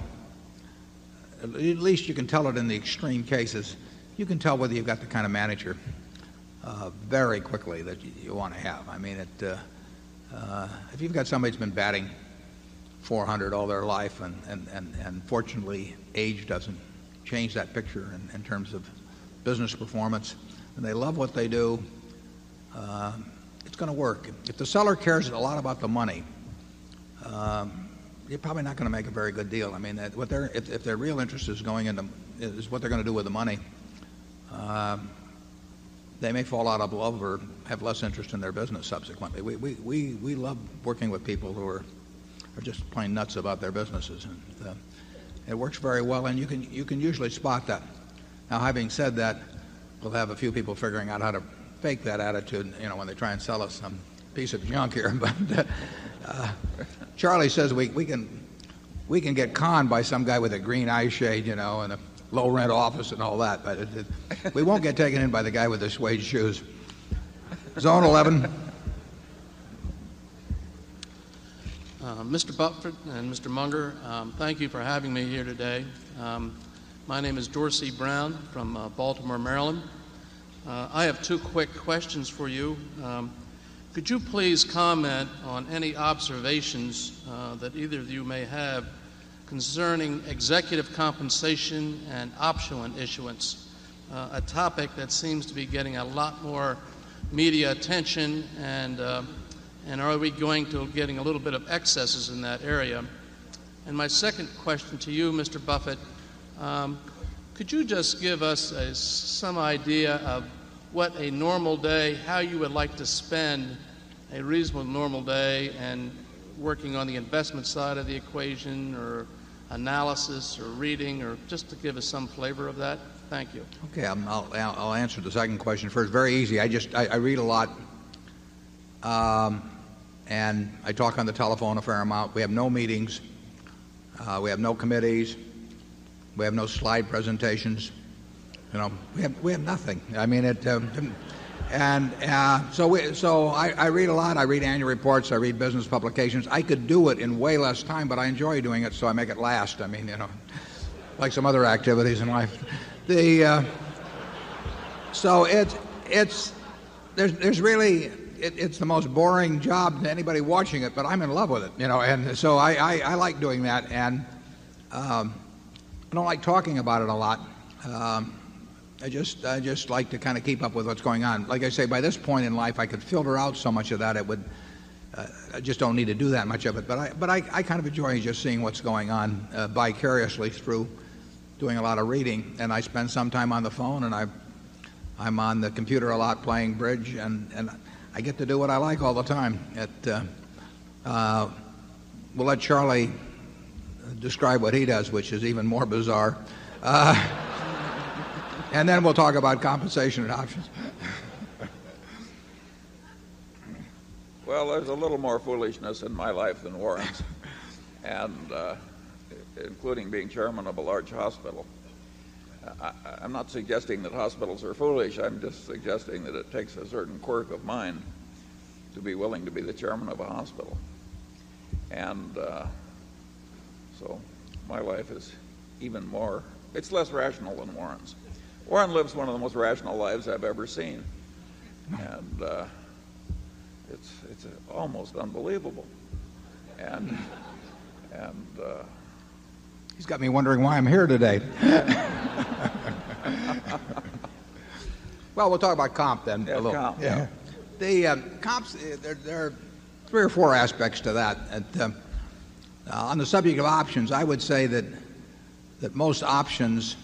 at least you can tell it in the extreme cases, you can tell whether you've got the kind of manager very quickly that you want to have. I mean, if you've got somebody who's been batting 400 all their life and fortunately, age doesn't change that picture in terms of business performance and they love what they do, it's going to work. If the seller cares a lot about the money, they're probably not going to make a very good deal. I mean, what they're if their real interest is going in the is what they're going to do with the money, they may fall out of love or have less interest in their business subsequently. We love working with people who are just playing nuts about their businesses and it works very well and you can you can usually spot that. Now having said that, we'll have a few people figuring out how to fake that attitude, you know, when they try and sell us some piece of junk here. But, Charlie says we can get conned by some guy with a green eye shade and a low rent office and all that, but we won't get taken in by the guy with the suede shoes. Zone 11. Mister Buffet and mister Munger, thank you for having me here today. My name is Dorsey Brown from Baltimore, Maryland. I have two quick questions for you. Could you please comment on any observations that either of you may have concerning executive compensation and opulent issuance, a topic that seems to be getting a lot more media attention and are we going to getting a little bit of excesses in that area? And my second question to you, mister Buffet, could you just give us some idea of what a normal day, how you would like to spend a reasonable normal day and working on the investment side of the equation or analysis or reading or just to give us some flavor of that? Thank you. Okay. I'll answer the second question first. Very easy. I just I read a lot, and I talk on the telephone a fair amount. We have no meetings. We have no committees. We have no slide presentations. We have nothing. I mean, it and so we so I read a lot. I read annual reports. Business publications. I could do it in way less time, but I enjoy doing it so I make it last. I mean, you know, like some other activities in life. The so it's it's there's really it's the most boring job to anybody watching it, but I'm in love with it, you know. And so I I like doing that and I don't like talking about it a lot. I just like to kind of keep up with what's going on. Like I say, by this point in life, I could filter out so much of that. I just don't need to do that much of it. But I kind of enjoy just seeing what's going on, vicariously through doing a lot of reading. And I spend some time on the phone and I I'm on the computer a lot playing bridge and and I get to do what I like all the time at, we'll let Charlie describe what he does, which is even more bizarre. And then we'll talk about compensation and options. Well, there's a little more foolishness in my life than warrants and including being chairman of a large hospital. I'm not suggesting that hospitals are foolish. I'm just suggesting that it takes a certain quirk of mine to be willing to be the chairman of a hospital. And so my wife is even more it's less rational than Warren's. Warren lives one of the most rational lives I've ever seen. And it's almost unbelievable. He's got me wondering why I'm here today. Well, we'll talk about comp then a little. Yeah. The comps, there are 3 or 4 aspects to that. And on the subject of options, I would say that that most options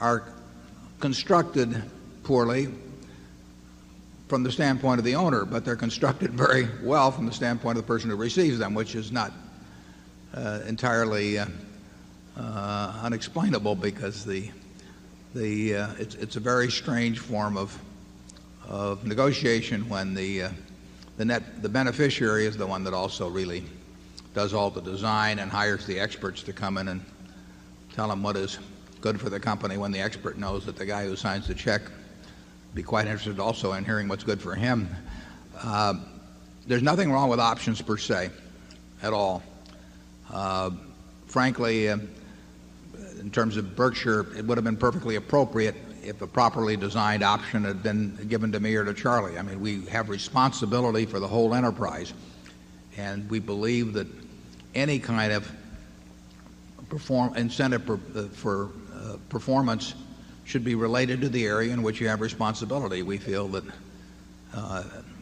are constructed poorly from the standpoint of the owner, but they're constructed very well from the standpoint of the person who receives them, which is not entirely unexplainable because the the it's a very strange form of negotiation when the the net the beneficiary is the one that also really does all the design and hires the experts to come in and tell them what is good for the company when the expert knows that the guy who signs the check be quite interested also in hearing what's good for him. There's nothing wrong with options per se at all. Frankly, in terms of Berkshire, it would have been perfectly appropriate if a properly designed option had been given to me or to Charlie. I mean, we have responsibility for the whole enterprise. And we believe that any kind of perform incentive for performance should be related to the area in which you have responsibility. We feel that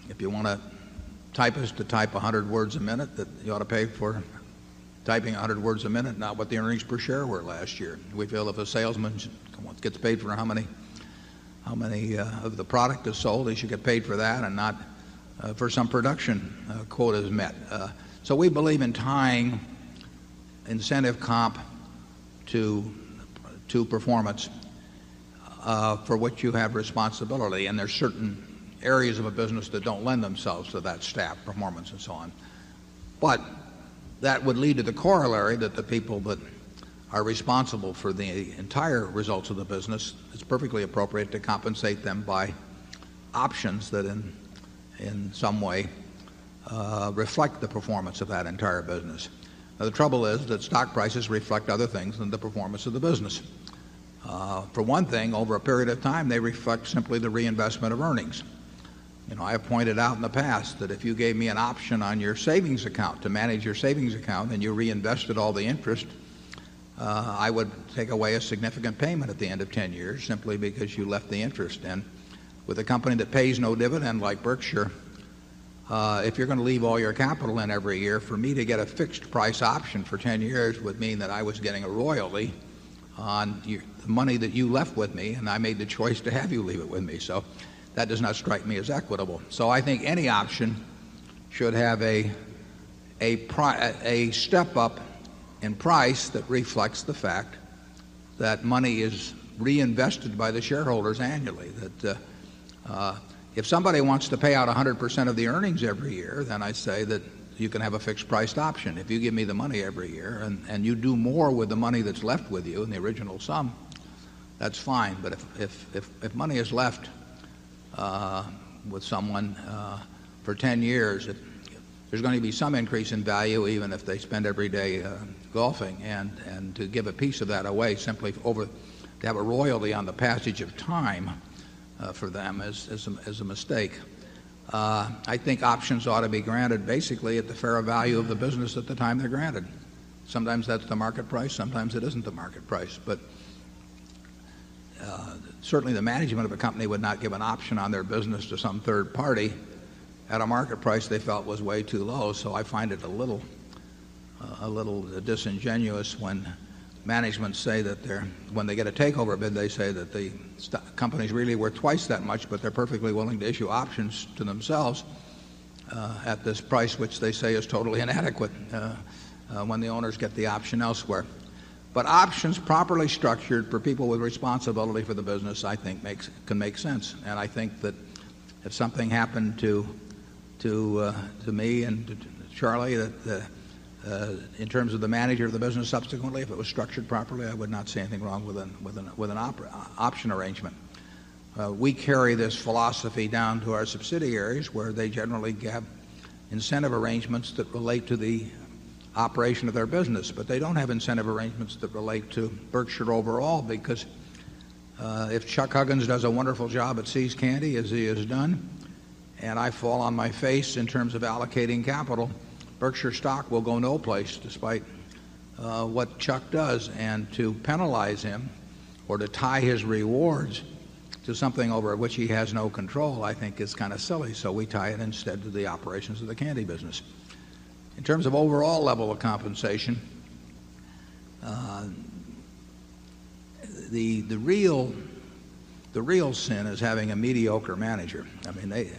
if you want a typist to type a 100 words a minute, that you ought to pay for typing a 100 words a minute, not what the earnings per share were last year. We feel if a salesman gets paid for how many of the product is sold, they should get paid for that and not for some production quotas met. So we believe in tying incentive comp to performance for which you have responsibility. And there are certain areas of a business that don't lend themselves to that staff performance and so on. But that would lead to the corollary that the people that are responsible for the entire results of the business, it's perfectly appropriate to compensate them by options that in in some way, reflect the performance of that entire business. Now, the trouble is that stock prices reflect other things than the performance of the business. For one thing, over a period of time, they reflect simply the reinvestment of earnings. You know, I have pointed out in the past that if you gave me an option on your savings account to manage your savings account and you reinvested all the interest, I would take away a significant payment at the end of 10 years simply because you left the interest in. With a company that pays no dividend like Berkshire, if you're going to leave all your capital in every year, for me to get a fixed price option for 10 years would mean that I was getting a royalty on money that you left with me and I made the choice to have you leave it with me. So that does not strike me as equitable. So I think any option should have a step up in price that reflects the fact that money is reinvested by the shareholders annually. That, if somebody wants to pay out 100% of the earnings every year, then I say that you can have a fixed priced option. If you give me the money every year and you do more with the money that's left with you and the original sum, that's fine. But if if money is left, with someone for 10 years, there's going to be some increase in value even if they spend every day golfing. And to give a piece of that away simply over to have a royalty on the passage of time for them is a mistake. I think options ought to be granted basically at the fair value of the business at the time they're granted. Sometimes, that's the market price. Sometimes, it isn't the market price. But certainly, the management of a company would not give an option on their business to some third party at a market price they felt was way too low. So I find it a little, a little disingenuous when management say that they're when they get a takeover bid, they say that the companies really were twice that much, but they're perfectly willing to issue options to themselves, at this price, which they say is totally inadequate, when the owners get the option elsewhere. But options properly structured for people with responsibility for the business, I think, makes can make sense. And I think that if something happened to me and to Charlie, in terms of the manager of the business subsequently, if it was structured properly, I would not say anything wrong with an with an option arrangement. We carry this philosophy down to our subsidiaries where they generally have incentive arrangements that relate to the operation of their business. But they don't have incentive arrangements that relate to Berkshire overall because, if Chuck Huggins does a wonderful job at See's Candy, as he has done, and I fall on my face in terms of allocating capital, Berkshire stock will go no place despite, what Chuck does. And to penalize him or to tie his rewards to something over which he has no control, I think, is kind of silly. So we tie it instead to the operations of the candy business. In terms of overall level of compensation, the real sin is having a mediocre manager. I mean, they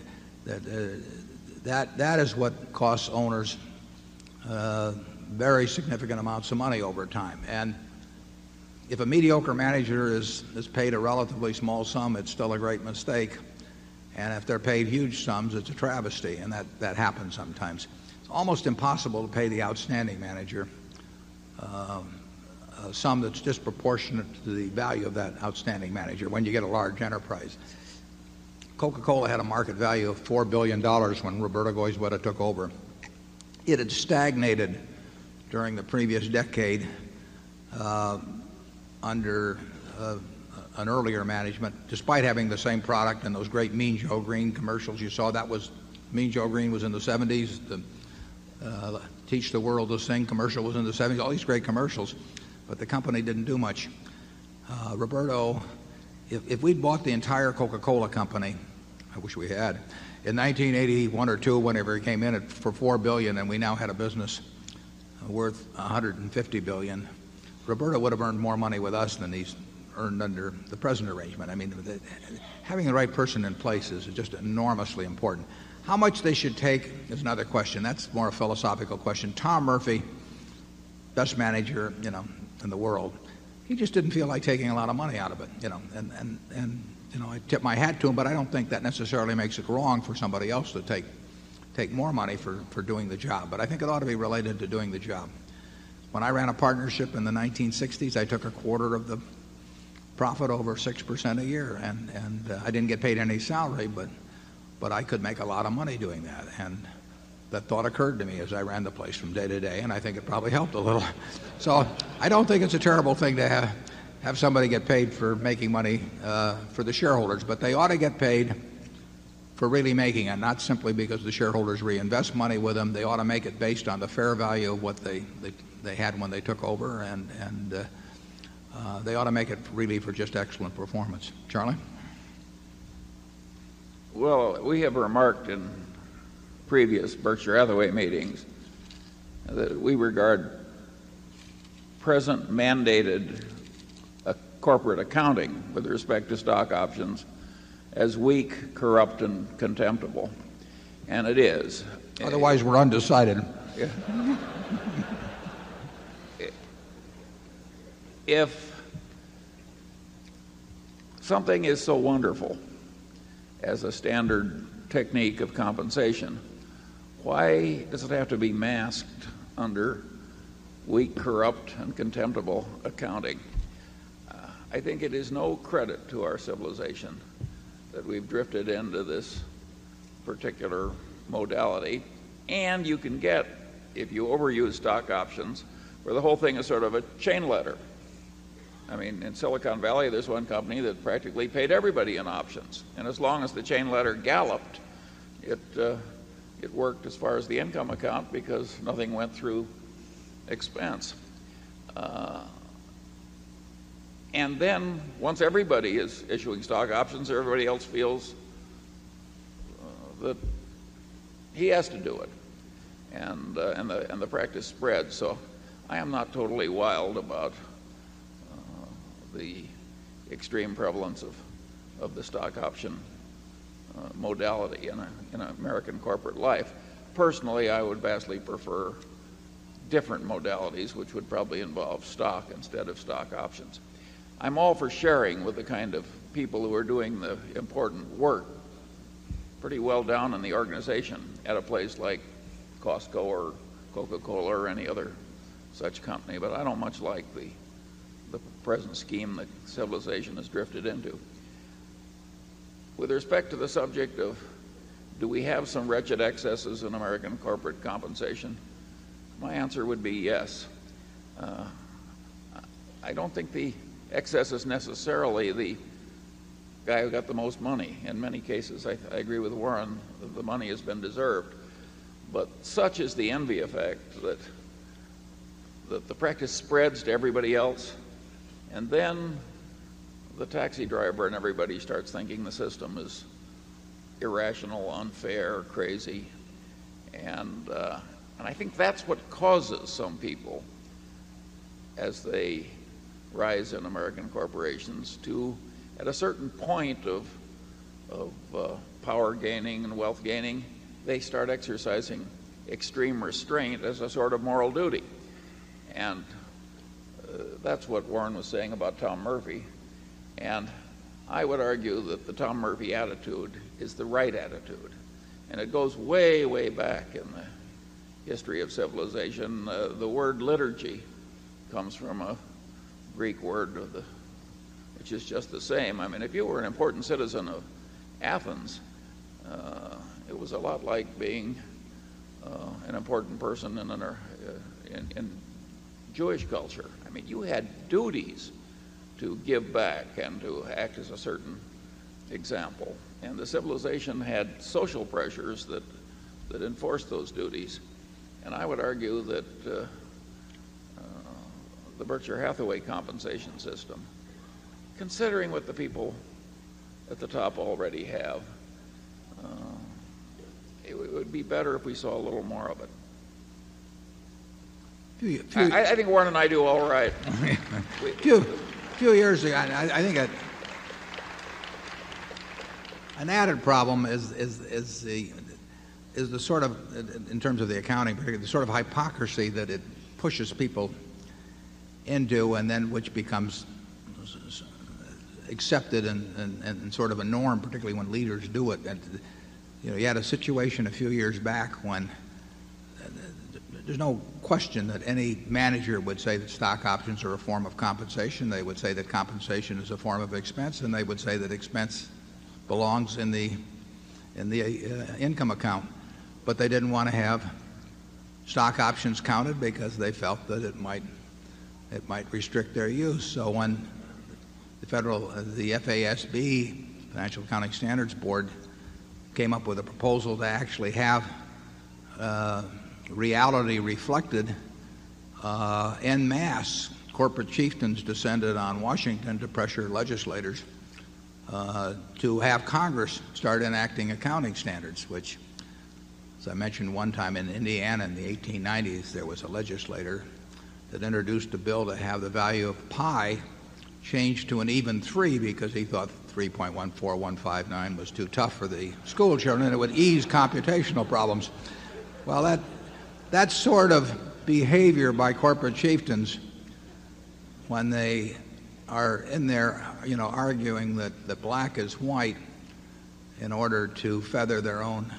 that is what costs owners, very significant amounts of money over time. And if a mediocre manager is paid a relatively small sum, it's still a great mistake. And if they're paid huge sums, it's a travesty. And that happens sometimes. It's almost impossible to pay the outstanding manager, a sum that's disproportionate to the value of that outstanding manager when you get a large enterprise. Coca Cola had a market value of $4,000,000,000 when Roberto Goizueta took over. It had stagnated during the previous decade under an earlier management despite having the same product and those great Mean Joe Greene commercials you saw. That was Mean Joe Green was in the '70s. The Teach the World the SING commercial was in the '70s. All these great commercials, but the company didn't do much. Roberto, if we'd bought the entire Coca Cola Company I wish we had in 1981 or 2, whenever he came in for $4,000,000,000 and we now had a business worth $150,000,000,000 Roberta would have earned more money with us than he's earned under the present arrangement. I mean, having the right person in place is just enormously important. How much they should take is another question. That's more a philosophical Tom Murphy, best manager, you know, in the world, he just didn't feel like taking a lot of money out of it, you know. And and and, you know, I tip my hat to him, but I don't think that necessarily makes it wrong for somebody else to take take more money for for doing the job. But I think it ought to be related to doing the job. When I ran a partnership in the 19 sixties, I took a quarter of the profit over 6% a year. And and, I didn't get paid any salary, but but I could make a lot of money doing that. And that thought occurred to me as I ran the place from day to day, and I think it probably helped a little. So I don't think it's a terrible thing to have somebody get paid for making money, for the shareholders. But they ought to get paid for really making it, not simply because the shareholders reinvest money with them. They ought to make it based on the fair value of what they they they had when they took over. And and, they ought to make it really for just excellent performance. Charlie? Well, we have remarked in previous Berkshire Hathaway meetings that we regard present mandated corporate accounting with respect to stock options as weak, corrupt, and contemptible. And it is. Otherwise, we're undecided. If something is so wonderful as a standard technique of compensation, Why does it have to be masked under weak, corrupt, and contemptible accounting? I think it is no credit to our civilization that we've drifted into this particular modality. And you can get, if you overuse stock options, where the whole thing is sort of a chain letter. In Silicon Valley, there's one company that practically paid everybody in options. And as long as the chain letter galloped, it worked as far as the income account because nothing went through expense. And then once everybody is issuing stock options, everybody else feels that he has to do it and the practice spreads. So I am not totally wild about the extreme prevalence of the stock option modality in an American corporate life. Personally, I would vastly prefer different modalities which would probably involve stock instead of stock options. I'm all for sharing with the kind of people who are doing the important work pretty well down in the organization at a place like Costco or Coca Cola or any other such company. But I don't much like the present scheme that civilization has drifted into. With respect to the subject of do we have some wretched excesses in American corporate compensation, My answer would be yes. I don't think the excess is necessarily the guy who got the most money. In many cases, I agree with Warren, the money has been deserved. But such is the envy effect that the practice spreads to everybody else and then the taxi driver and everybody starts thinking the system is irrational, unfair, crazy. And I think that's what causes some people as they rise in American corporations to at a certain point of power gaining and wealth gaining, they start exercising extreme restraint as a sort of moral duty. And that's what Warren was saying about Tom Murphy. And I would argue that the Tom Murphy attitude is the right attitude. And it goes way, way back in the history of civilization. The word liturgy comes from a Greek word which is just the same. I mean, if you were an important citizen of Athens, it was a lot like being an important person in Jewish culture. I mean, you had duties to give back and to act as a certain example. And the civilization had social pressures that enforced those duties. And I would argue that the Berkshire Hathaway compensation system, Considering what the people at the top already have, it would be better if we saw a little more of it. I think Warren and I do all right. Few years ago, I think an added problem is the sort of in terms of the accounting, the sort of hypocrisy that it pushes people into and then which becomes accepted and and and sort of a norm, particularly when leaders do it. You had a situation a few years back when there's no question that any manager would say that stock options are a form of compensation. They would say that compensation is a form of expense, and they would say that expense belongs in the in the income account. But they didn't want to have stock options counted because they felt that it might it might restrict their use. So when the federal the FASB, Financial Accounting Standards Board, came up with a proposal to actually have reality reflected, en mass. Corporate chieftains descended on Washington to pressure legislators to have Congress start enacting accounting standards, which, as I mentioned one time in Indiana in the 1890s, there was a legislator that introduced a bill to have the value of pi changed to an even 3 because he thought 3.14159 was too tough for the schoolchildren and it would ease computational problems. Well, that that sort of behavior by corporate chieftains when they are in there arguing that the black is white in order to feather their own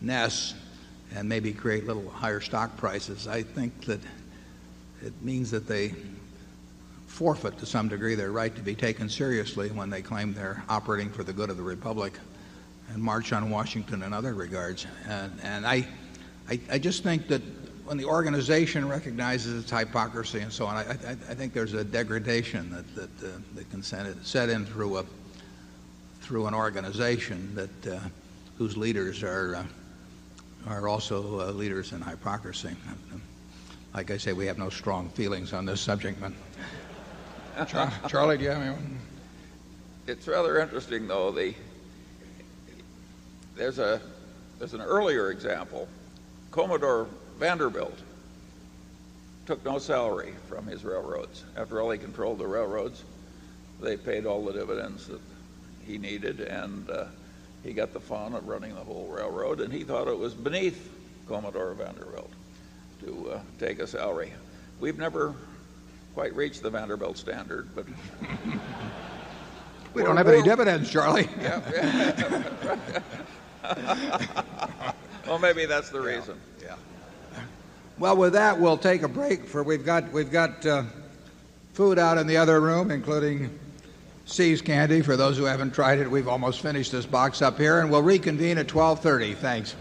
nests and maybe create little higher stock prices. I think that it means that they forfeit, to some degree, their right to be taken seriously when they claim they're operating for the good of the republic and march on Washington in other regards. And I I just think that when the organization recognizes its hypocrisy and so on, I I think there's a degradation that that the consent is set in through a through an organization that, whose leaders are are also leaders in hypocrisy. Like I say, we have no strong feelings on this subject. Charlie, do you have any one? It's rather interesting, though. There's an earlier example. Commodore Vanderbilt took no salary from his railroads. After all, he controlled the railroads, they paid all the dividends that he needed and he got the fun of running the whole railroad. And he thought it was beneath Commodore Vanderbilt to take a salary. We've never quite reached the Vanderbilt standard but We don't have any dividends, Charlie. Well, maybe that's the reason. Well, with that, we'll take a break for we've got we've got food out in the other room, including See's candy for those who haven't tried it. We've almost finished this box up here, and we'll reconvene at 12:30. Thanks.